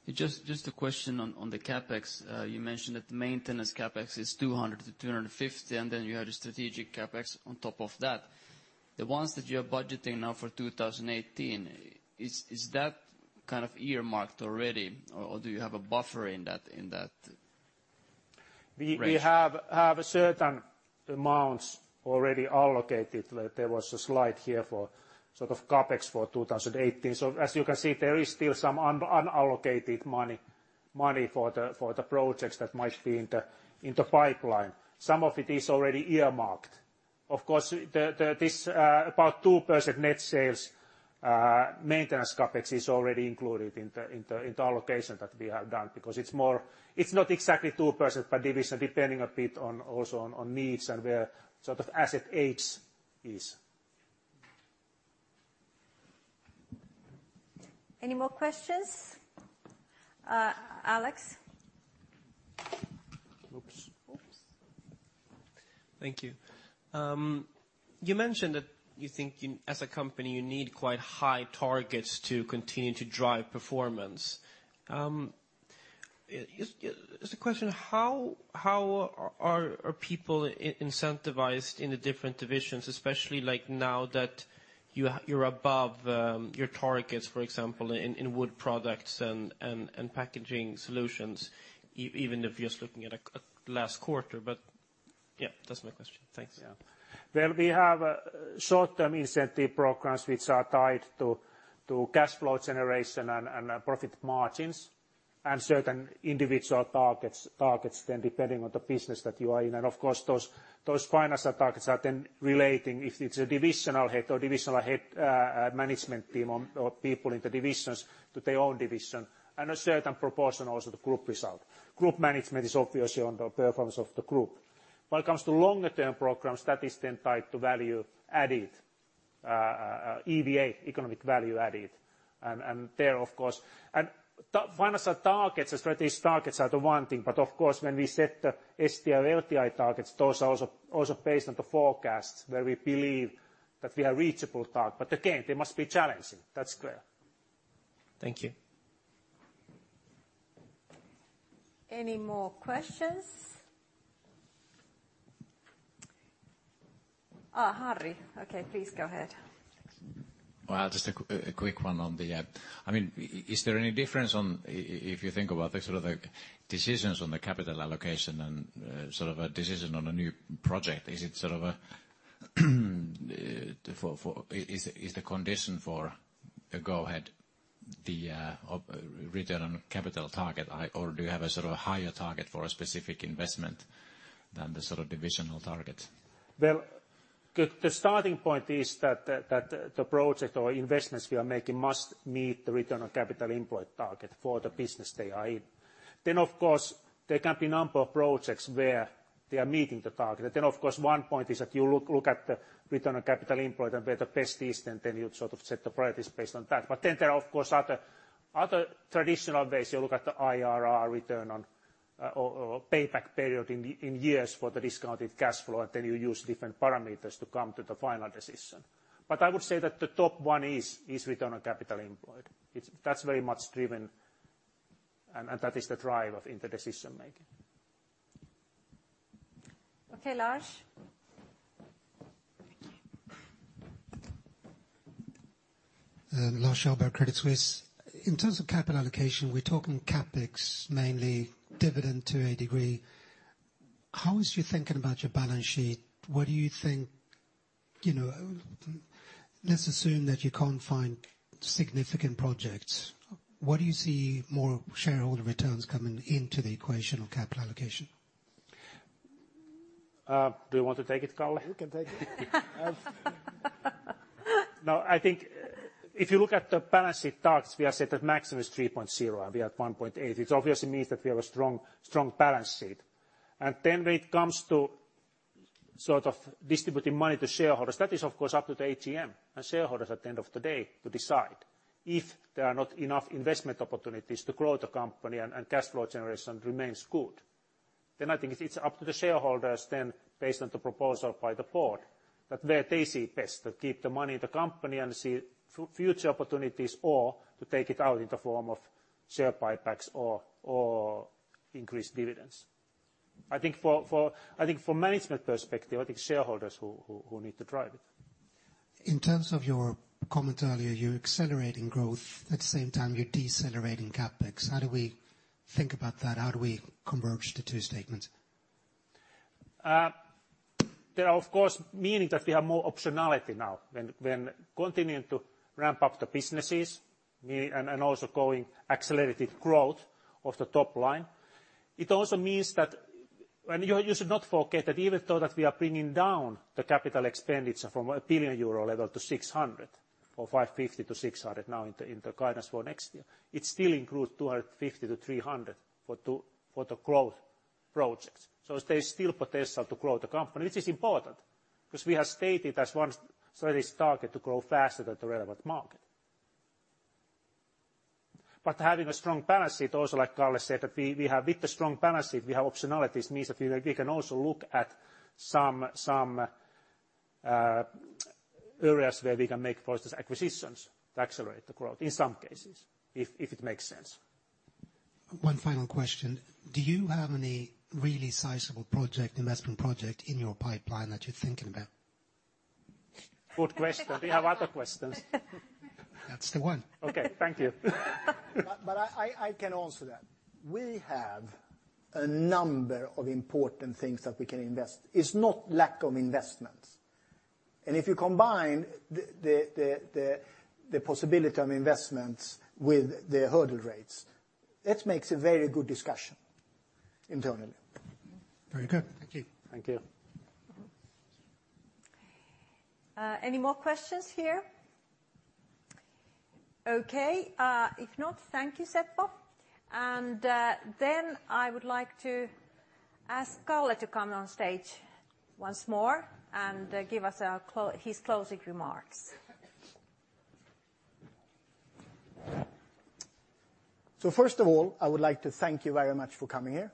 Just a question on the CapEx. You mentioned that the maintenance CapEx is 200 million-250 million, then you had a strategic CapEx on top of that. The ones that you are budgeting now for 2018, is that kind of earmarked already or do you have a buffer in that range? We have certain amounts already allocated. There was a slide here for sort of CapEx for 2018. As you can see, there is still some unallocated money for the projects that might be in the pipeline. Some of it is already earmarked. Of course, this about 2% net sales, maintenance CapEx is already included in the allocation that we have done because it's not exactly 2% by division, depending a bit on also on needs and where sort of asset age is. Any more questions? Alex? Oops. Oops. Thank you. You mentioned that you think as a company, you need quite high targets to continue to drive performance. Just a question, how are people incentivized in the different divisions, especially like now that you're above your targets, for example, in Wood Products and Packaging Solutions, even if you're looking at last quarter, but yeah, that's my question. Thanks. Yeah. Well, we have short-term incentive programs which are tied to cash flow generation and profit margins and certain individual targets, then depending on the business that you are in. Of course, those financial targets are then relating, if it's a divisional head or divisional head management team or people in the divisions to their own division, and a certain proportion also to group result. Group management is obviously on the performance of the group. When it comes to longer term programs, that is then tied to value added, EVA, economic value added. There, of course, financial targets or strategic targets are the one thing, but of course, when we set the STI, LTI targets, those are also based on the forecasts where we believe that we are reachable target. But again, they must be challenging. That's clear. Thank you. Any more questions? Harri. Please go ahead. Just a quick one on the. Is there any difference on if you think about the sort of the decisions on the capital allocation and sort of a decision on a new project? Is the condition for a go ahead the return on capital target? Or do you have a sort of higher target for a specific investment than the sort of divisional target? The starting point is that the project or investments we are making must meet the return on capital employed target for the business they are in. Of course, there can be a number of projects where they are meeting the target. Of course, one point is that you look at the return on capital employed and where the best is, and then you sort of set the priorities based on that. There are, of course, other traditional ways. You look at the IRR return on or payback period in years for the discounted cash flow, and then you use different parameters to come to the final decision. I would say that the top one is return on capital employed. That's very much driven, and that is the drive in the decision making. Okay, Lars. Thank you. Lars Kjellberg, Credit Suisse. In terms of capital allocation, we're talking CapEx, mainly dividend to a degree. How is you thinking about your balance sheet? What do you think Let's assume that you can't find significant projects. Where do you see more shareholder returns coming into the equation of capital allocation? Do you want to take it, Kalle? You can take it. I think if you look at the balance sheet targets, we have said that maximum is 3.0 and we are at 1.8. It obviously means that we have a strong balance sheet. When it comes to sort of distributing money to shareholders, that is of course up to the AGM and shareholders at the end of the day to decide. If there are not enough investment opportunities to grow the company and cash flow generation remains good, I think it's up to the shareholders then based on the proposal by the board, that where they see best to keep the money in the company and see future opportunities or to take it out in the form of share buybacks or increased dividends. I think from management perspective, I think shareholders who need to drive it. In terms of your comment earlier, you're accelerating growth. At the same time, you're decelerating CapEx. How do we think about that? How do we converge the two statements? There are, of course, meaning that we have more optionality now when continuing to ramp up the businesses and also going accelerated growth of the top line. It also means that when you should not forget that even though that we are bringing down the capital expenditure from a 1 billion euro level to 600 million or 550 million to 600 million now in the guidance for next year, it still includes 250 million to 300 million for the growth projects. There's still potential to grow the company, which is important. Because we have stated as one of Stora Enso's target to grow faster than the relevant market. Having a strong balance sheet also, like Kalle said, that with the strong balance sheet, we have optionalities, means that we can also look at some areas where we can make acquisitions to accelerate the growth, in some cases, if it makes sense. One final question. Do you have any really sizable investment project in your pipeline that you're thinking about? Good question. Do you have other questions? That's the one. Okay, thank you. I can answer that. We have a number of important things that we can invest. It's not lack of investments. If you combine the possibility of investments with the hurdle rates, it makes a very good discussion internally. Very good. Thank you. Thank you. Any more questions here? Okay. If not, thank you, Seppo. Then I would like to ask Kalle to come on stage once more and give us his closing remarks. First of all, I would like to thank you very much for coming here.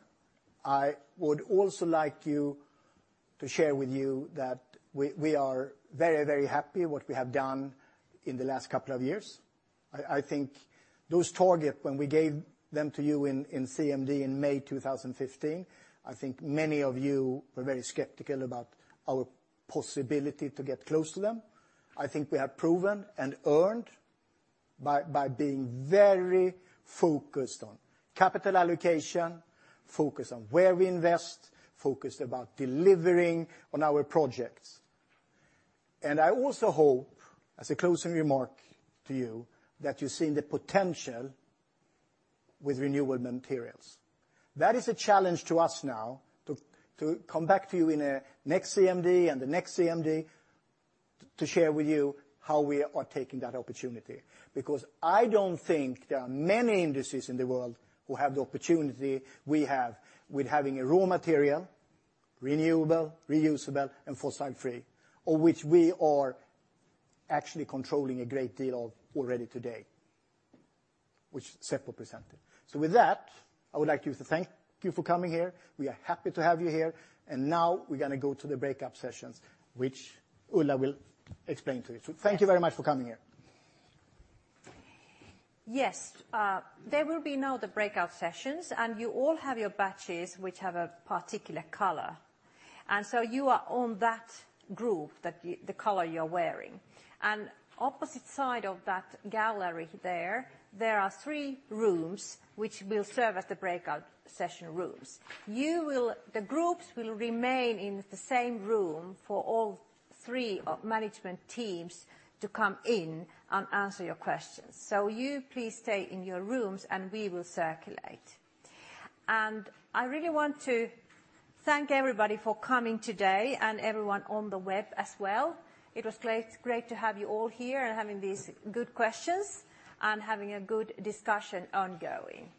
I would also like to share with you that we are very happy what we have done in the last couple of years. I think those targets, when we gave them to you in CMD in May 2015, I think many of you were very skeptical about our possibility to get close to them. I think we have proven and earned by being very focused on capital allocation, focused on where we invest, focused about delivering on our projects. I also hope, as a closing remark to you, that you're seeing the potential with renewable materials. That is a challenge to us now to come back to you in the next CMD and the next CMD to share with you how we are taking that opportunity. I don't think there are many industries in the world who have the opportunity we have with having a raw material, renewable, reusable, and fossil free, or which we are actually controlling a great deal of already today, which Seppo presented. With that, I would like to thank you for coming here. We are happy to have you here. Now we're going to go to the breakout sessions, which Ulla will explain to you. Thank you very much for coming here. Yes. There will be now the breakout sessions, you all have your badges, which have a particular color. You are on that group, the color you're wearing. Opposite side of that gallery there are three rooms which will serve as the breakout session rooms. The groups will remain in the same room for all three management teams to come in and answer your questions. You please stay in your rooms and we will circulate. I really want to thank everybody for coming today and everyone on the web as well. It was great to have you all here and having these good questions and having a good discussion ongoing.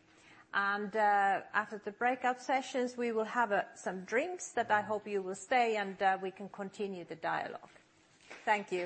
After the breakout sessions, we will have some drinks that I hope you will stay and we can continue the dialogue. Thank you